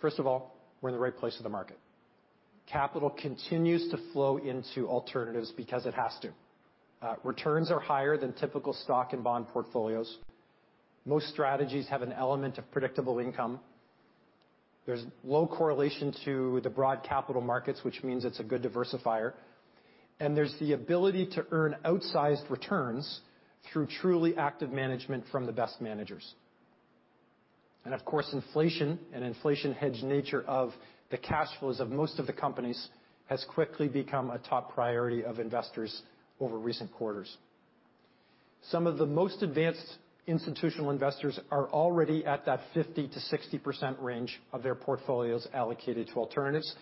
First of all, we're in the right place in the market. Capital continues to flow into alternatives because it has to. Returns are higher than typical stock and bond portfolios. Most strategies have an element of predictable income. There's low correlation to the broad capital markets, which means it's a good diversifier. There's the ability to earn outsized returns through truly active management from the best managers. Of course, inflation and inflation hedge nature of the cash flows of most of the companies has quickly become a top priority of investors over recent quarters. Some of the most advanced institutional investors are already at that 50%-60% range of their portfolios allocated to alternatives,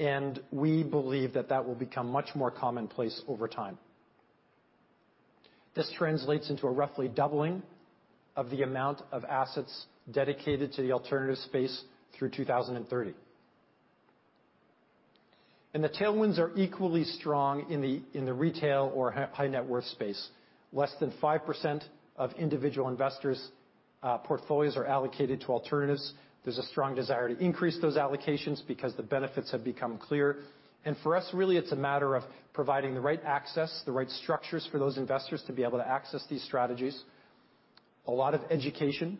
and we believe that that will become much more commonplace over time. This translates into a roughly doubling of the amount of assets dedicated to the alternative space through 2030. The tailwinds are equally strong in the retail or high net worth space. Less than 5% of individual investors' portfolios are allocated to alternatives. There's a strong desire to increase those allocations because the benefits have become clear. For us, really, it's a matter of providing the right access, the right structures for those investors to be able to access these strategies. A lot of education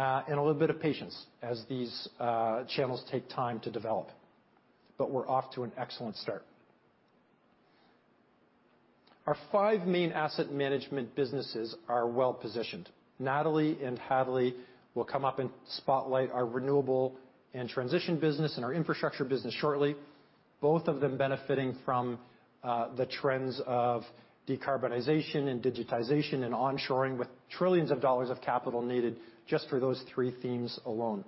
and a little bit of patience as these channels take time to develop. We're off to an excellent start. Our five main asset management businesses are well positioned. Natalie and Hadley will come up and spotlight our renewable and transition business and our infrastructure business shortly, both of them benefiting from the trends of decarbonization and digitization and onshoring, with $ trillions of capital needed just for those three themes alone.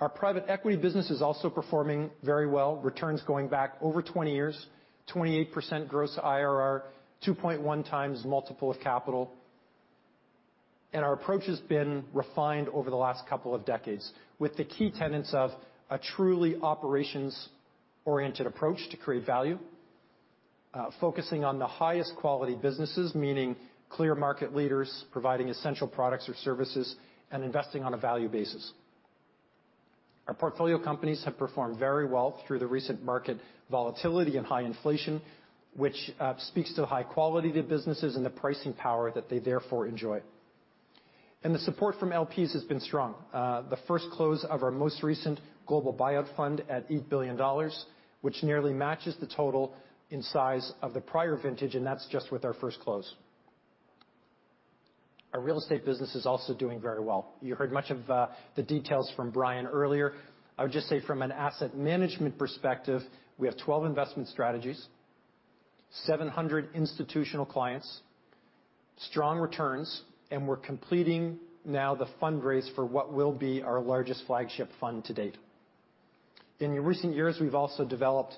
Our private equity business is also performing very well. Returns going back over 20 years, 28% gross IRR, 2.1x multiple of capital. Our approach has been refined over the last couple of decades with the key tenets of a truly operations-oriented approach to create value, focusing on the highest quality businesses, meaning clear market leaders providing essential products or services and investing on a value basis. Our portfolio companies have performed very well through the recent market volatility and high inflation, which speaks to the high quality of the businesses and the pricing power that they therefore enjoy. The support from LPs has been strong. The first close of our most recent global buyout fund at $8 billion, which nearly matches the total in size of the prior vintage, and that's just with our first close. Our real estate business is also doing very well. You heard much of, the details from Brian earlier. I would just say from an asset management perspective, we have 12 investment strategies, 700 institutional clients, strong returns, and we're completing now the fundraise for what will be our largest flagship fund to date. In the recent years, we've also developed,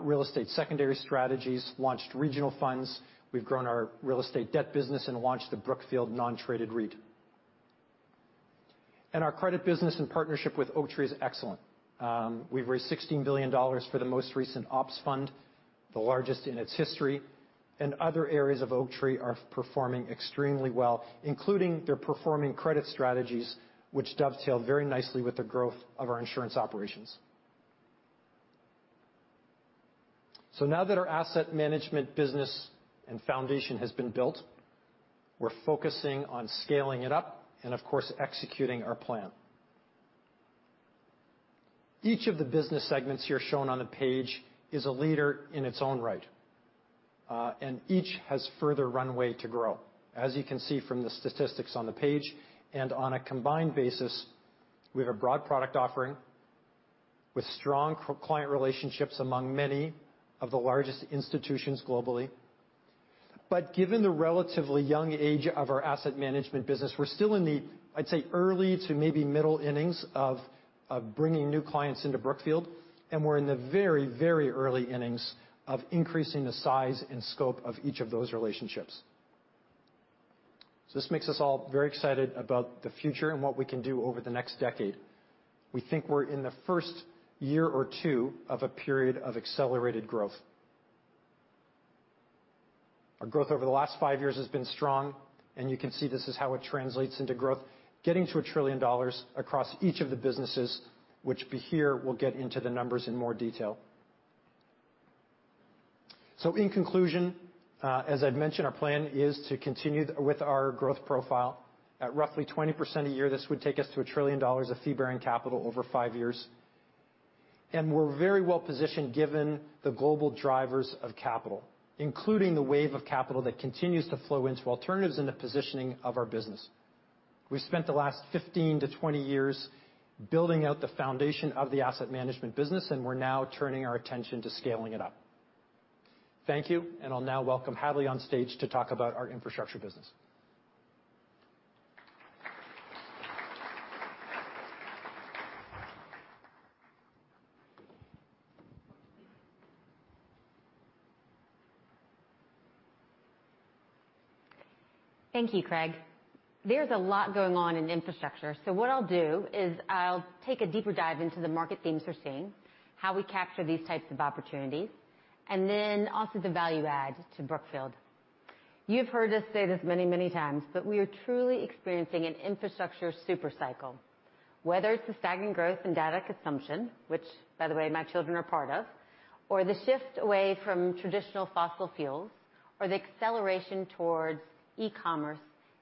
real estate secondary strategies, launched regional funds. We've grown our real estate debt business and launched the Brookfield Non-Traded REIT. Our credit business in partnership with Oaktree is excellent. We've raised $16 billion for the most recent ops fund, the largest in its history. Other areas of Oaktree are performing extremely well, including their performing credit strategies, which dovetail very nicely with the growth of our insurance operations. Now that our asset management business and foundation has been built, we're focusing on scaling it up and of course, executing our plan. Each of the business segments here shown on the page is a leader in its own right, and each has further runway to grow. As you can see from the statistics on the page and on a combined basis, we have a broad product offering with strong client relationships among many of the largest institutions globally. Given the relatively young age of our asset management business, we're still in the, I'd say, early to maybe middle innings of bringing new clients into Brookfield, and we're in the very, very early innings of increasing the size and scope of each of those relationships. This makes us all very excited about the future and what we can do over the next decade. We think we're in the first year or two of a period of accelerated growth. Our growth over the last five years has been strong, and you can see this is how it translates into growth, getting to $1 trillion across each of the businesses. Here we'll get into the numbers in more detail. In conclusion, as I'd mentioned, our plan is to continue with our growth profile at roughly 20% a year. This would take us to $1 trillion of Fee-Bearing Capital over five years. We're very well positioned given the global drivers of capital, including the wave of capital that continues to flow into alternatives and the positioning of our business. We've spent the last 15-20 years building out the foundation of the asset management business, and we're now turning our attention to scaling it up. Thank you, and I'll now welcome Hadley on stage to talk about our infrastructure business. Thank you, Craig. There's a lot going on in infrastructure. What I'll do is I'll take a deeper dive into the market themes we're seeing, how we capture these types of opportunities, and then also the value add to Brookfield. You've heard us say this many, many times, but we are truly experiencing an infrastructure super cycle. Whether it's the stagnant growth in data consumption, which by the way my children are part of, or the shift away from traditional fossil fuels or the acceleration towards e-commerce,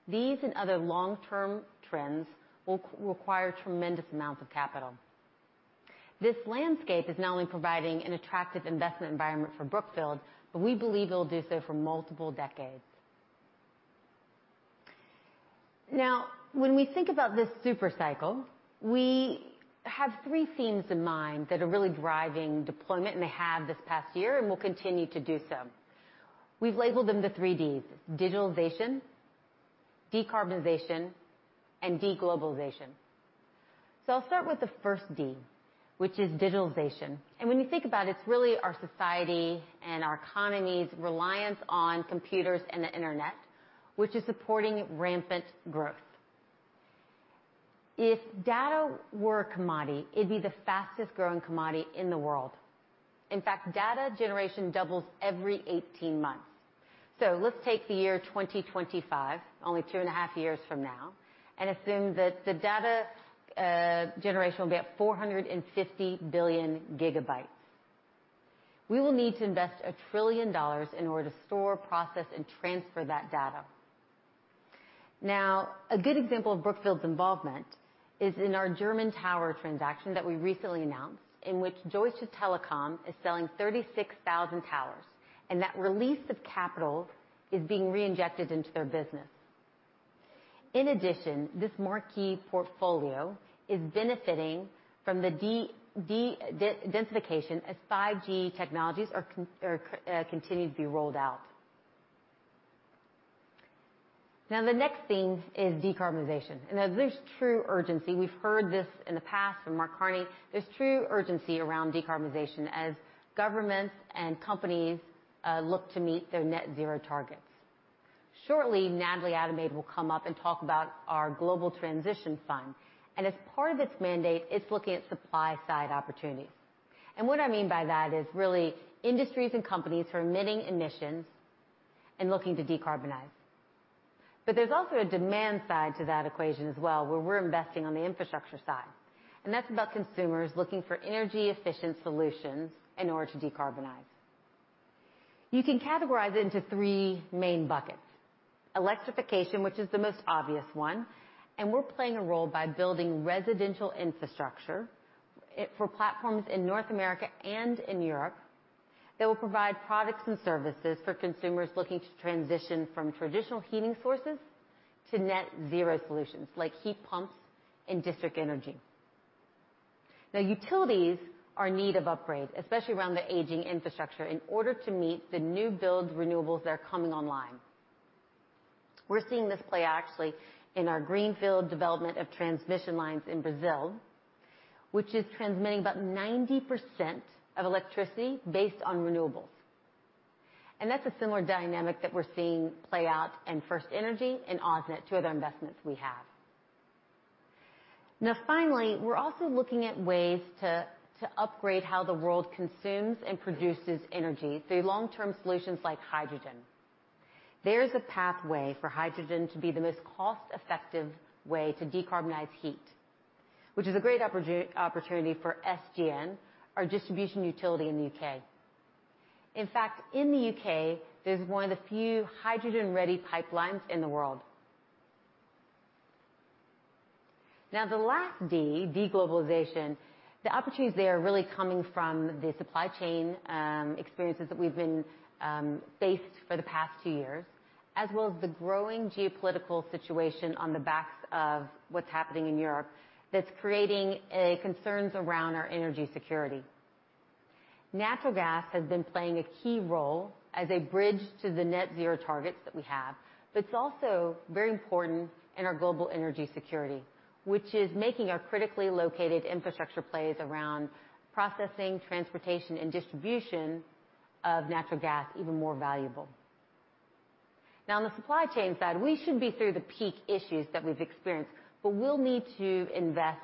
these and other long-term trends will require tremendous amounts of capital. This landscape is not only providing an attractive investment environment for Brookfield, but we believe it'll do so for multiple decades. Now, when we think about this super cycle, we have three themes in mind that are really driving deployment, and they have this past year and will continue to do so. We've labeled them the three Ds, digitalization, decarbonization, and deglobalization. I'll start with the first D, which is digitalization. When you think about it's really our society and our economy's reliance on computers and the internet, which is supporting rampant growth. If data were a commodity, it'd be the fastest-growing commodity in the world. In fact, data generation doubles every 18 months. Let's take the year 2025, only two and a half years from now, and assume that the data generation will be at 450 billion GB. We will need to invest $1 trillion in order to store, process, and transfer that data. Now, a good example of Brookfield's involvement is in our German tower transaction that we recently announced, in which Deutsche Telekom is selling 36,000 towers, and that release of capital is being reinjected into their business. In addition, this marquee portfolio is benefiting from the densification as 5G technologies are continuing to be rolled out. Now, the next theme is decarbonization. Now, there's true urgency. We've heard this in the past from Mark Carney. There's true urgency around decarbonization as governments and companies look to meet their net zero targets. Shortly, Natalie Adomait will come up and talk about our global transition fund, and as part of its mandate, it's looking at supply side opportunities. What I mean by that is really industries and companies who are emitting emissions and looking to decarbonize. There's also a demand side to that equation as well, where we're investing on the infrastructure side. That's about consumers looking for energy efficient solutions in order to decarbonize. You can categorize it into three main buckets. Electrification, which is the most obvious one, and we're playing a role by building residential infrastructure for platforms in North America and in Europe that will provide products and services for consumers looking to transition from traditional heating sources to net zero solutions like heat pumps and district energy. Now, utilities are in need of upgrade, especially around the aging infrastructure, in order to meet the new build renewables that are coming online. We're seeing this play actually in our greenfield development of transmission lines in Brazil, which is transmitting about 90% of electricity based on renewables. That's a similar dynamic that we're seeing play out in FirstEnergy and AusNet, two other investments we have. Now finally, we're also looking at ways to upgrade how the world consumes and produces energy through long-term solutions like hydrogen. There is a pathway for hydrogen to be the most cost-effective way to decarbonize heat, which is a great opportunity for SGN, our distribution utility in the U.K. In fact, in the U.K., there's one of the few hydrogen-ready pipelines in the world. Now, the last D, deglobalization, the opportunities there are really coming from the supply chain experiences that we've been faced for the past two years, as well as the growing geopolitical situation on the backs of what's happening in Europe that's creating concerns around our energy security. Natural gas has been playing a key role as a bridge to the net zero targets that we have, but it's also very important in our global energy security, which is making our critically located infrastructure plays around processing, transportation, and distribution of natural gas even more valuable. Now, on the supply chain side, we should be through the peak issues that we've experienced, but we'll need to invest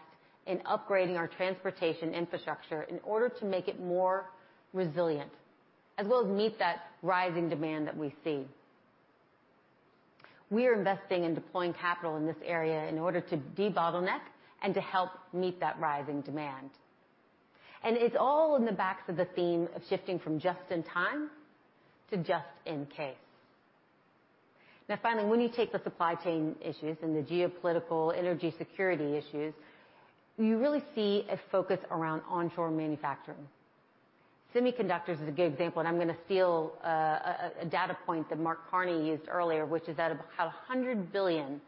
in upgrading our transportation infrastructure in order to make it more resilient, as well as meet that rising demand that we see. We are investing in deploying capital in this area in order to debottleneck and to help meet that rising demand. It's all on the backs of the theme of shifting from just in time to just in case. Now finally, when you take the supply chain issues and the geopolitical energy security issues, you really see a focus around onshore manufacturing. Semiconductors is a good example, and I'm gonna steal a data point that Mark Carney used earlier, which is that about $100 billion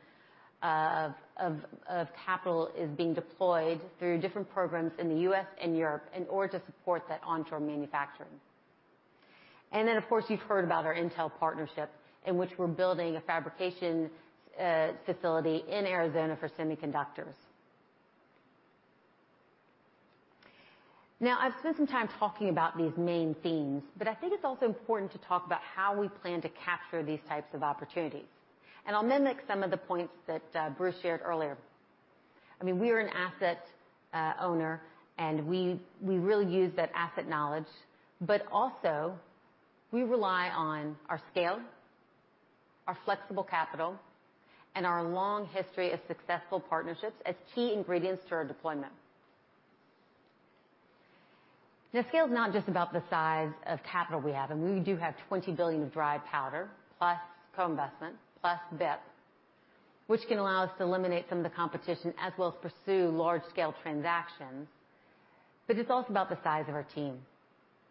of capital is being deployed through different programs in the U.S. and Europe in order to support that onshore manufacturing. Then, of course, you've heard about our Intel partnership in which we're building a fabrication facility in Arizona for semiconductors. Now, I've spent some time talking about these main themes, but I think it's also important to talk about how we plan to capture these types of opportunities. I'll mimic some of the points that Bruce Flatt shared earlier. I mean, we are an asset owner, and we really use that asset knowledge. Also we rely on our scale, our flexible capital, and our long history of successful partnerships as key ingredients to our deployment. Now, scale is not just about the size of capital we have, and we do have $20 billion of dry powder plus co-investment plus BIP, which can allow us to eliminate some of the competition as well as pursue large-scale transactions, but it's also about the size of our team.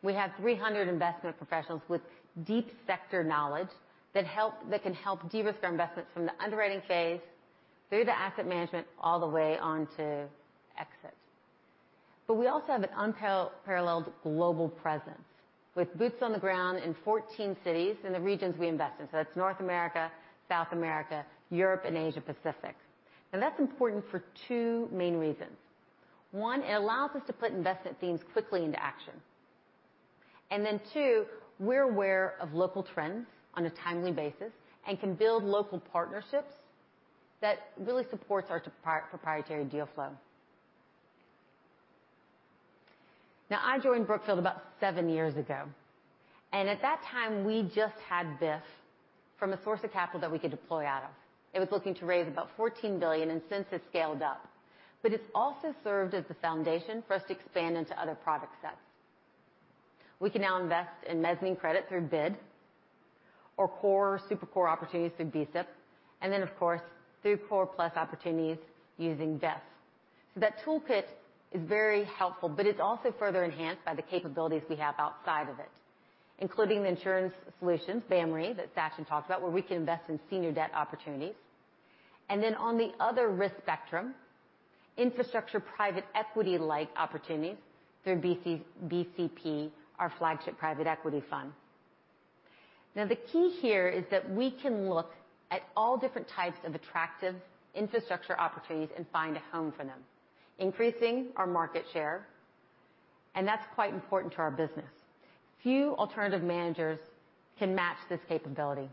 We have 300 investment professionals with deep sector knowledge that can help de-risk our investments from the underwriting phase through the asset management all the way on to exit. We also have an unparalleled global presence with boots on the ground in 14 cities in the regions we invest in. That's important for two main reasons. One, it allows us to put investment themes quickly into action. Then two, we're aware of local trends on a timely basis and can build local partnerships that really supports our proprietary deal flow. Now, I joined Brookfield about 7 years ago, and at that time, we just had BIF from a source of capital that we could deploy out of. It was looking to raise about $14 billion, and since it's scaled up. It's also served as the foundation for us to expand into other product sets. We can now invest in mezzanine credit through BID or core, super core opportunities through BSIP, and then of course, through core plus opportunities using BIF. That toolkit is very helpful, but it's also further enhanced by the capabilities we have outside of it, including the Insurance Solutions, BAM Re, that Sachin talked about, where we can invest in senior debt opportunities. On the other risk spectrum, infrastructure private equity-like opportunities through BCP, our flagship private equity fund. The key here is that we can look at all different types of attractive infrastructure opportunities and find a home for them, increasing our market share, and that's quite important to our business. Few alternative managers can match this capability.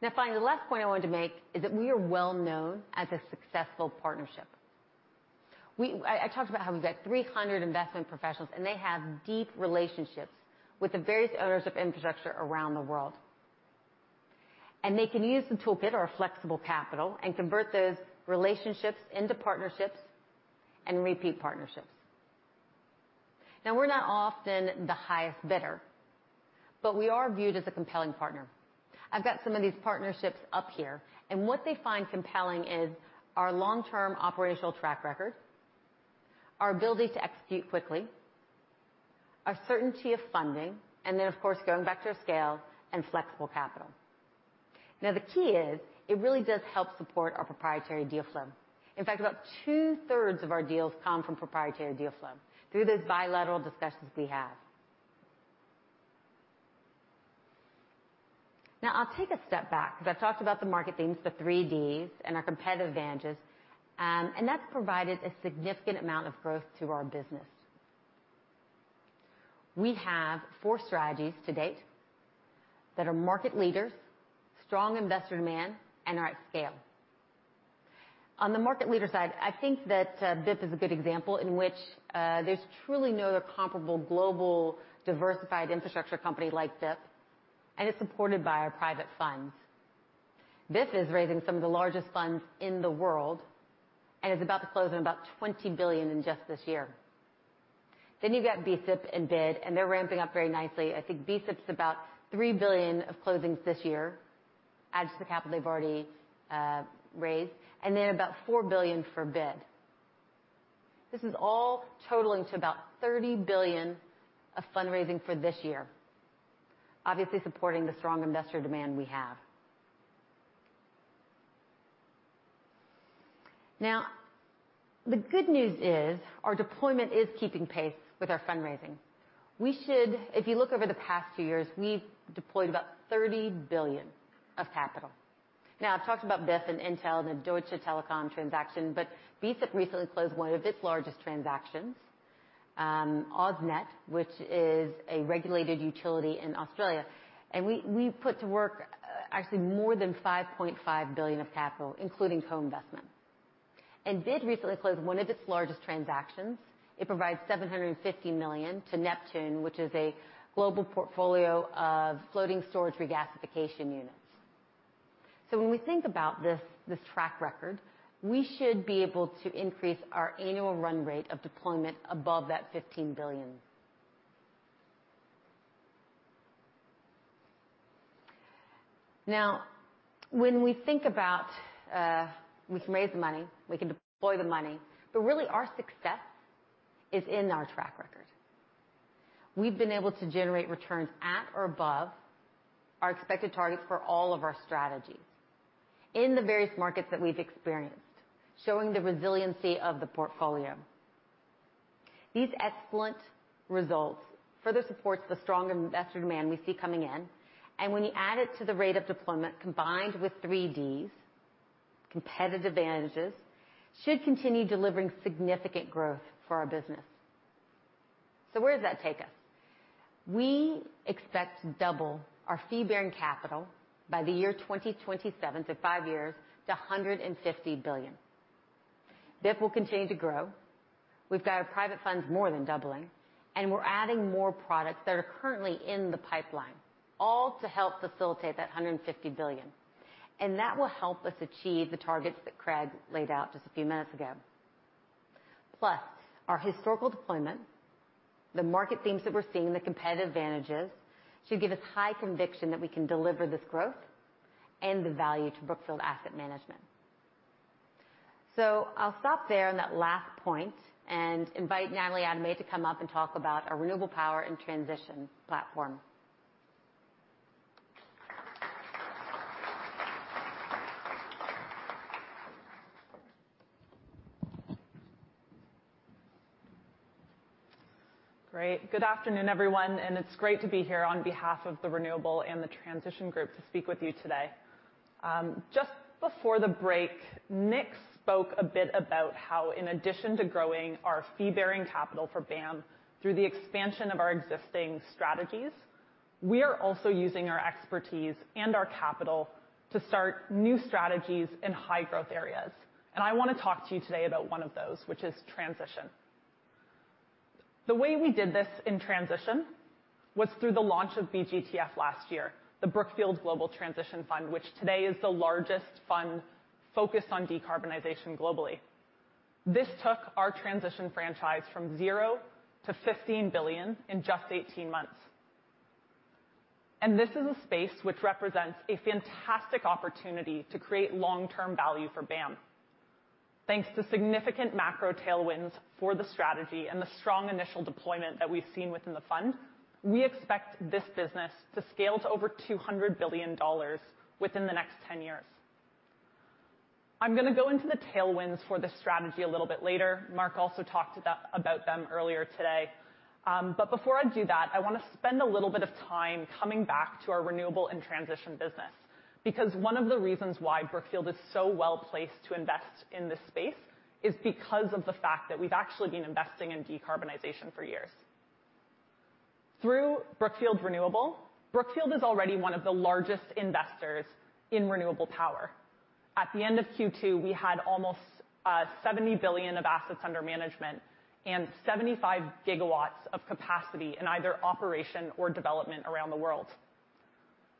Now finally, the last point I wanted to make is that we are well-known as a successful partnership. I talked about how we've got 300 investment professionals, and they have deep relationships with the various owners of infrastructure around the world. They can use the toolkit or our flexible capital and convert those relationships into partnerships and repeat partnerships. Now we're not often the highest bidder, but we are viewed as a compelling partner. I've got some of these partnerships up here, and what they find compelling is our long-term operational track record, our ability to execute quickly, our certainty of funding, and then of course, going back to our scale and flexible capital. Now the key is it really does help support our proprietary deal flow. In fact, about two-thirds of our deals come from proprietary deal flow through those bilateral discussions we have. Now I'll take a step back because I've talked about the market themes, the three Ds, and our competitive advantages, and that's provided a significant amount of growth to our business. We have four strategies to date that are market leaders, strong investor demand, and are at scale. On the market leader side, I think that, BIF is a good example in which, there's truly no other comparable global diversified infrastructure company like BIF, and it's supported by our private funds. BIF is raising some of the largest funds in the world, and it's about to close on about $20 billion in just this year. Then you've got BSIP and BID, and they're ramping up very nicely. I think BSIP's about $3 billion of closings this year, adds to the capital they've already raised, and then about $4 billion for BID. This is all totaling to about $30 billion of fundraising for this year, obviously supporting the strong investor demand we have. Now the good news is our deployment is keeping pace with our fundraising. If you look over the past two years, we've deployed about $30 billion of capital. Now I've talked about BIF and Intel and the Deutsche Telekom transaction, but BSIP recently closed one of its largest transactions, AusNet, which is a regulated utility in Australia. We've put to work actually more than $5.5 billion of capital, including co-investment. BID recently closed one of its largest transactions. It provides $750 million to Neptune, which is a global portfolio of floating storage regasification units. When we think about this track record, we should be able to increase our annual run rate of deployment above that $15 billion. Now when we think about we can raise the money, we can deploy the money, but really our success is in our track record. We've been able to generate returns at or above our expected targets for all of our strategies in the various markets that we've experienced, showing the resiliency of the portfolio. These excellent results further supports the strong investor demand we see coming in. When you add it to the rate of deployment combined with 3 Ds, competitive advantages should continue delivering significant growth for our business. Where does that take us? We expect to double our Fee-Bearing Capital by the year 2027, so five years, to $150 billion. BIF will continue to grow. We've got our private funds more than doubling, and we're adding more products that are currently in the pipeline, all to help facilitate that $150 billion. That will help us achieve the targets that Craig laid out just a few minutes ago. Plus, our historical deployment, the market themes that we're seeing, the competitive advantages should give us high conviction that we can deliver this growth and the value to Brookfield Asset Management. I'll stop there on that last point and invite Natalie Adomait to come up and talk about our Renewable Power and Transition platform. Great. Good afternoon, everyone, and it's great to be here on behalf of the Renewable and Transition group to speak with you today. Just before the break, Nick spoke a bit about how in addition to growing our fee-bearing capital for BAM through the expansion of our existing strategies, we are also using our expertise and our capital to start new strategies in high-growth areas. I wanna talk to you today about one of those, which is transition. The way we did this in transition was through the launch of BGTF last year, the Brookfield Global Transition Fund, which today is the largest fund focused on decarbonization globally. This took our transition franchise from 0 to $15 billion in just 18 months. This is a space which represents a fantastic opportunity to create long-term value for BAM. Thanks to significant macro tailwinds for the strategy and the strong initial deployment that we've seen within the fund, we expect this business to scale to over $200 billion within the next 10 years. I'm gonna go into the tailwinds for this strategy a little bit later. Mark also talked about them earlier today. Before I do that, I wanna spend a little bit of time coming back to our renewable and transition business, because one of the reasons why Brookfield is so well-placed to invest in this space is because of the fact that we've actually been investing in decarbonization for years. Through Brookfield Renewable, Brookfield is already one of the largest investors in renewable power. At the end of Q2, we had almost $70 billion of assets under management and 75 gigawatts of capacity in either operation or development around the world.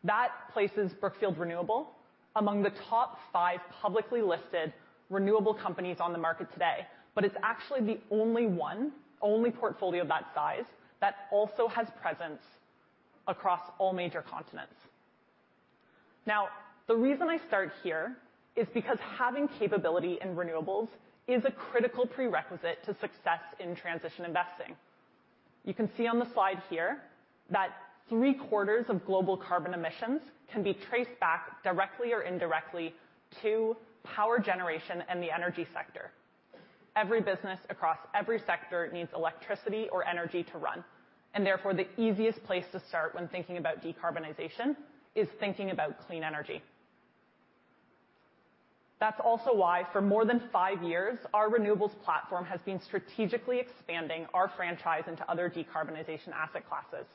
That places Brookfield Renewable among the top five publicly listed renewable companies on the market today, but it's actually the only one, only portfolio that size, that also has presence across all major continents. Now, the reason I start here is because having capability in renewables is a critical prerequisite to success in transition investing. You can see on the slide here that three-quarters of global carbon emissions can be traced back directly or indirectly to power generation and the energy sector. Every business across every sector needs electricity or energy to run, and therefore the easiest place to start when thinking about decarbonization is thinking about clean energy. That's also why, for more than five years, our renewables platform has been strategically expanding our franchise into other decarbonization asset classes.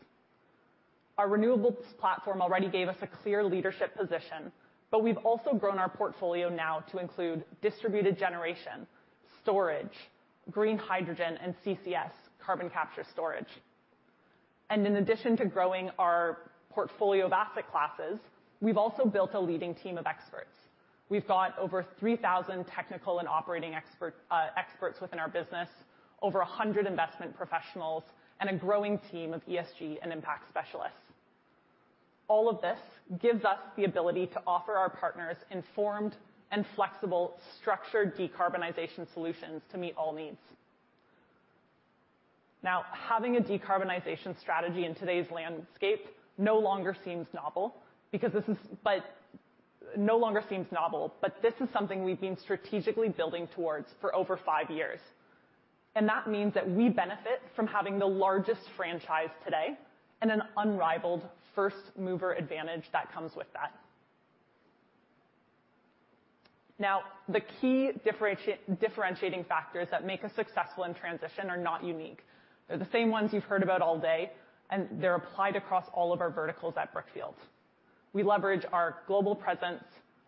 Our renewables platform already gave us a clear leadership position, but we've also grown our portfolio now to include distributed generation, storage, green hydrogen, and CCS, carbon capture storage. In addition to growing our portfolio of asset classes, we've also built a leading team of experts. We've got over 3,000 technical and operating experts within our business, over 100 investment professionals, and a growing team of ESG and impact specialists. All of this gives us the ability to offer our partners informed and flexible structured decarbonization solutions to meet all needs. Now, having a decarbonization strategy in today's landscape no longer seems novel, but this is something we've been strategically building towards for over five years. That means that we benefit from having the largest franchise today and an unrivaled first-mover advantage that comes with that. Now, the key differentiating factors that make us successful in transition are not unique. They're the same ones you've heard about all day, and they're applied across all of our verticals at Brookfield. We leverage our global presence,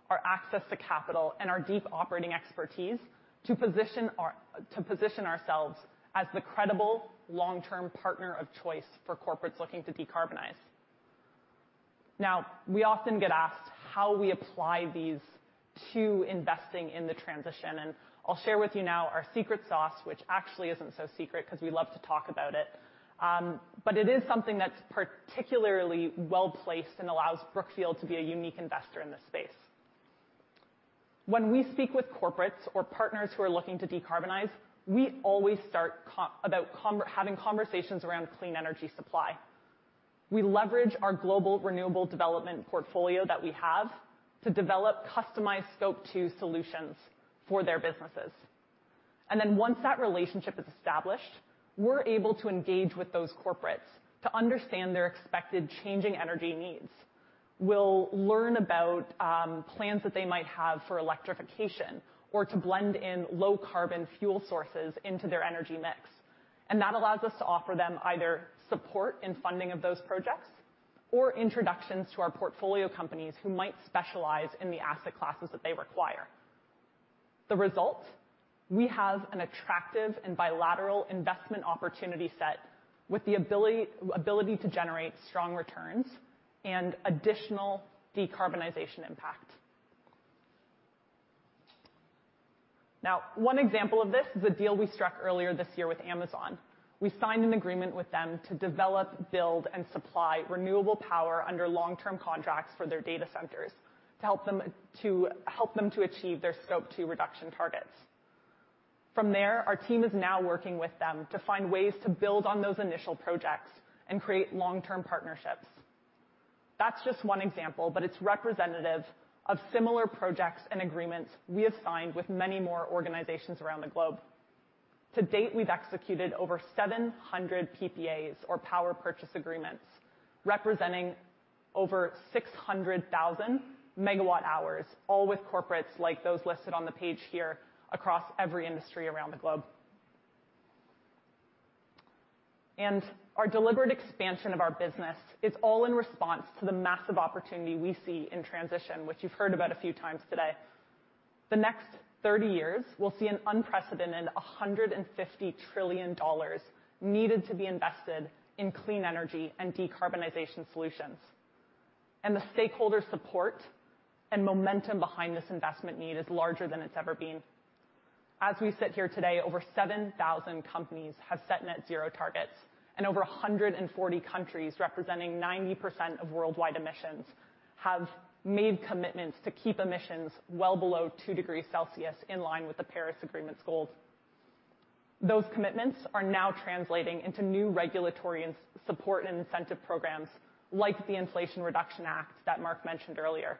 our access to capital, and our deep operating expertise to position ourselves as the credible long-term partner of choice for corporates looking to decarbonize. Now, we often get asked how we apply these to investing in the transition, and I'll share with you now our secret sauce, which actually isn't so secret 'cause we love to talk about it. It is something that's particularly well-placed and allows Brookfield to be a unique investor in this space. When we speak with corporates or partners who are looking to decarbonize, we always start having conversations around clean energy supply. We leverage our global renewable development portfolio that we have to develop customized scope two solutions for their businesses. Once that relationship is established, we're able to engage with those corporates to understand their expected changing energy needs. We'll learn about plans that they might have for electrification or to blend in low-carbon fuel sources into their energy mix. That allows us to offer them either support in funding of those projects or introductions to our portfolio companies who might specialize in the asset classes that they require. The result, we have an attractive and bilateral investment opportunity set with the ability to generate strong returns and additional decarbonization impact. Now, one example of this is a deal we struck earlier this year with Amazon. We signed an agreement with them to develop, build, and supply renewable power under long-term contracts for their data centers to help them to achieve their scope two reduction targets. From there, our team is now working with them to find ways to build on those initial projects and create long-term partnerships. That's just one example, but it's representative of similar projects and agreements we have signed with many more organizations around the globe. To date, we've executed over 700 PPAs or power purchase agreements, representing over 600,000 megawatt-hours, all with corporates like those listed on the page here across every industry around the globe. Our deliberate expansion of our business is all in response to the massive opportunity we see in transition, which you've heard about a few times today. The next 30 years will see an unprecedented $150 trillion needed to be invested in clean energy and decarbonization solutions. The stakeholder support and momentum behind this investment need is larger than it's ever been. As we sit here today, over 7,000 companies have set net zero targets, and over 140 countries representing 90% of worldwide emissions have made commitments to keep emissions well below 2 degrees Celsius in line with the Paris Agreement's goals. Those commitments are now translating into new regulatory and support and incentive programs like the Inflation Reduction Act that Mark mentioned earlier.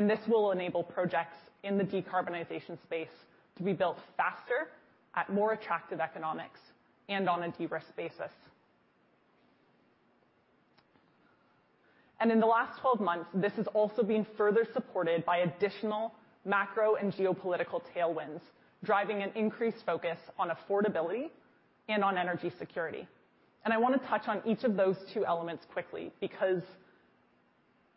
This will enable projects in the decarbonization space to be built faster, at more attractive economics, and on a de-risk basis. In the last 12 months, this has also been further supported by additional macro and geopolitical tailwinds, driving an increased focus on affordability and on energy security. I wanna touch on each of those two elements quickly because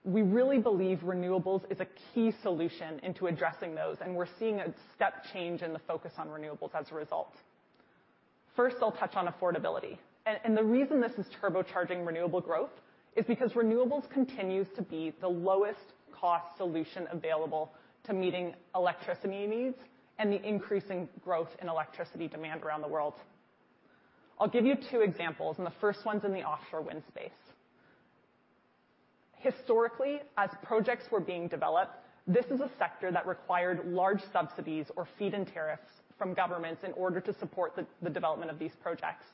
we really believe renewables is a key solution into addressing those, and we're seeing a step change in the focus on renewables as a result. First, I'll touch on affordability. The reason this is turbocharging renewable growth is because renewables continues to be the lowest cost solution available to meeting electricity needs and the increasing growth in electricity demand around the world. I'll give you two examples, and the first one's in the offshore wind space. Historically, as projects were being developed, this is a sector that required large subsidies or feed-in tariffs from governments in order to support the development of these projects.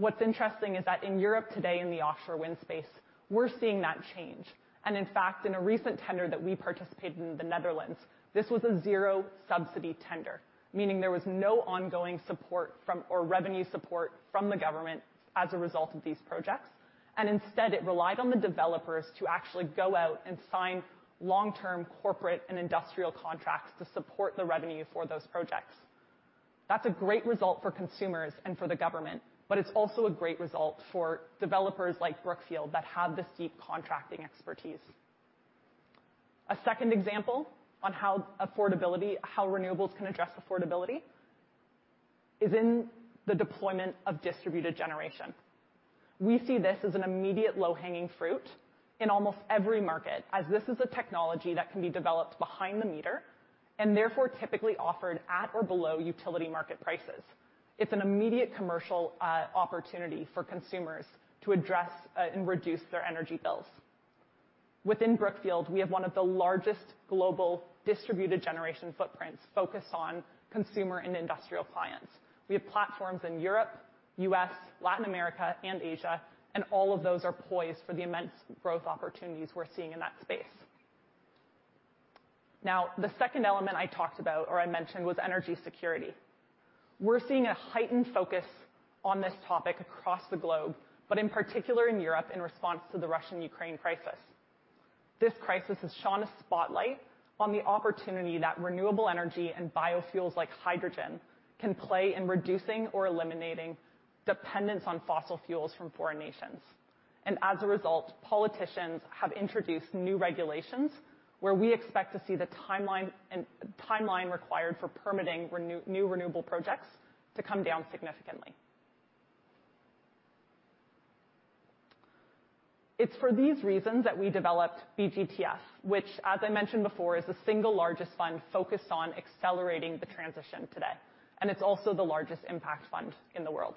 What's interesting is that in Europe today in the offshore wind space, we're seeing that change. In fact, in a recent tender that we participated in the Netherlands, this was a zero-subsidy tender, meaning there was no ongoing support from or revenue support from the government as a result of these projects. Instead, it relied on the developers to actually go out and sign long-term corporate and industrial contracts to support the revenue for those projects. That's a great result for consumers and for the government, but it's also a great result for developers like Brookfield that have the deep contracting expertise. A second example on how affordability, how renewables can address affordability is in the deployment of distributed generation. We see this as an immediate low-hanging fruit in almost every market, as this is a technology that can be developed behind the meter and therefore typically offered at or below utility market prices. It's an immediate commercial opportunity for consumers to address and reduce their energy bills. Within Brookfield, we have one of the largest global distributed generation footprints focused on consumer and industrial clients. We have platforms in Europe, U.S., Latin America, and Asia, and all of those are poised for the immense growth opportunities we're seeing in that space. Now, the second element I talked about, or I mentioned, was energy security. We're seeing a heightened focus on this topic across the globe, but in particular in Europe in response to the Russian-Ukraine crisis. This crisis has shone a spotlight on the opportunity that renewable energy and biofuels like hydrogen can play in reducing or eliminating dependence on fossil fuels from foreign nations. As a result, politicians have introduced new regulations where we expect to see the timeline required for permitting new renewable projects to come down significantly. It's for these reasons that we developed BGTF, which as I mentioned before, is the single largest fund focused on accelerating the transition today, and it's also the largest impact fund in the world.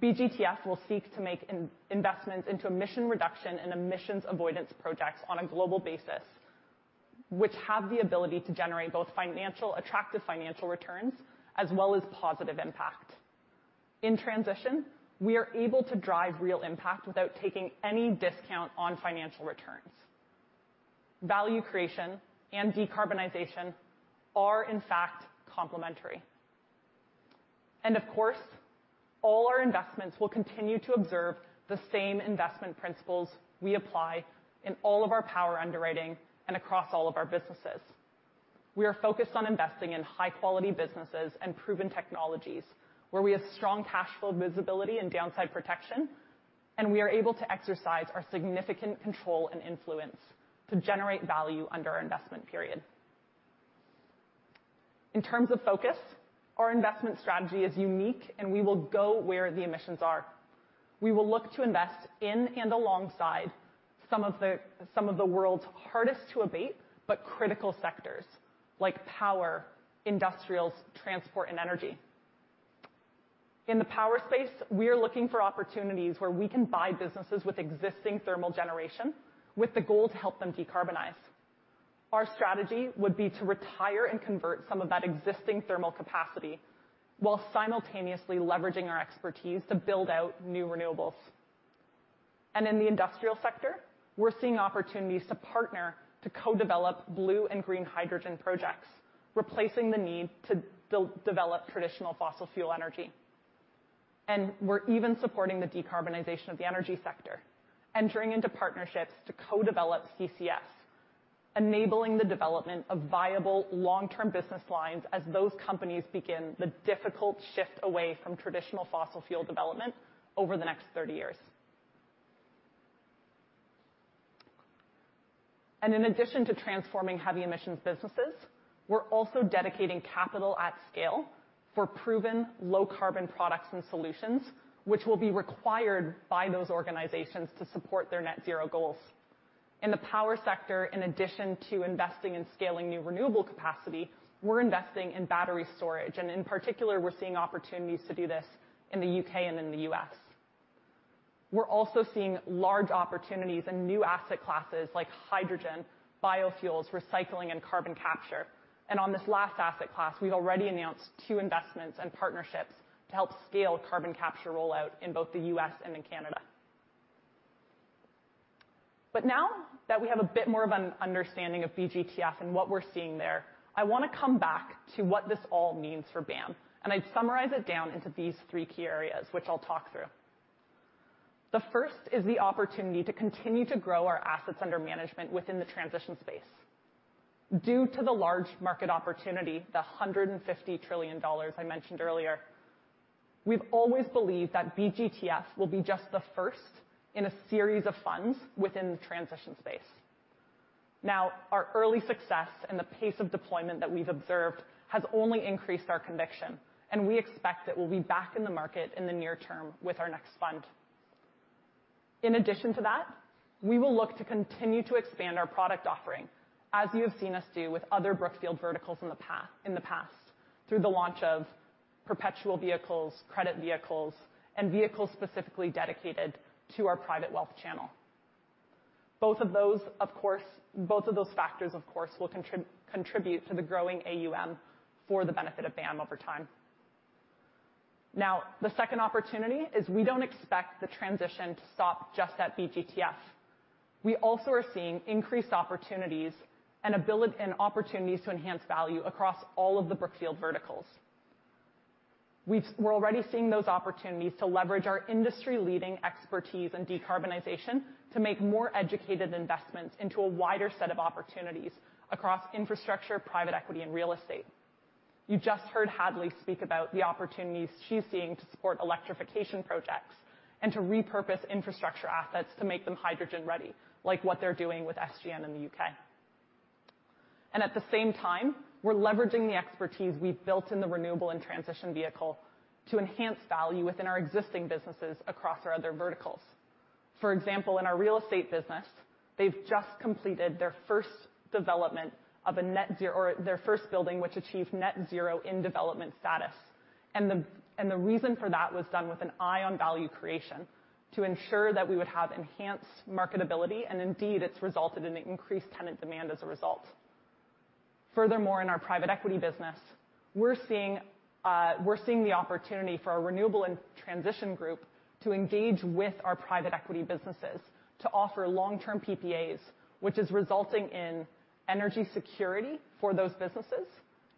BGTF will seek to make investments into emission reduction and emissions avoidance projects on a global basis, which have the ability to generate both attractive financial returns as well as positive impact. In transition, we are able to drive real impact without taking any discount on financial returns. Value creation and decarbonization are, in fact, complementary. Of course, all our investments will continue to observe the same investment principles we apply in all of our power underwriting and across all of our businesses. We are focused on investing in high-quality businesses and proven technologies where we have strong cash flow visibility and downside protection, and we are able to exercise our significant control and influence to generate value under our investment period. In terms of focus, our investment strategy is unique, and we will go where the emissions are. We will look to invest in and alongside some of the world's hardest to abate, but critical sectors like power, industrials, transport, and energy. In the power space, we are looking for opportunities where we can buy businesses with existing thermal generation with the goal to help them decarbonize. Our strategy would be to retire and convert some of that existing thermal capacity while simultaneously leveraging our expertise to build out new renewables. In the industrial sector, we're seeing opportunities to partner to co-develop blue and green hydrogen projects, replacing the need to build, develop traditional fossil fuel energy. We're even supporting the decarbonization of the energy sector, entering into partnerships to co-develop CCS, enabling the development of viable long-term business lines as those companies begin the difficult shift away from traditional fossil fuel development over the next 30 years. In addition to transforming heavy emissions businesses, we're also dedicating capital at scale for proven low carbon products and solutions, which will be required by those organizations to support their net zero goals. In the power sector, in addition to investing in scaling new renewable capacity, we're investing in battery storage, and in particular, we're seeing opportunities to do this in the U.K. and in the U.S. We're also seeing large opportunities in new asset classes like hydrogen, biofuels, recycling, and carbon capture. On this last asset class, we've already announced two investments and partnerships to help scale carbon capture rollout in both the U.S. and in Canada. Now that we have a bit more of an understanding of BGTF and what we're seeing there, I wanna come back to what this all means for BAM, and I'd summarize it down into these three key areas, which I'll talk through. The first is the opportunity to continue to grow our assets under management within the transition space. Due to the large market opportunity, the $150 trillion I mentioned earlier, we've always believed that BGTF will be just the first in a series of funds within the transition space. Now, our early success and the pace of deployment that we've observed has only increased our conviction, and we expect that we'll be back in the market in the near term with our next fund. In addition to that, we will look to continue to expand our product offering, as you have seen us do with other Brookfield verticals in the past, through the launch of perpetual vehicles, credit vehicles, and vehicles specifically dedicated to our private wealth channel. Both of those factors, of course, will contribute to the growing AUM for the benefit of BAM over time. Now, the second opportunity is we don't expect the transition to stop just at BGTF. We also are seeing increased opportunities and opportunities to enhance value across all of the Brookfield verticals. We're already seeing those opportunities to leverage our industry-leading expertise in decarbonization to make more educated investments into a wider set of opportunities across infrastructure, private equity, and real estate. You just heard Hadley speak about the opportunities she's seeing to support electrification projects and to repurpose infrastructure assets to make them hydrogen-ready, like what they're doing with SGN in the UK. At the same time, we're leveraging the expertise we've built in the renewable and transition vehicle to enhance value within our existing businesses across our other verticals. For example, in our real estate business, they've just completed their first building, which achieved net zero in development status. The reason for that was done with an eye on value creation to ensure that we would have enhanced marketability, and indeed, it's resulted in increased tenant demand as a result. Furthermore, in our private equity business, we're seeing the opportunity for our renewable and transition group to engage with our private equity businesses to offer long-term PPAs, which is resulting in energy security for those businesses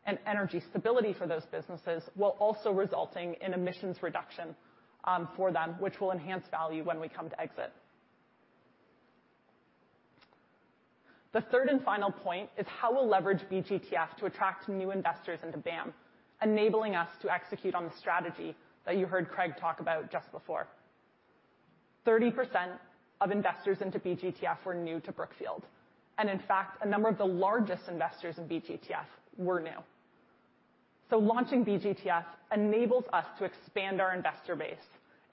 and energy stability for those businesses, while also resulting in emissions reduction for them, which will enhance value when we come to exit. The third and final point is how we'll leverage BGTF to attract new investors into BAM, enabling us to execute on the strategy that you heard Craig talk about just before. 30% of investors into BGTF were new to Brookfield, and in fact, a number of the largest investors in BGTF were new. Launching BGTF enables us to expand our investor base,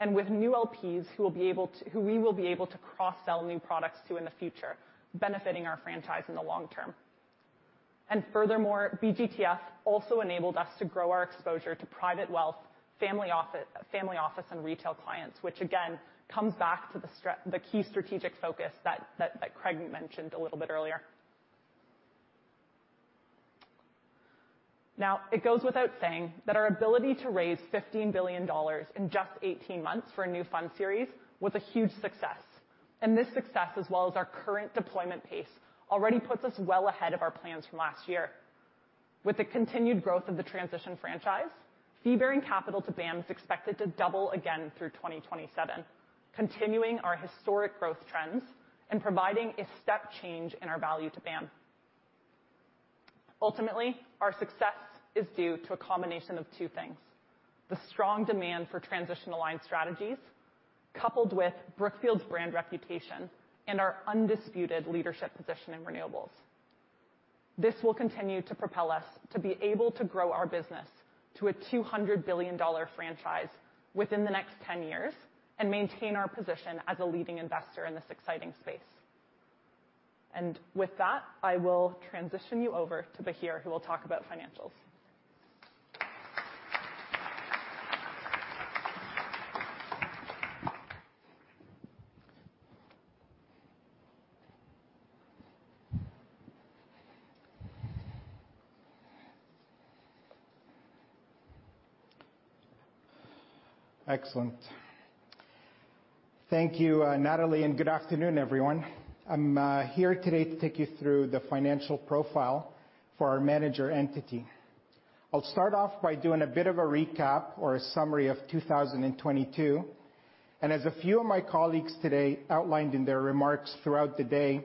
and with new LPs who we will be able to cross-sell new products to in the future, benefiting our franchise in the long term. Furthermore, BGTF also enabled us to grow our exposure to private wealth, family office and retail clients, which again comes back to the key strategic focus that Craig mentioned a little bit earlier. Now, it goes without saying that our ability to raise $15 billion in just 18 months for a new fund series was a huge success. This success, as well as our current deployment pace, already puts us well ahead of our plans from last year. With the continued growth of the transition franchise, fee-bearing capital to BAM is expected to double again through 2027, continuing our historic growth trends and providing a step change in our value to BAM. Ultimately, our success is due to a combination of two things. The strong demand for transition aligned strategies, coupled with Brookfield's brand reputation and our undisputed leadership position in renewables. This will continue to propel us to be able to grow our business to a $200 billion franchise within the next 10 years and maintain our position as a leading investor in this exciting space. With that, I will transition you over to Bahir, who will talk about financials. Excellent. Thank you, Natalie, and good afternoon, everyone. I'm here today to take you through the financial profile for our manager entity. I'll start off by doing a bit of a recap or a summary of 2022. As a few of my colleagues today outlined in their remarks throughout the day,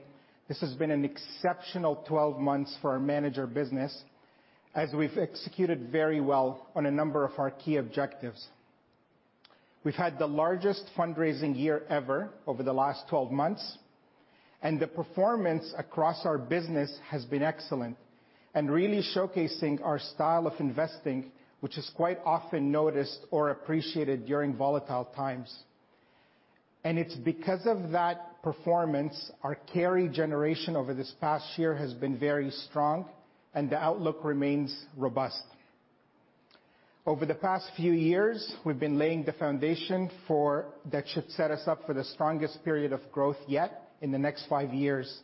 this has been an exceptional 12 months for our manager business as we've executed very well on a number of our key objectives. We've had the largest fundraising year ever over the last 12 months, and the performance across our business has been excellent and really showcasing our style of investing, which is quite often noticed or appreciated during volatile times. It's because of that performance, our carry generation over this past year has been very strong, and the outlook remains robust. Over the past few years, we've been laying the foundation for that should set us up for the strongest period of growth yet in the next five years.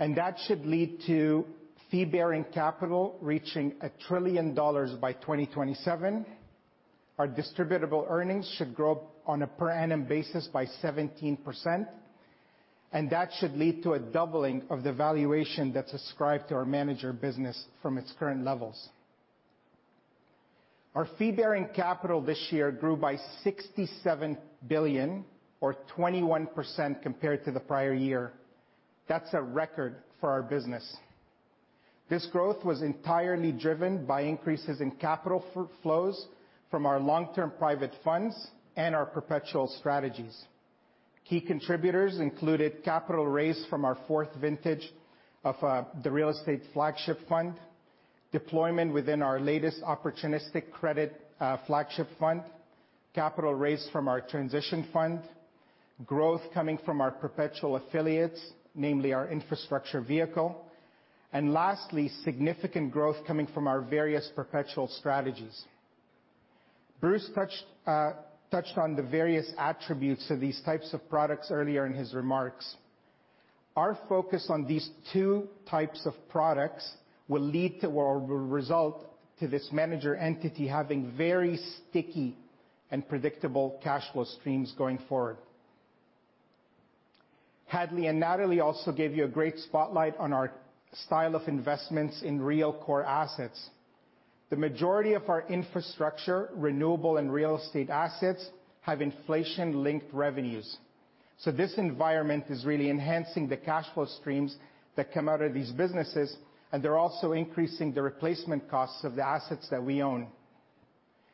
That should lead to fee-bearing capital reaching $1 trillion by 2027. Our distributable earnings should grow on a per annum basis by 17%, and that should lead to a doubling of the valuation that's ascribed to our manager business from its current levels. Our fee-bearing capital this year grew by $67 billion or 21% compared to the prior year. That's a record for our business. This growth was entirely driven by increases in capital flows from our long-term private funds and our perpetual strategies. Key contributors included capital raise from our fourth vintage of the real estate flagship fund, deployment within our latest opportunistic credit flagship fund, capital raised from our transition fund, growth coming from our perpetual affiliates, namely our infrastructure vehicle, and lastly, significant growth coming from our various perpetual strategies. Bruce touched on the various attributes of these types of products earlier in his remarks. Our focus on these two types of products will lead to or will result to this manager entity having very sticky and predictable cash flow streams going forward. Hadley and Natalie also gave you a great spotlight on our style of investments in real core assets. The majority of our infrastructure, renewable, and real estate assets have inflation-linked revenues. This environment is really enhancing the cash flow streams that come out of these businesses, and they're also increasing the replacement costs of the assets that we own.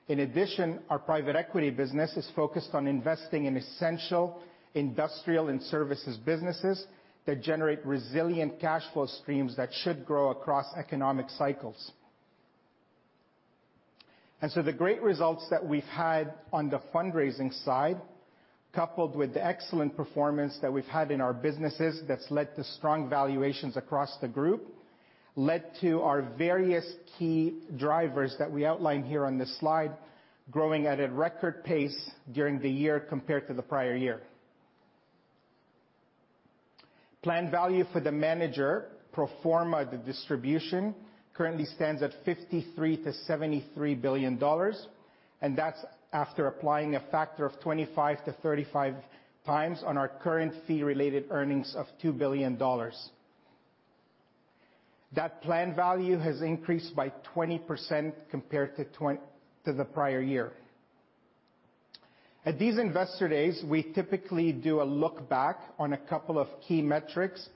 In addition, our private equity business is focused on investing in essential industrial and services businesses that generate resilient cash flow streams that should grow across economic cycles. The great results that we've had on the fundraising side, coupled with the excellent performance that we've had in our businesses that's led to strong valuations across the group, led to our various key drivers that we outlined here on this slide, growing at a record pace during the year compared to the prior year. Planned value for the manager pro forma the distribution currently stands at $53 billion-$73 billion, and that's after applying a factor of 25-35 times on our current Fee-Related Earnings of $2 billion. That planned value has increased by 20% compared to the prior year. At these investor days, we typically do a look back on a couple of key metrics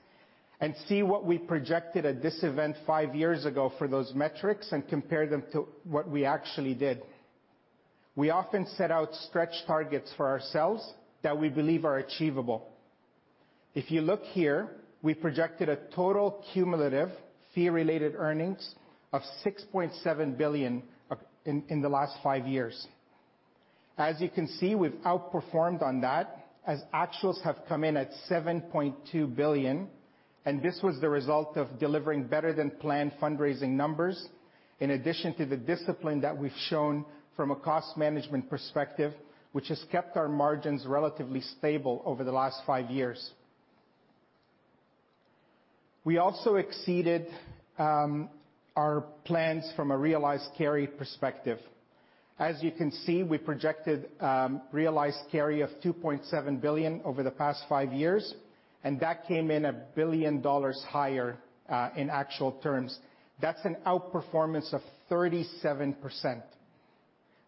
and see what we projected at this event five years ago for those metrics and compare them to what we actually did. We often set out stretch targets for ourselves that we believe are achievable. If you look here, we projected a total cumulative Fee-Related Earnings of $6.7 billion in the last five years. As you can see, we've outperformed on that as actuals have come in at $7.2 billion, and this was the result of delivering better-than-planned fundraising numbers, in addition to the discipline that we've shown from a cost management perspective, which has kept our margins relatively stable over the last five years. We also exceeded our plans from a realized carry perspective. As you can see, we projected realized carry of $2.7 billion over the past five years, and that came in $1 billion higher in actual terms. That's an outperformance of 37%.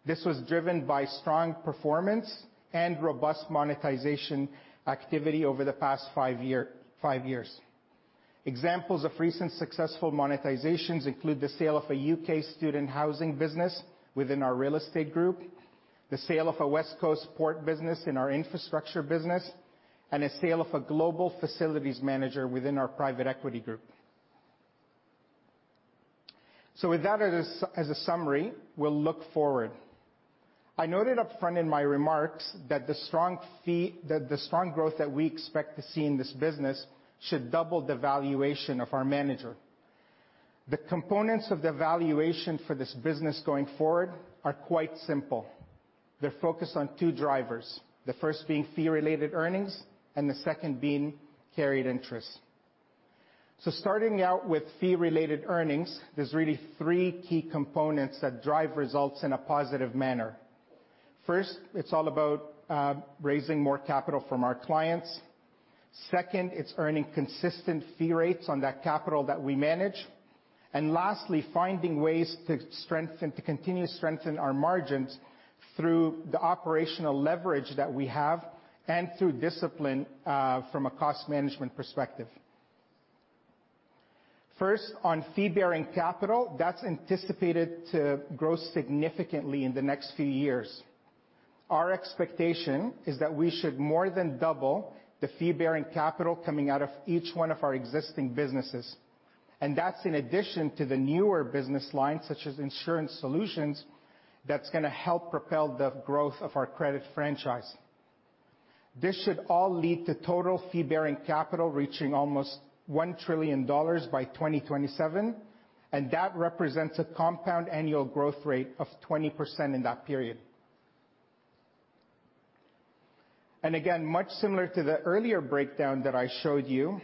This was driven by strong performance and robust monetization activity over the past five years. Examples of recent successful monetizations include the sale of a UK student housing business within our real estate group, the sale of a West Coast port business in our infrastructure business, and a sale of a global facilities manager within our private equity group. With that as a summary, we'll look forward. I noted up front in my remarks that the strong growth that we expect to see in this business should double the valuation of our manager. The components of the valuation for this business going forward are quite simple. They're focused on two drivers, the first being Fee-Related Earnings and the second being carried interest. Starting out with Fee-Related Earnings, there's really three key components that drive results in a positive manner. First, it's all about raising more capital from our clients. Second, it's earning consistent fee rates on that capital that we manage. Lastly, finding ways to continuously strengthen our margins through the operational leverage that we have and through discipline from a cost management perspective. First, on Fee-Bearing Capital, that's anticipated to grow significantly in the next few years. Our expectation is that we should more than double the Fee-Bearing Capital coming out of each one of our existing businesses. That's in addition to the newer business lines, such as Insurance Solutions, that's gonna help propel the growth of our credit franchise. This should all lead to total Fee-Bearing Capital reaching almost $1 trillion by 2027, and that represents a compound annual growth rate of 20% in that period. Again, much similar to the earlier breakdown that I showed you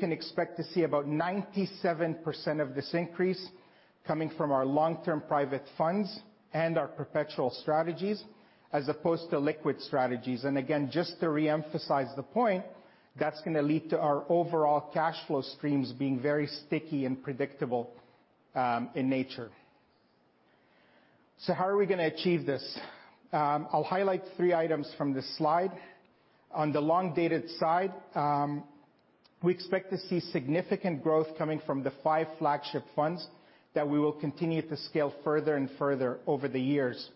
can expect to see about 97% of this increase coming from our long-term private funds and our perpetual strategies as opposed to liquid strategies. Again, just to re-emphasize the point, that's gonna lead to our overall cash flow streams being very sticky and predictable in nature. How are we gonna achieve this? I'll highlight three items from this slide. On the long-dated side, we expect to see significant growth coming from the five flagship funds that we will continue to scale further and further over the years.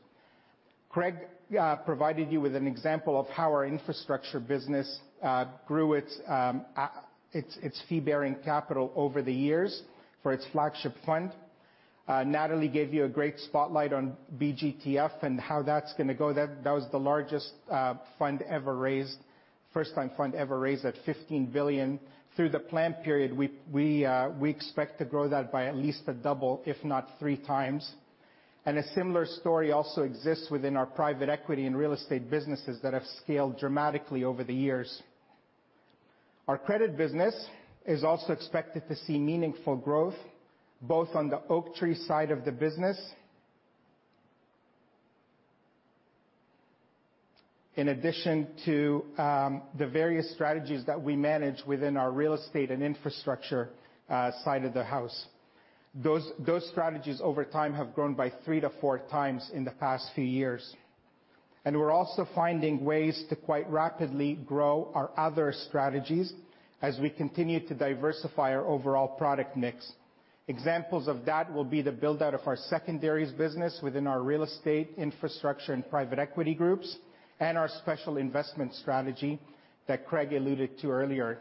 Craig provided you with an example of how our infrastructure business grew its fee-bearing capital over the years for its flagship fund. Natalie gave you a great spotlight on BGTF and how that's gonna go. That was the largest fund ever raised, first time fund ever raised at $15 billion. Through the plan period, we expect to grow that by at least a double, if not 3 times. A similar story also exists within our private equity and real estate businesses that have scaled dramatically over the years. Our credit business is also expected to see meaningful growth, both on the Oaktree side of the business. In addition to the various strategies that we manage within our real estate and infrastructure side of the house. Those strategies over time have grown by 3-4 times in the past few years. We're also finding ways to quite rapidly grow our other strategies as we continue to diversify our overall product mix. Examples of that will be the build-out of our secondaries business within our real estate infrastructure and private equity groups and our Special Investments strategy that Craig alluded to earlier,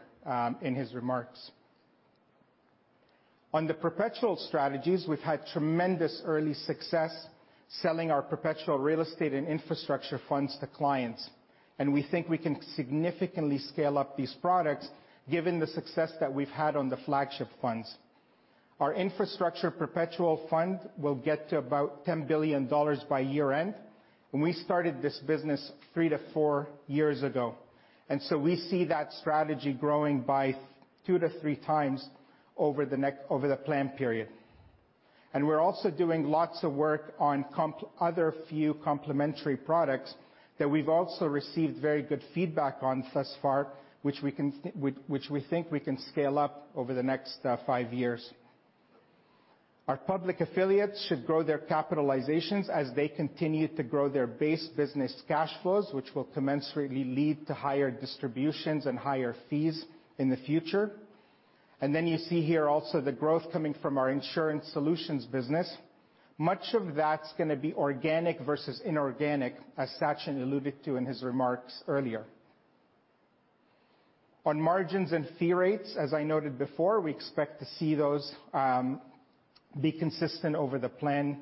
in his remarks. On the perpetual strategies, we've had tremendous early success selling our perpetual real estate and infrastructure funds to clients, and we think we can significantly scale up these products given the success that we've had on the flagship funds. Our infrastructure perpetual fund will get to about $10 billion by year-end, and we started this business three to four years ago. We see that strategy growing by 2-3 times over the plan period. We're also doing lots of work on other few complementary products that we've also received very good feedback on thus far, which we think we can scale up over the next five years. Our public affiliates should grow their capitalizations as they continue to grow their base business cash flows, which will commensurately lead to higher distributions and higher fees in the future. You see here also the growth coming from our Insurance Solutions business. Much of that's gonna be organic versus inorganic, as Sachin alluded to in his remarks earlier. On margins and fee rates, as I noted before, we expect to see those be consistent over the plan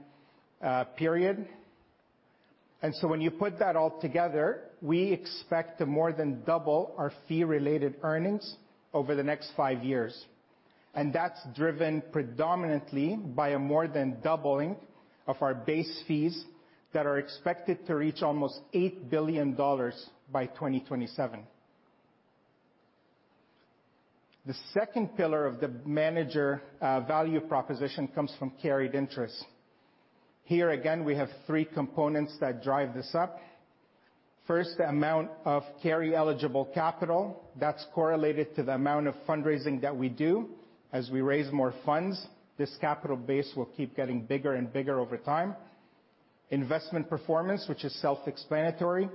period. When you put that all together, we expect to more than double our Fee-Related Earnings over the next five years. That's driven predominantly by a more than doubling of our base fees that are expected to reach almost $8 billion by 2027. The second pillar of the manager value proposition comes from carried interest. Here again, we have three components that drive this up. First, the amount of carry-eligible capital that's correlated to the amount of fundraising that we do. As we raise more funds, this capital base will keep getting bigger and bigger over time. Investment performance, which is self-explanatory.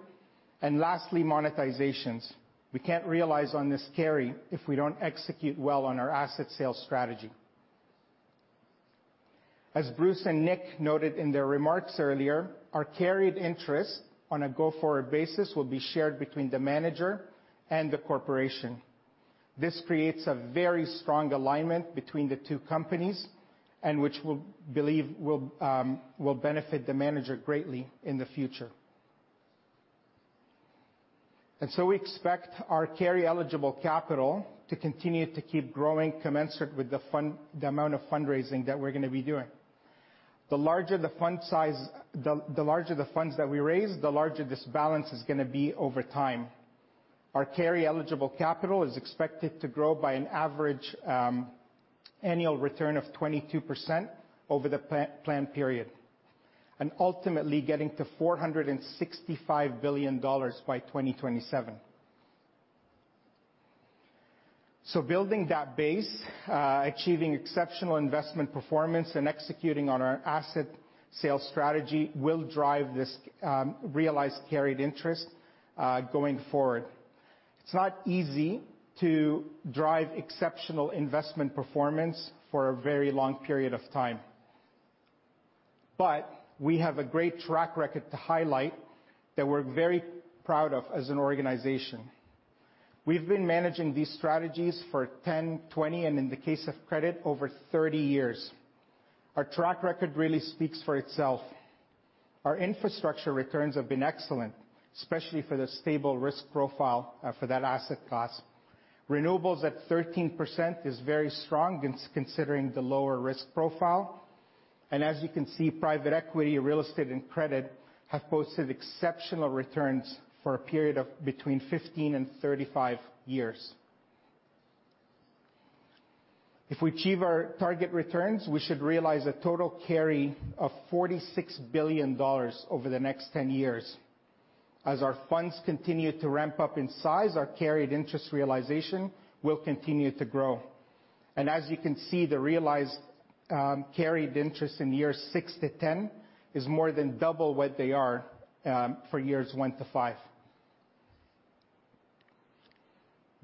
Lastly, monetizations. We can't realize on this carry if we don't execute well on our asset sales strategy. As Bruce and Nick noted in their remarks earlier, our carried interest on a go-forward basis will be shared between the manager and the corporation. This creates a very strong alignment between the two companies and which we believe will benefit the manager greatly in the future. We expect our carry-eligible capital to continue to keep growing commensurate with the amount of fundraising that we're gonna be doing. The larger the funds that we raise, the larger this balance is going to be over time. Our carry-eligible capital is expected to grow by an average annual return of 22% over the plan period, and ultimately getting to $465 billion by 2027. Building that base, achieving exceptional investment performance, and executing on our asset sales strategy will drive this realized carried interest going forward. It's not easy to drive exceptional investment performance for a very long period of time. We have a great track record to highlight that we're very proud of as an organization. We've been managing these strategies for 10, 20, and in the case of credit, over 30 years. Our track record really speaks for itself. Our infrastructure returns have been excellent, especially for the stable risk profile for that asset class. Renewables at 13% is very strong considering the lower risk profile. As you can see, private equity, real estate, and credit have posted exceptional returns for a period of between 15 and 35 years. If we achieve our target returns, we should realize a total carry of $46 billion over the next 10 years. As our funds continue to ramp up in size, our carried interest realization will continue to grow. As you can see, the realized carried interest in years 6-10 is more than double what they are for years one to five.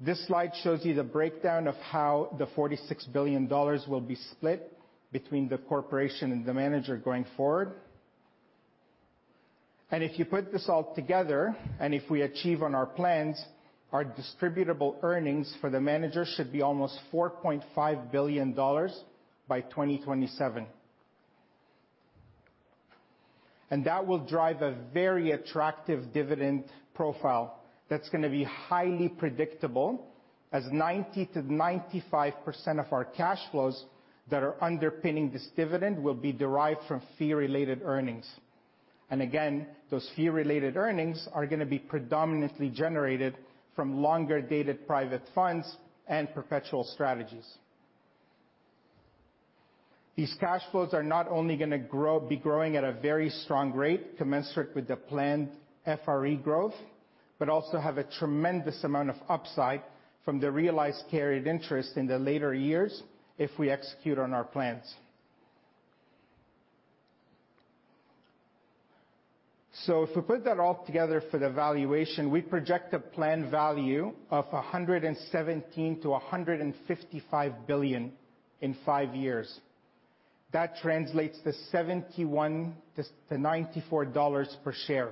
This slide shows you the breakdown of how the $46 billion will be split between the corporation and the manager going forward. If you put this all together, and if we achieve on our plans, our distributable earnings for the manager should be almost $4.5 billion by 2027. That will drive a very attractive dividend profile that's gonna be highly predictable as 90%-95% of our cash flows that are underpinning this dividend will be derived from fee-related earnings. Again, those fee-related earnings are gonna be predominantly generated from longer-dated private funds and perpetual strategies. These cash flows are not only gonna be growing at a very strong rate commensurate with the planned FRE growth, but also have a tremendous amount of upside from the realized carried interest in the later years if we execute on our plans. If we put that all together for the valuation, we project a planned value of $117 billion-$155 billion in five years. That translates to $71-$94 per share.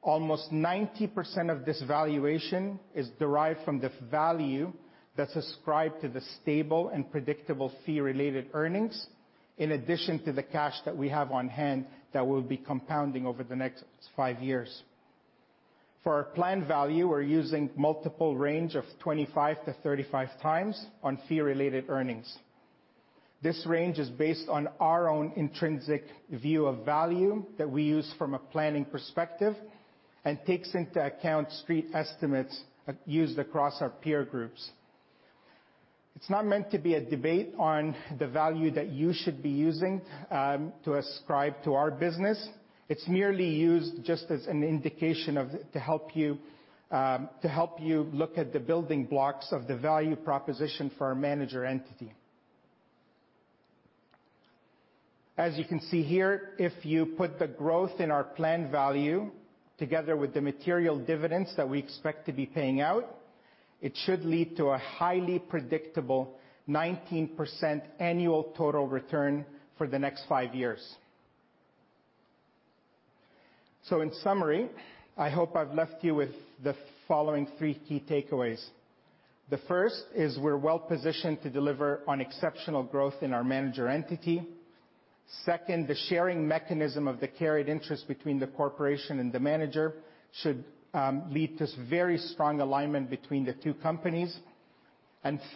Almost 90% of this valuation is derived from the value that's ascribed to the stable and predictable Fee-Related Earnings, in addition to the cash that we have on hand that will be compounding over the next five years. For our planned value, we're using multiple range of 25x-35x on Fee-Related Earnings. This range is based on our own intrinsic view of value that we use from a planning perspective and takes into account street estimates used across our peer groups. It's not meant to be a debate on the value that you should be using to ascribe to our business. It's merely used just as an indication to help you look at the building blocks of the value proposition for our manager entity. As you can see here, if you put the growth in our planned value together with the material dividends that we expect to be paying out, it should lead to a highly predictable 19% annual total return for the next five years. In summary, I hope I've left you with the following three key takeaways. The first is we're well-positioned to deliver on exceptional growth in our manager entity. Second, the sharing mechanism of the carried interest between the corporation and the manager should lead to very strong alignment between the two companies.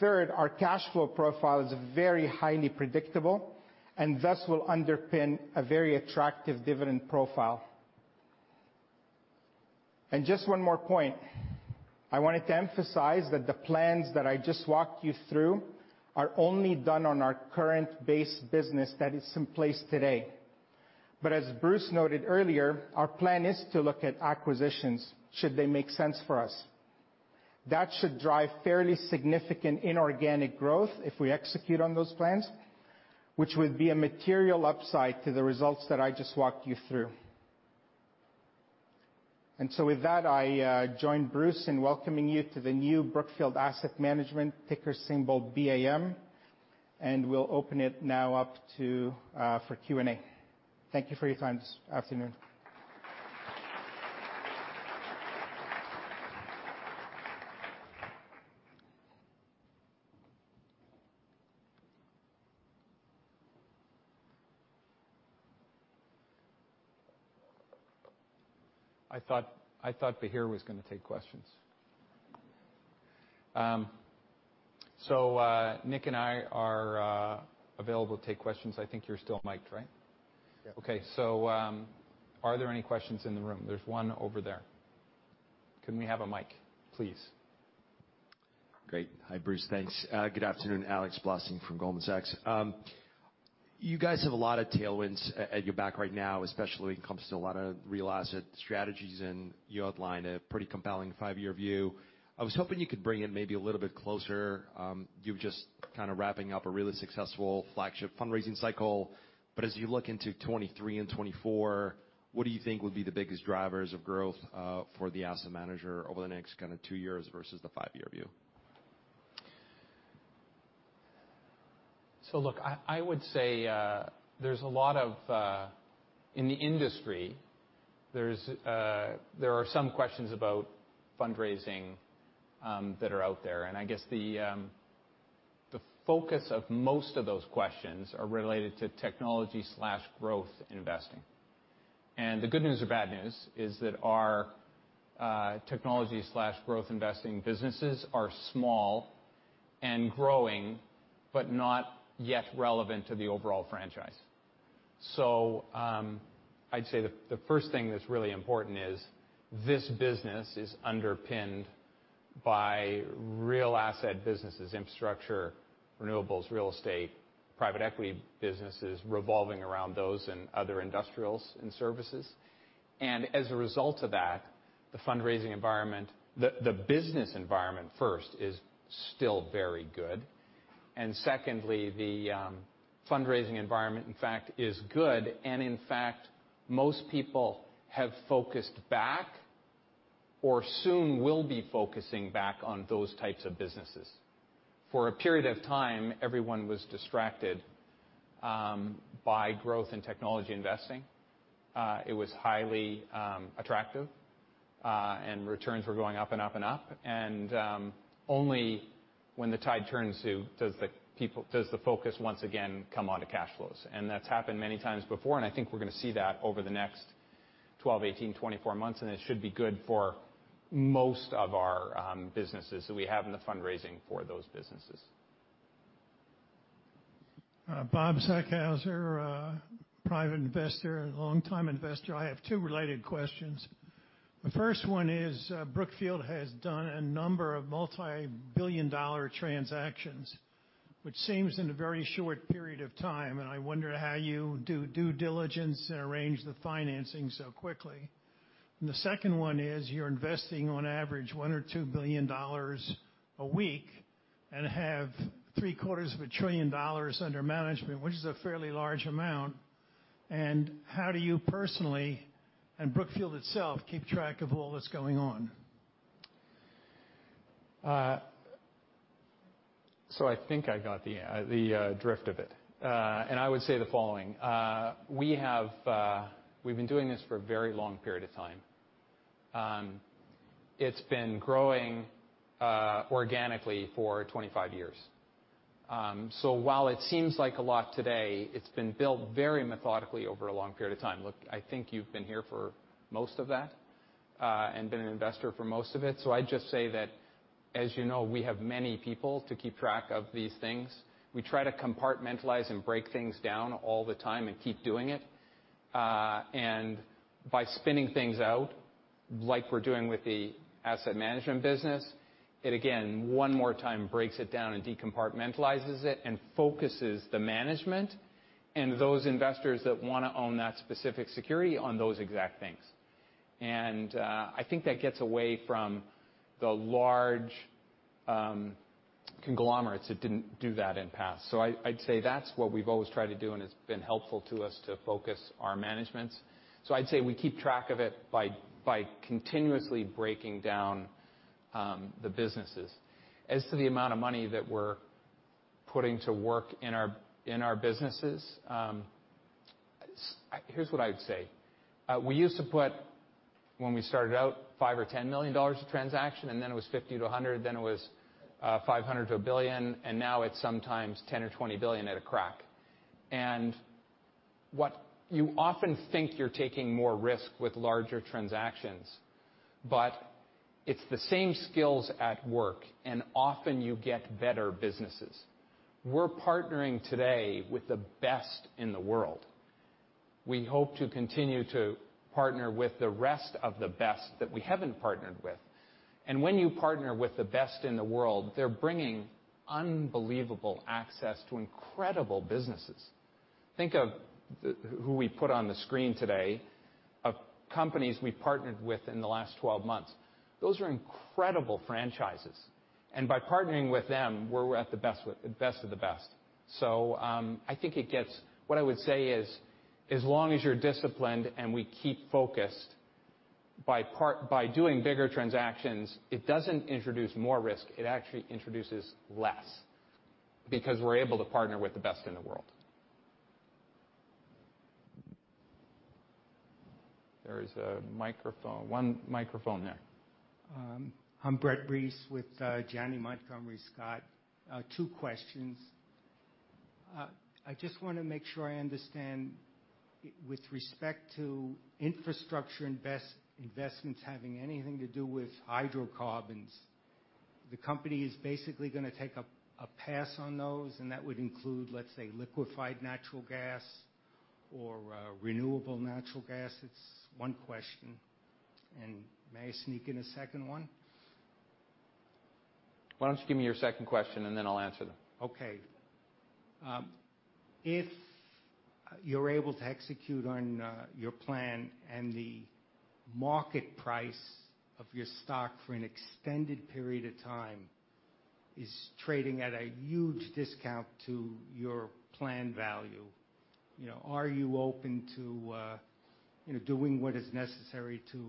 Third, our cash flow profile is very highly predictable and thus will underpin a very attractive dividend profile. Just one more point. I wanted to emphasize that the plans that I just walked you through are only done on our current base business that is in place today. As Bruce noted earlier, our plan is to look at acquisitions should they make sense for us. That should drive fairly significant inorganic growth if we execute on those plans, which would be a material upside to the results that I just walked you through. With that, I join Bruce in welcoming you to the new Brookfield Asset Management, ticker symbol BAM, and we'll open it up now to Q&A. Thank you for your time this afternoon. I thought Bahir was going to take questions. Nick and I are available to take questions. I think you're still mic'd, right? Yes. Okay. Are there any questions in the room? There's one over there. Can we have a mic, please? Great. Hi, Bruce. Thanks. Good afternoon, Alex Blostein from Goldman Sachs. You guys have a lot of tailwinds at your back right now, especially when it comes to a lot of real asset strategies, and you outlined a pretty compelling five-year view. I was hoping you could bring it maybe a little bit closer. You were just kind of wrapping up a really successful flagship fundraising cycle. As you look into 2023 and 2024, what do you think would be the biggest drivers of growth for the asset manager over the next kind of two years versus the five-year view? I would say, in the industry, there are some questions about fundraising that are out there. I guess the focus of most of those questions are related to technology growth investing. The good news or bad news is that our technology growth investing businesses are small and growing, but not yet relevant to the overall franchise. I'd say the first thing that's really important is this business is underpinned by real asset businesses, infrastructure, renewables, real estate, private equity businesses revolving around those and other industrials and services. As a result of that, the fundraising environment, the business environment, first, is still very good. Secondly, the fundraising environment, in fact, is good. In fact, most people have focused back or soon will be focusing back on those types of businesses. For a period of time, everyone was distracted by growth in technology investing. It was highly attractive, and returns were going up and up and up. Only when the tide turns does the focus once again come onto cash flows. That's happened many times before, and I think we're gonna see that over the next 12, 18, 24 months, and it should be good for most of our businesses that we have and the fundraising for those businesses. Bob Zeckhauser, Private Investor, longtime investor. I have two related questions. The first one is, Brookfield has done a number of multi-billion-dollar transactions, which seems in a very short period of time, and I wonder how you do due diligence and arrange the financing so quickly. The second one is, you're investing on average $1 billion-$2 billion a week and have three-quarters of a $1 trillion under management, which is a fairly large amount. How do you personally, and Brookfield itself, keep track of all that's going on? I think I got the drift of it. I would say the following. We've been doing this for a very long period of time. It's been growing organically for 25 years. While it seems like a lot today, it's been built very methodically over a long period of time. Look, I think you've been here for most of that and been an investor for most of it. I just say that, as you know, we have many people to keep track of these things. We try to compartmentalize and break things down all the time and keep doing it. By spinning things out, like we're doing with the asset management business, it again, one more time, breaks it down and decompartmentalizes it and focuses the management and those investors that wanna own that specific security on those exact things. I think that gets away from the large conglomerates that didn't do that in past. I'd say that's what we've always tried to do, and it's been helpful to us to focus our managements. I'd say we keep track of it by continuously breaking down the businesses. As to the amount of money that we're putting to work in our businesses, here's what I'd say. We used to put, when we started out, $5 or $10 million a transaction, and then it was $50-$100 million, then it was $500 million-$1 billion, and now it's sometimes $10 billion or $20 billion at a crack. What you often think you're taking more risk with larger transactions, but it's the same skills at work, and often you get better businesses. We're partnering today with the best in the world. We hope to continue to partner with the rest of the best that we haven't partnered with. When you partner with the best in the world, they're bringing unbelievable access to incredible businesses. Think of who we put on the screen today of companies we've partnered with in the last 12 months. Those are incredible franchises. By partnering with them, we're with the best of the best. What I would say is, as long as you're disciplined, and we keep focused, by doing bigger transactions, it doesn't introduce more risk. It actually introduces less because we're able to partner with the best in the world. There is a microphone. One microphone there. I'm Brett Reiss with Janney Montgomery Scott. Two questions. I just wanna make sure I understand. With respect to infrastructure investments having anything to do with hydrocarbons, the company is basically gonna take a pass on those, and that would include, let's say, liquefied natural gas or renewable natural gas? It's one question. May I sneak in a second one? Why don't you give me your second question, and then I'll answer them. Okay. If you're able to execute on your plan, and the market price of your stock for an extended period of time is trading at a huge discount to your plan value, you know, are you open to doing what is necessary to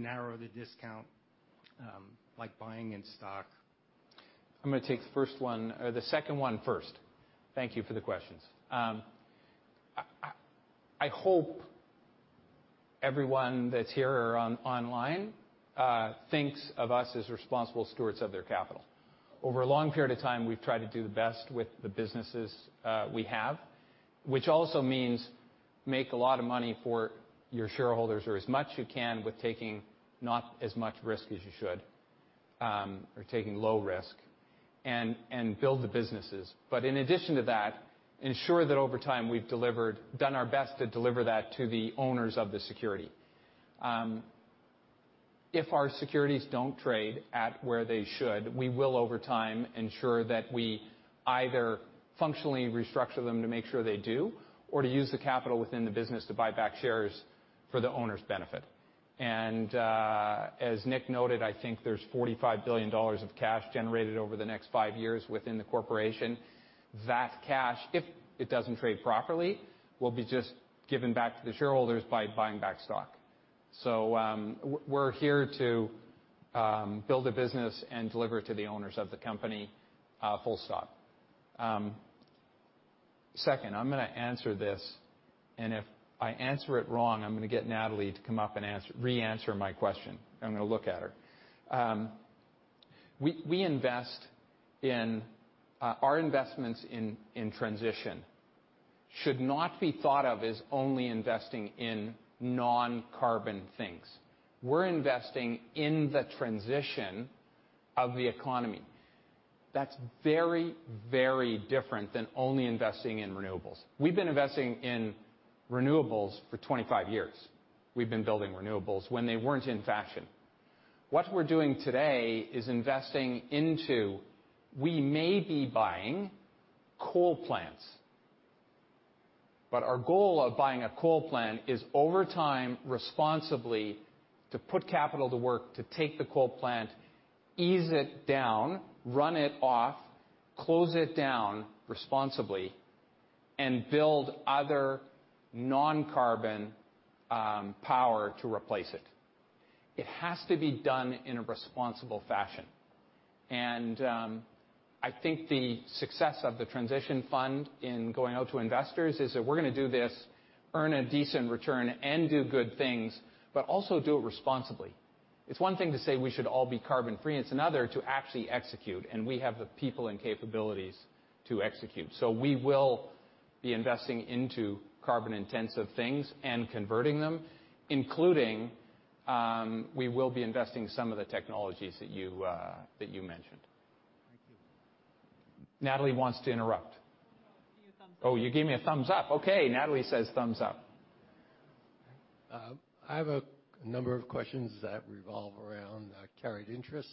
narrow the discount, like buying in stock? I'm gonna take the first one, the second one first. Thank you for the questions. I hope everyone that's here or online thinks of us as responsible stewards of their capital. Over a long period of time, we've tried to do the best with the businesses we have, which also means make a lot of money for your shareholders or as much as you can with taking not as much risk as you should, or taking low risk, and build the businesses. In addition to that, ensure that over time we've delivered, done our best to deliver that to the owners of the security. If our securities don't trade at where they should, we will over time ensure that we either functionally restructure them to make sure they do or to use the capital within the business to buy back shares for the owners' benefit. As Nick noted, I think there's $45 billion of cash generated over the next five years within the corporation. That cash, if it doesn't trade properly, will be just given back to the shareholders by buying back stock. We're here to build a business and deliver to the owners of the company, full stop. Second, I'm gonna answer this, and if I answer it wrong, I'm gonna get Natalie to come up and answer re-answer my question. I'm gonna look at her. We invest in our investments in transition should not be thought of as only investing in non-carbon things. We're investing in the transition of the economy. That's very, very different than only investing in renewables. We've been investing in renewables for 25 years. We've been building renewables when they weren't in fashion. What we're doing today is investing into we may be buying coal plants, but our goal of buying a coal plant is over time, responsibly, to put capital to work, to take the coal plant, ease it down, run it off, close it down responsibly, and build other non-carbon power to replace it. It has to be done in a responsible fashion. I think the success of the transition fund in going out to investors is that we're gonna do this, earn a decent return, and do good things, but also do it responsibly. It's one thing to say we should all be carbon free, and it's another to actually execute, and we have the people and capabilities to execute. We will be investing into carbon-intensive things and converting them, including, we will be investing some of the technologies that you mentioned. Thank you. Natalie wants to interrupt. I'll give you a thumbs up. Oh, you gave me a thumbs up. Okay. Natalie says thumbs up. I have a number of questions that revolve around carried interest.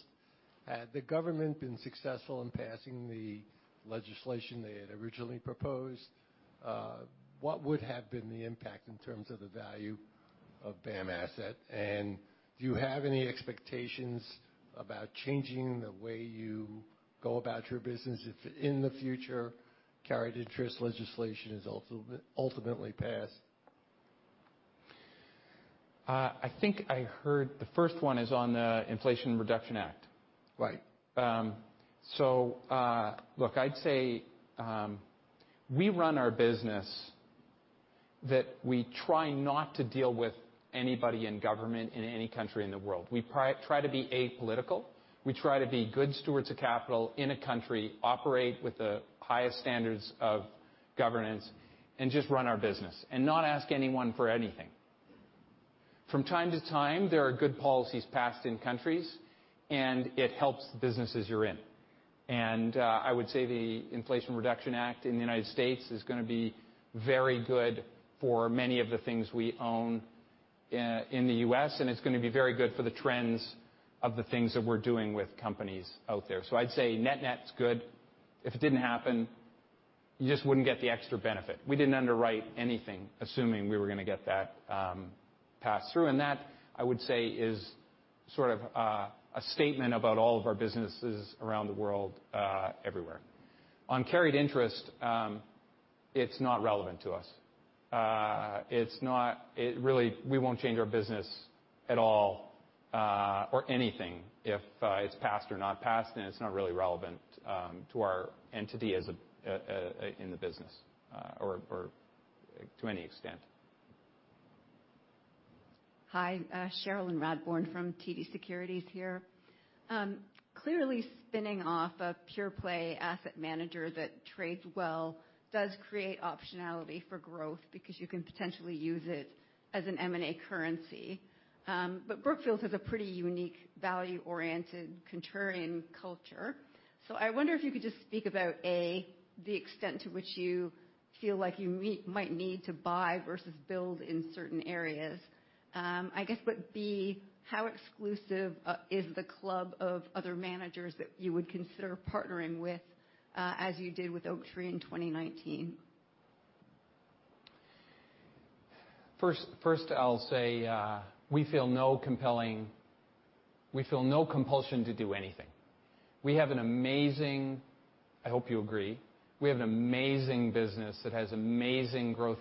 Had the government been successful in passing the legislation they had originally proposed, what would have been the impact in terms of the value of BAM asset? Do you have any expectations about changing the way you go about your business if in the future carried interest legislation is ultimately passed? I think I heard the first one is on the Inflation Reduction Act. Right. Look, I'd say we run our business that we try not to deal with anybody in government in any country in the world. We try to be apolitical. We try to be good stewards of capital in a country, operate with the highest standards of governance, and just run our business and not ask anyone for anything. From time to time, there are good policies passed in countries, and it helps the businesses you're in. I would say the Inflation Reduction Act in the United States is gonna be very good for many of the things we own in the U.S., and it's gonna be very good for the trends of the things that we're doing with companies out there. I'd say net-net's good. If it didn't happen, you just wouldn't get the extra benefit. We didn't underwrite anything assuming we were gonna get that pass through. That, I would say, is sort of a statement about all of our businesses around the world, everywhere. On carried interest, it's not relevant to us. It's not. It really, we won't change our business at all, or anything if it's passed or not passed, and it's not really relevant to our entity as a in the business, or to any extent. Hi, Cherilyn Radbourne from TD Securities here. Clearly spinning off a pure play asset manager that trades well does create optionality for growth because you can potentially use it as an M&A currency. Brookfield has a pretty unique value-oriented, contrarian culture. I wonder if you could just speak about, A, the extent to which you feel like you might need to buy versus build in certain areas. B, how exclusive is the club of other managers that you would consider partnering with, as you did with Oaktree in 2019? I'll say, we feel no compulsion to do anything. We have an amazing, I hope you agree, we have an amazing business that has amazing growth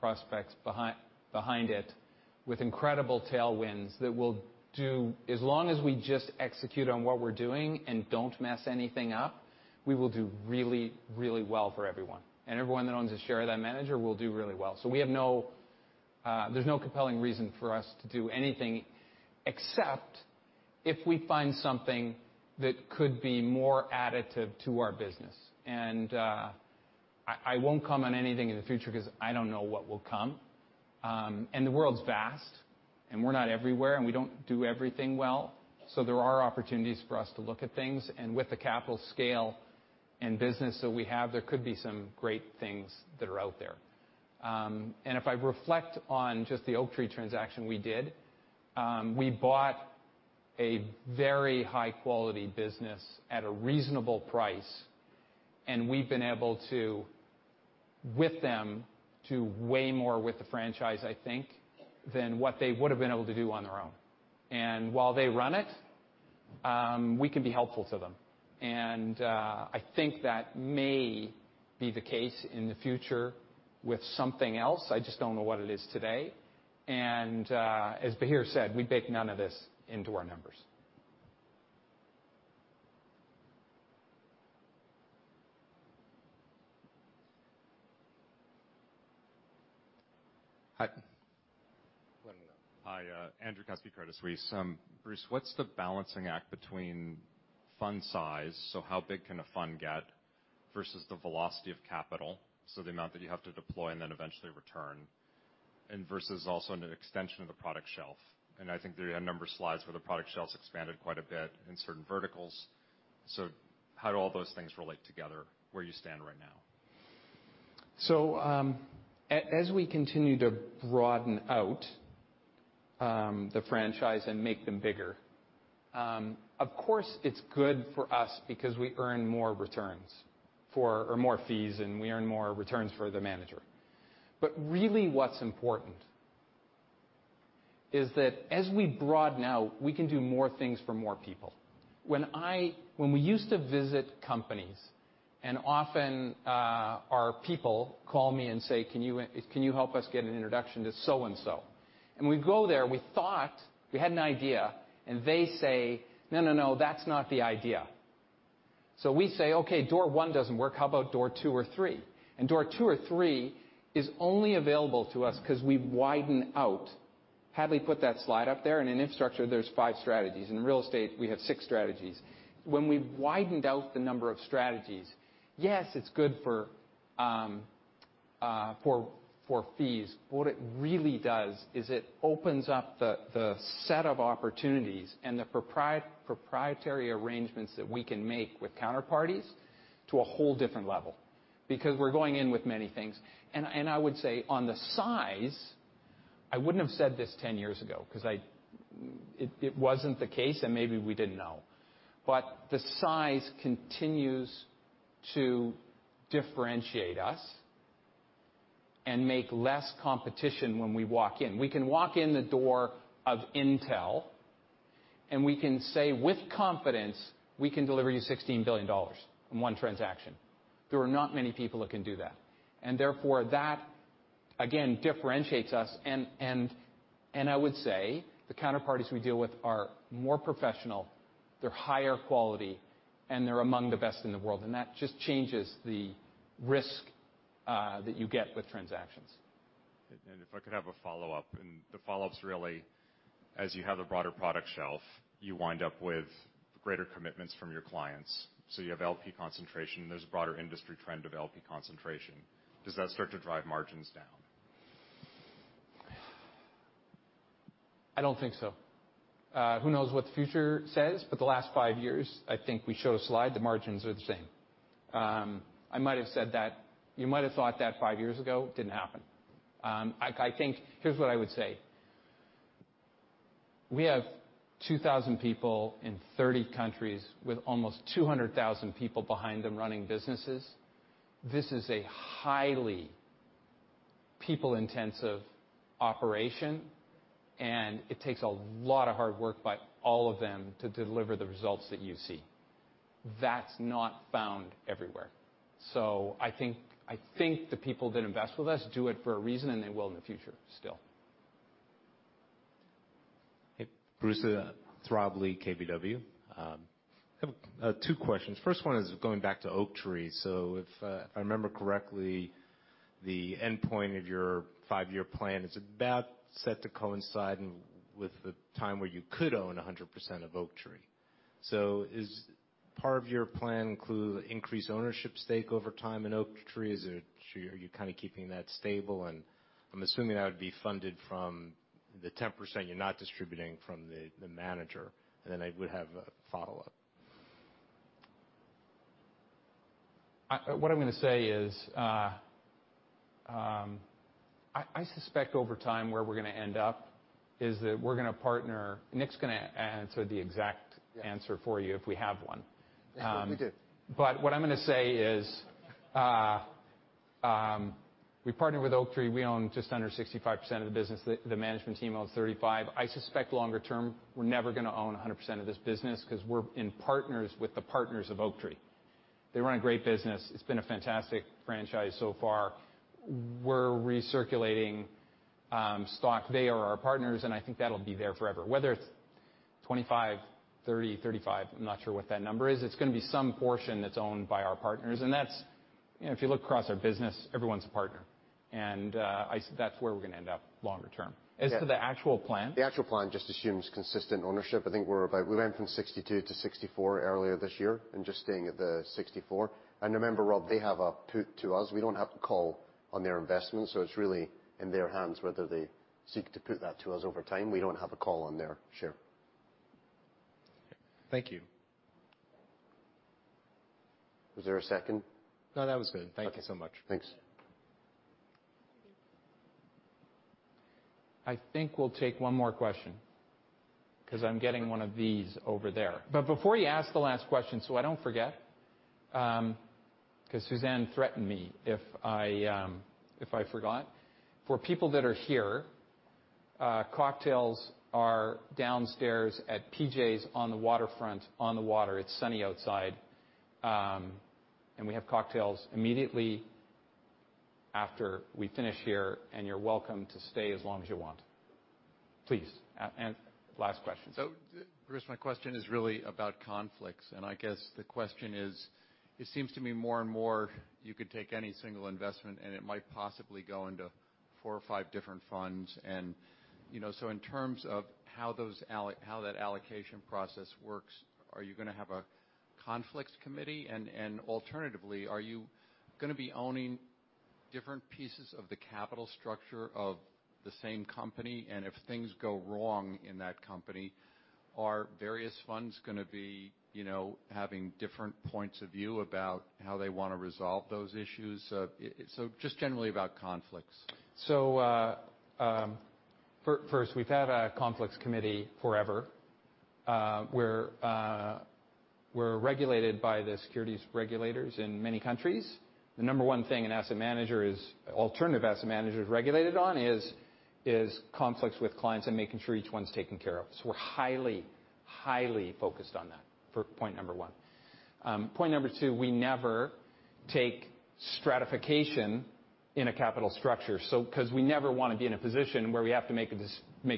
prospects behind it with incredible tailwinds. As long as we just execute on what we're doing and don't mess anything up, we will do really well for everyone. Everyone that owns a share of that manager will do really well. There's no compelling reason for us to do anything, except if we find something that could be more additive to our business. I won't comment on anything in the future 'cause I don't know what will come. The world's vast, and we're not everywhere, and we don't do everything well, so there are opportunities for us to look at things. With the capital scale and business that we have, there could be some great things that are out there. If I reflect on just the Oaktree transaction we did, we bought a very high quality business at a reasonable price, and we've been able to, with them, do way more with the franchise, I think, than what they would've been able to do on their own. While they run it, we can be helpful to them. I think that may be the case in the future with something else. I just don't know what it is today. As Bahir said, we bake none of this into our numbers. Hi. Let him know. Hi. Andrew Kuske, Bruce, what's the balancing act between fund size, so how big can a fund get, versus the velocity of capital, so the amount that you have to deploy and then eventually return, and versus also an extension of the product shelf? I think that you had a number of slides where the product shelf's expanded quite a bit in certain verticals. How do all those things relate together where you stand right now? As we continue to broaden out the franchise and make them bigger, of course, it's good for us because we earn more returns or more fees, and we earn more returns for the manager. Really what's important is that as we broaden out, we can do more things for more people. When we used to visit companies, and often our people call me and say, "Can you help us get an introduction to so and so?" We go there, we thought we had an idea, and they say, "No, no, that's not the idea." We say, "Okay, door one doesn't work. How about door two or three?" Door two or three is only available to us 'cause we've widened out. Had we put that slide up there, and in infrastructure, there's five strategies. In real estate, we have six strategies. When we've widened out the number of strategies, yes, it's good for fees. What it really does is it opens up the set of opportunities and the proprietary arrangements that we can make with counterparties to a whole different level because we're going in with many things. I would say on the size, I wouldn't have said this 10 years ago 'cause it wasn't the case, and maybe we didn't know. The size continues to differentiate us and make less competition when we walk in. We can walk in the door of Intel, and we can say with confidence, we can deliver you $16 billion in one transaction. There are not many people that can do that. Therefore, that again differentiates us and I would say the counterparties we deal with are more professional, they're higher quality, and they're among the best in the world, and that just changes the risk that you get with transactions. If I could have a follow-up, and the follow-up's really as you have a broader product shelf, you wind up with greater commitments from your clients. You have LP concentration. There's a broader industry trend of LP concentration. Does that start to drive margins down? I don't think so. Who knows what the future says? The last five years, I think we show a slide, the margins are the same. I might have said that. You might have thought that five years ago, didn't happen. I think. Here's what I would say. We have 2,000 people in 30 countries with almost 200,000 people behind them running businesses. This is a highly people intensive operation, and it takes a lot of hard work by all of them to deliver the results that you see. That's not found everywhere. I think the people that invest with us do it for a reason, and they will in the future still. Hey, Bruce, Robert Lee, KBW. I have two questions. First one is going back to Oaktree. If I remember correctly, the endpoint of your five-year plan is about set to coincide with the time where you could own 100% of Oaktree. Is part of your plan include increased ownership stake over time in Oaktree? Is it sure you're kind of keeping that stable? I'm assuming that would be funded from the 10% you're not distributing from the manager. Then I would have a follow-up. What I'm gonna say is, I suspect over time, where we're gonna end up is that we're gonna partner. Nick's gonna answer the exact answer for you if we have one. Yes, we do. What I'm gonna say is, we partnered with Oaktree. We own just under 65% of the business. The management team owns 35%. I suspect longer term, we're never gonna own 100% of this business because we're in partners with the partners of Oaktree. They run a great business. It's been a fantastic franchise so far. We're recirculating stock. They are our partners, and I think that'll be there forever. Whether it's 25%, 30%, 35%, I'm not sure what that number is. It's gonna be some portion that's owned by our partners, and that's, you know, if you look across our business, everyone's a partner. That's where we're gonna end up longer term. Yeah. As to the actual plan. The actual plan just assumes consistent ownership. I think we went from 62 to 64 earlier this year and just staying at the 64. Remember, Rob, they have a put to us. We don't have to call on their investments, so it's really in their hands whether they seek to put that to us over time. We don't have a call on their share. Thank you. Was there a second? No, that was good. Okay. Thank you so much. Thanks. I think we'll take one more question because I'm getting one of these over there. Before you ask the last question, so I don't forget, because Suzanne threatened me if I forgot. For people that are here, cocktails are downstairs at P.J. Clarke's on the waterfront on the water. It's sunny outside. We have cocktails immediately after we finish here, and you're welcome to stay as long as you want. Please, and last question. Bruce, my question is really about conflicts, and I guess the question is, it seems to me more and more you could take any single investment, and it might possibly go into four or five different funds. You know, in terms of how that allocation process works, are you gonna have a conflicts committee? And alternatively, are you gonna be owning different pieces of the capital structure of the same company? And if things go wrong in that company, are various funds gonna be, you know, having different points of view about how they wanna resolve those issues? Just generally about conflicts. First, we've had a Conflicts Committee forever. We're regulated by the securities regulators in many countries. The number one thing an alternative asset manager is regulated on is conflicts with clients and making sure each one's taken care of. We're highly focused on that for point number one. Point number two, we never take stratification in a capital structure, 'cause we never wanna be in a position where we have to make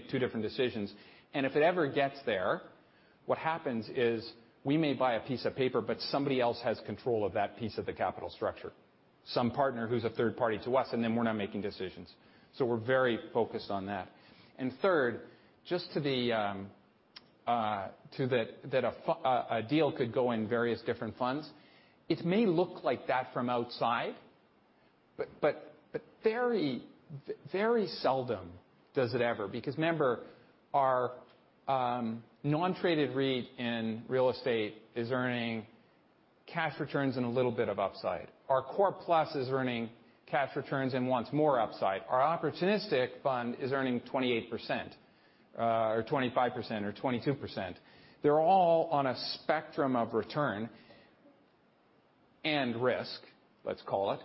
two different decisions. If it ever gets there, what happens is we may buy a piece of paper, but somebody else has control of that piece of the capital structure, some partner who's a third party to us, and then we're not making decisions. We're very focused on that. Third, just to the fact that a deal could go in various different funds. It may look like that from outside, but very seldom does it ever. Because remember, our non-traded REIT in real estate is earning cash returns and a little bit of upside. Our core plus is earning cash returns and wants more upside. Our opportunistic fund is earning 28%, or 25% or 22%. They're all on a spectrum of return and risk, let's call it.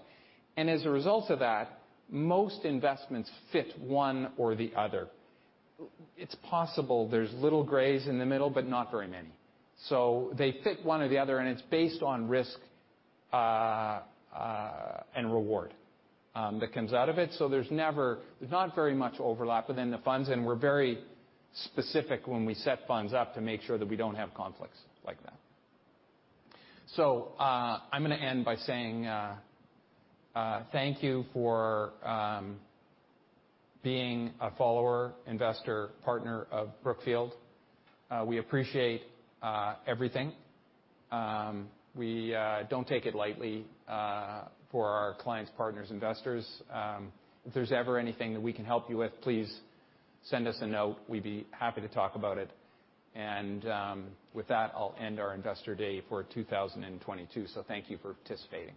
As a result of that, most investments fit one or the other. It's possible there's little grays in the middle, but not very many. They fit one or the other, and it's based on risk and reward that comes out of it. There's not very much overlap within the funds, and we're very specific when we set funds up to make sure that we don't have conflicts like that. I'm gonna end by saying thank you for being a follower, investor, partner of Brookfield. We appreciate everything. We don't take it lightly for our clients, partners, investors. If there's ever anything that we can help you with, please send us a note. We'd be happy to talk about it. With that, I'll end our Investor Day for 2022. Thank you for participating.